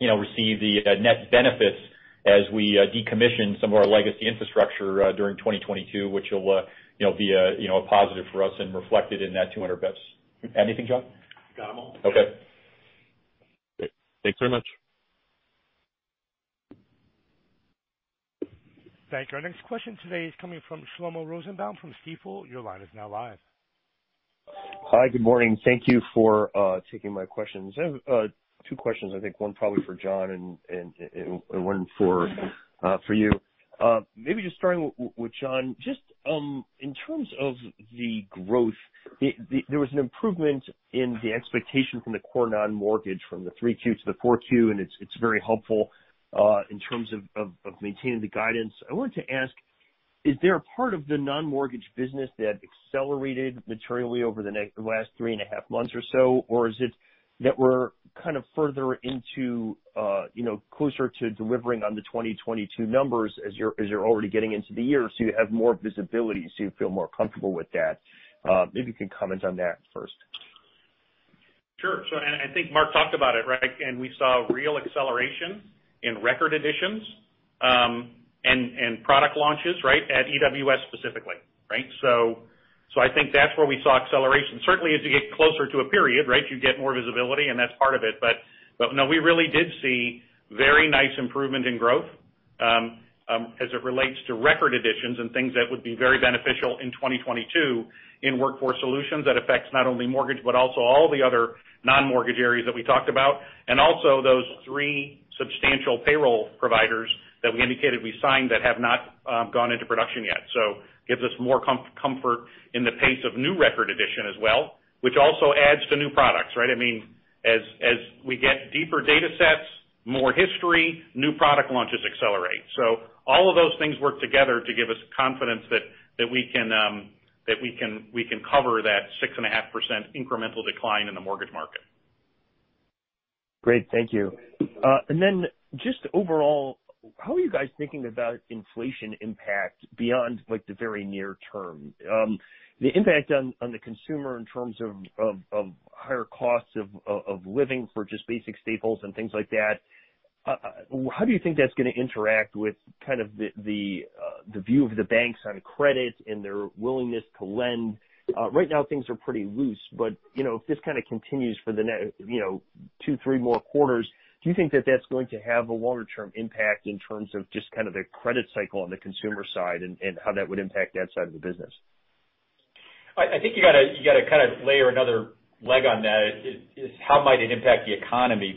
receive the net benefits as we decommission some of our legacy infrastructure during 2022, which will be a positive for us and reflected in that 200 basis points. Anything, John? Got 'em all. Okay. Thanks very much. Thank you. Our next question today is coming from Shlomo Rosenbaum from Stifel. Your line is now live. Hi, good morning. Thank you for taking my questions. I have two questions, I think one probably for John and one for you. Maybe just starting with John, just in terms of the growth, there was an improvement in the expectation from the core non-mortgage from the 3.2% to the 4.2%, and it's very helpful in terms of maintaining the guidance. I wanted to ask, is there a part of the non-mortgage business that accelerated materially over the last 3.5 months or so? Or is it that we're kind of further into, you know, closer to delivering on the 2022 numbers as you're already getting into the year, so you have more visibility, so you feel more comfortable with that? Maybe you can comment on that first. Sure. I think Mark talked about it, right? We saw real acceleration in record additions and product launches, right, at EWS specifically, right? I think that's where we saw acceleration. Certainly, as you get closer to a period, right, you get more visibility, and that's part of it. No, we really did see very nice improvement in growth, as it relates to record additions and things that would be very beneficial in 2022 in Workforce Solutions that affects not only mortgage, but also all the other non-mortgage areas that we talked about. Also those three substantial payroll providers that we indicated we signed that have not gone into production yet. Gives us more comfort in the pace of new record addition as well, which also adds to new products, right? I mean, as we get deeper data sets, more history, new product launches accelerate. All of those things work together to give us confidence that we can cover that 6.5% incremental decline in the mortgage market. Great. Thank you. Just overall, how are you guys thinking about inflation impact beyond like the very near term? The impact on the consumer in terms of higher costs of living for just basic staples and things like that, how do you think that's gonna interact with kind of the view of the banks on credit and their willingness to lend? Right now, things are pretty loose, but you know, if this kinda continues for two, three more quarters, do you think that that's going to have a longer term impact in terms of just kind of the credit cycle on the consumer side and how that would impact that side of the business? I think you gotta kind of layer another leg on that. How might it impact the economy?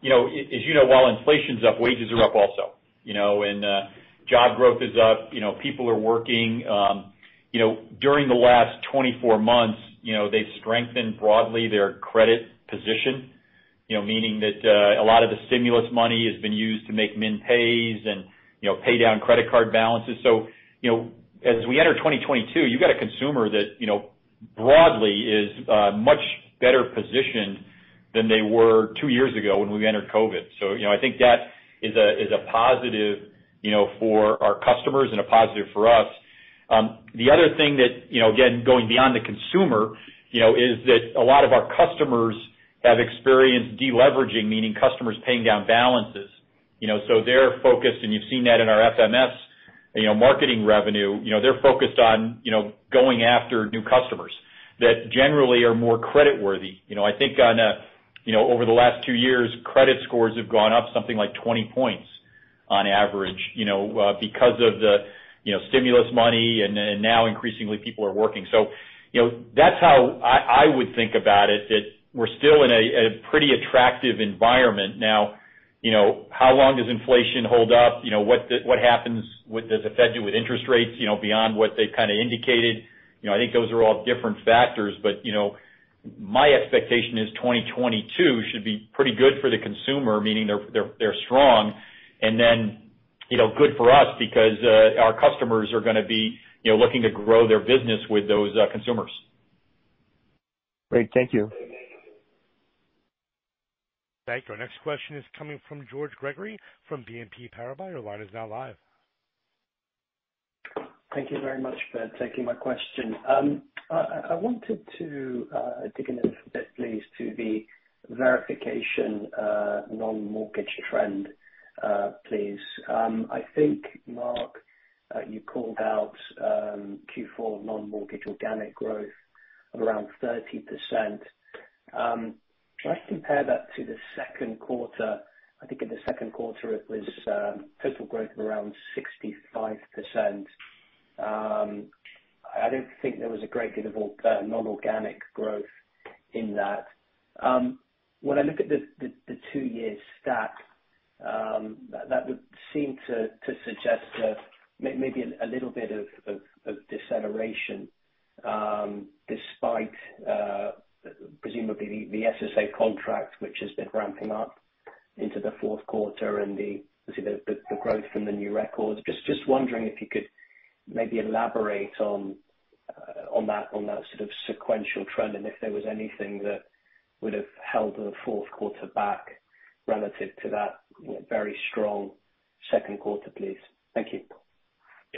You know, as you know, while inflation's up, wages are up also, you know. Job growth is up. You know, people are working. You know, during the last 24 months, you know, they've strengthened broadly their credit position, you know, meaning that a lot of the stimulus money has been used to make minimum payments and, you know, pay down credit card balances. You know, as we enter 2022, you got a consumer that, you know, broadly is much better positioned than they were two years ago when we entered COVID. You know, I think that is a positive, you know, for our customers and a positive for us. The other thing that, you know, again, going beyond the consumer, you know, is that a lot of our customers have experienced deleveraging, meaning customers paying down balances, you know. So they're focused, and you've seen that in our FMS, you know, marketing revenue. You know, they're focused on, you know, going after new customers that generally are more creditworthy. You know, I think on a, you know, over the last two years, credit scores have gone up something like 20 points on average, you know, because of the, you know, stimulus money and then now increasingly people are working. So, you know, that's how I would think about it, that we're still in a pretty attractive environment. Now, you know, how long does inflation hold up? You know, what does the Fed do with interest rates, you know, beyond what they've kinda indicated? You know, I think those are all different factors, but, you know, my expectation is 2022 should be pretty good for the consumer, meaning they're strong and then, you know, good for us because our customers are gonna be, you know, looking to grow their business with those consumers. Great. Thank you. Thank you. Our next question is coming from George Gregory from BNP Paribas. Your line is now live. Thank you very much for taking my question. I wanted to dig in a little bit, please, to the verification non-mortgage trend, please. I think, Mark, you called out Q4 non-mortgage organic growth of around 30%. If I compare that to the second quarter, I think in the second quarter it was total growth of around 65%. I don't think there was a great deal of non-organic growth in that. When I look at the two-year stack, that would seem to suggest that maybe a little bit of deceleration, despite presumably the SSA contract, which has been ramping up into the fourth quarter and the growth from the new records. Just wondering if you could maybe elaborate on that sort of sequential trend, and if there was anything that would have held the fourth quarter back relative to that, you know, very strong second quarter, please. Thank you.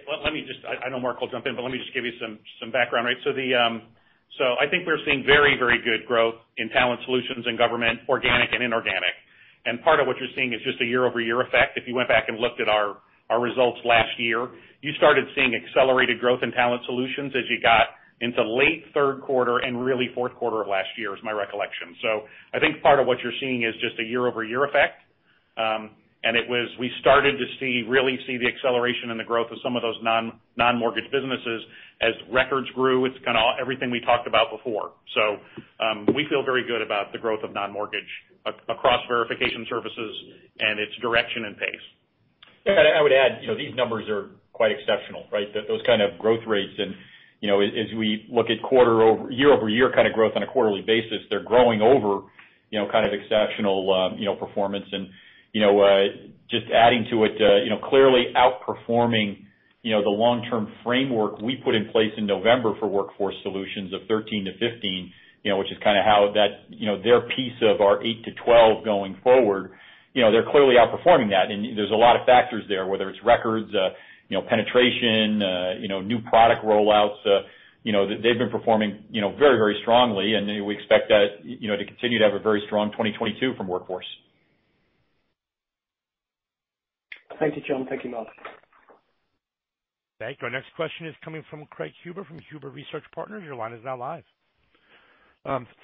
Well, I know Mark will jump in, but let me just give you some background. Right. I think we're seeing very, very good growth in talent solutions and government, organic and inorganic. Part of what you're seeing is just a year-over-year effect. If you went back and looked at our results last year, you started seeing accelerated growth in talent solutions as you got into late third quarter and really fourth quarter of last year, is my recollection. I think part of what you're seeing is just a year-over-year effect. We started to really see the acceleration and the growth of some of those non-mortgage businesses as records grew. It's kinda everything we talked about before. We feel very good about the growth of non-mortgage across verification services and its direction and pace. Yeah. I would add, you know, these numbers are quite exceptional, right? Those kind of growth rates and, you know, as we look at year-over-year kind of growth on a quarterly basis, they're growing over, you know, kind of exceptional performance. You know, just adding to it, you know, clearly outperforming, you know, the long-term framework we put in place in November for Workforce Solutions of 13%-15%, you know, which is kind of how that, you know, their piece of our 8%-12% going forward, you know, they're clearly outperforming that. There's a lot of factors there, whether it's records, you know, penetration, you know, new product rollouts, you know, they've been performing, you know, very, very strongly. We expect that, you know, to continue to have a very strong 2022 from Workforce. Thank you, John. Thank you, Mark. Thank you. Our next question is coming from Craig Huber from Huber Research Partners. Your line is now live.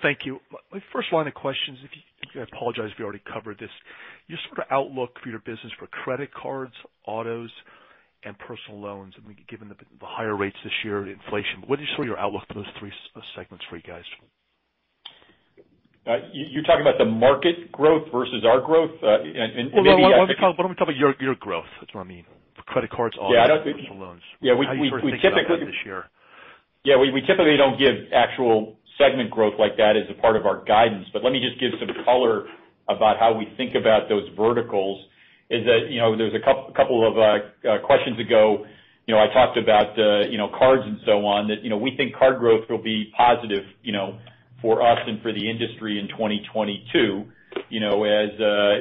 Thank you. My first line of questions, if you—I apologize if you already covered this. Your sort of outlook for your business for credit cards, autos, and personal loans, given the higher rates this year and inflation, what is sort of your outlook for those three segments for you guys? You're talking about the market growth versus our growth? Well, no. Why don't we talk about your growth? That's what I mean. For credit cards, autos, and personal loans. Yeah. I don't think. How are you first thinking about that this year? Yeah. We typically don't give actual segment growth like that as a part of our guidance, but let me just give some color about how we think about those verticals is that, you know, there's a couple of questions ago, you know, I talked about, you know, cards and so on, that, you know, we think card growth will be positive, you know, for us and for the industry in 2022, you know, as,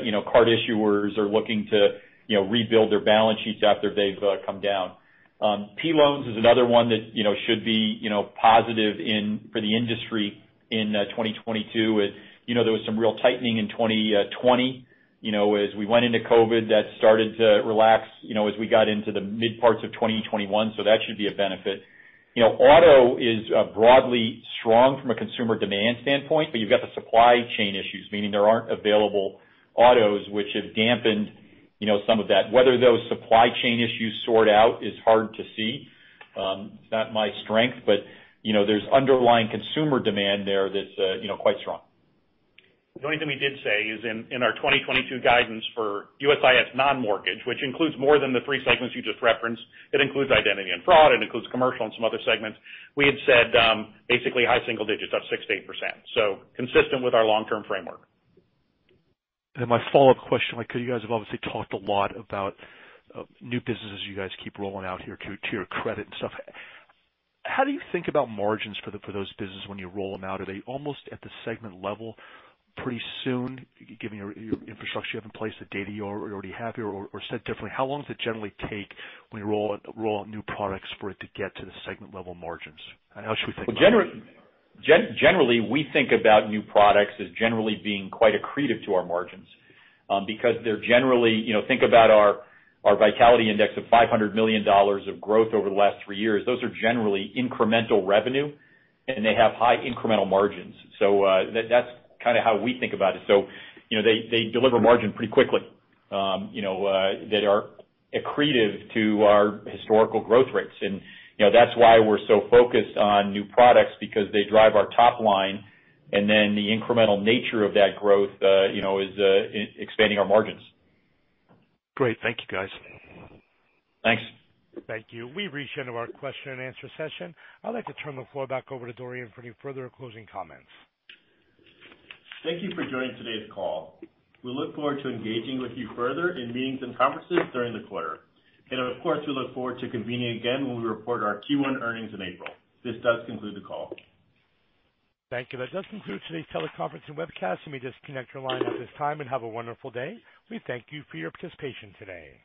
you know, card issuers are looking to, you know, rebuild their balance sheets after they've come down. P loans is another one that, you know, should be, you know, positive for the industry in 2022. You know, there was some real tightening in 2020. You know, as we went into COVID, that started to relax, you know, as we got into the mid parts of 2021, so that should be a benefit. You know, auto is broadly strong from a consumer demand standpoint, but you've got the supply chain issues, meaning there aren't available autos which have dampened, you know, some of that. Whether those supply chain issues sort out is hard to see. It's not my strength, but, you know, there's underlying consumer demand there that's, you know, quite strong. The only thing we did say is in our 2022 guidance for USIS non-mortgage, which includes more than the three segments you just referenced. It includes identity and fraud, it includes commercial and some other segments. We had said basically high single digits of 6%-8%. Consistent with our long-term framework. My follow-up question, like, you guys have obviously talked a lot about new businesses you guys keep rolling out here to your credit and stuff. How do you think about margins for those businesses when you roll them out? Are they almost at the segment level pretty soon, given your infrastructure you have in place, the data you already have here? Or said differently, how long does it generally take when you roll out new products for it to get to the segment level margins? How should we think about that? Well, generally, we think about new products as generally being quite accretive to our margins, because they're generally. You know, think about our Vitality Index of $500 million of growth over the last three years. Those are generally incremental revenue, and they have high incremental margins. That's kind of how we think about it. You know, they deliver margin pretty quickly that are accretive to our historical growth rates. You know, that's why we're so focused on new products because they drive our top line, and then the incremental nature of that growth, you know, is expanding our margins. Great. Thank you, guys. Thanks. Thank you. We've reached the end of our question and answer session. I'd like to turn the floor back over to Dorian for any further closing comments. Thank you for joining today's call. We look forward to engaging with you further in meetings and conferences during the quarter. Of course, we look forward to convening again when we report our Q1 earnings in April. This does conclude the call. Thank you. That does conclude today's teleconference and webcast. You may disconnect your line at this time and have a wonderful day. We thank you for your participation today.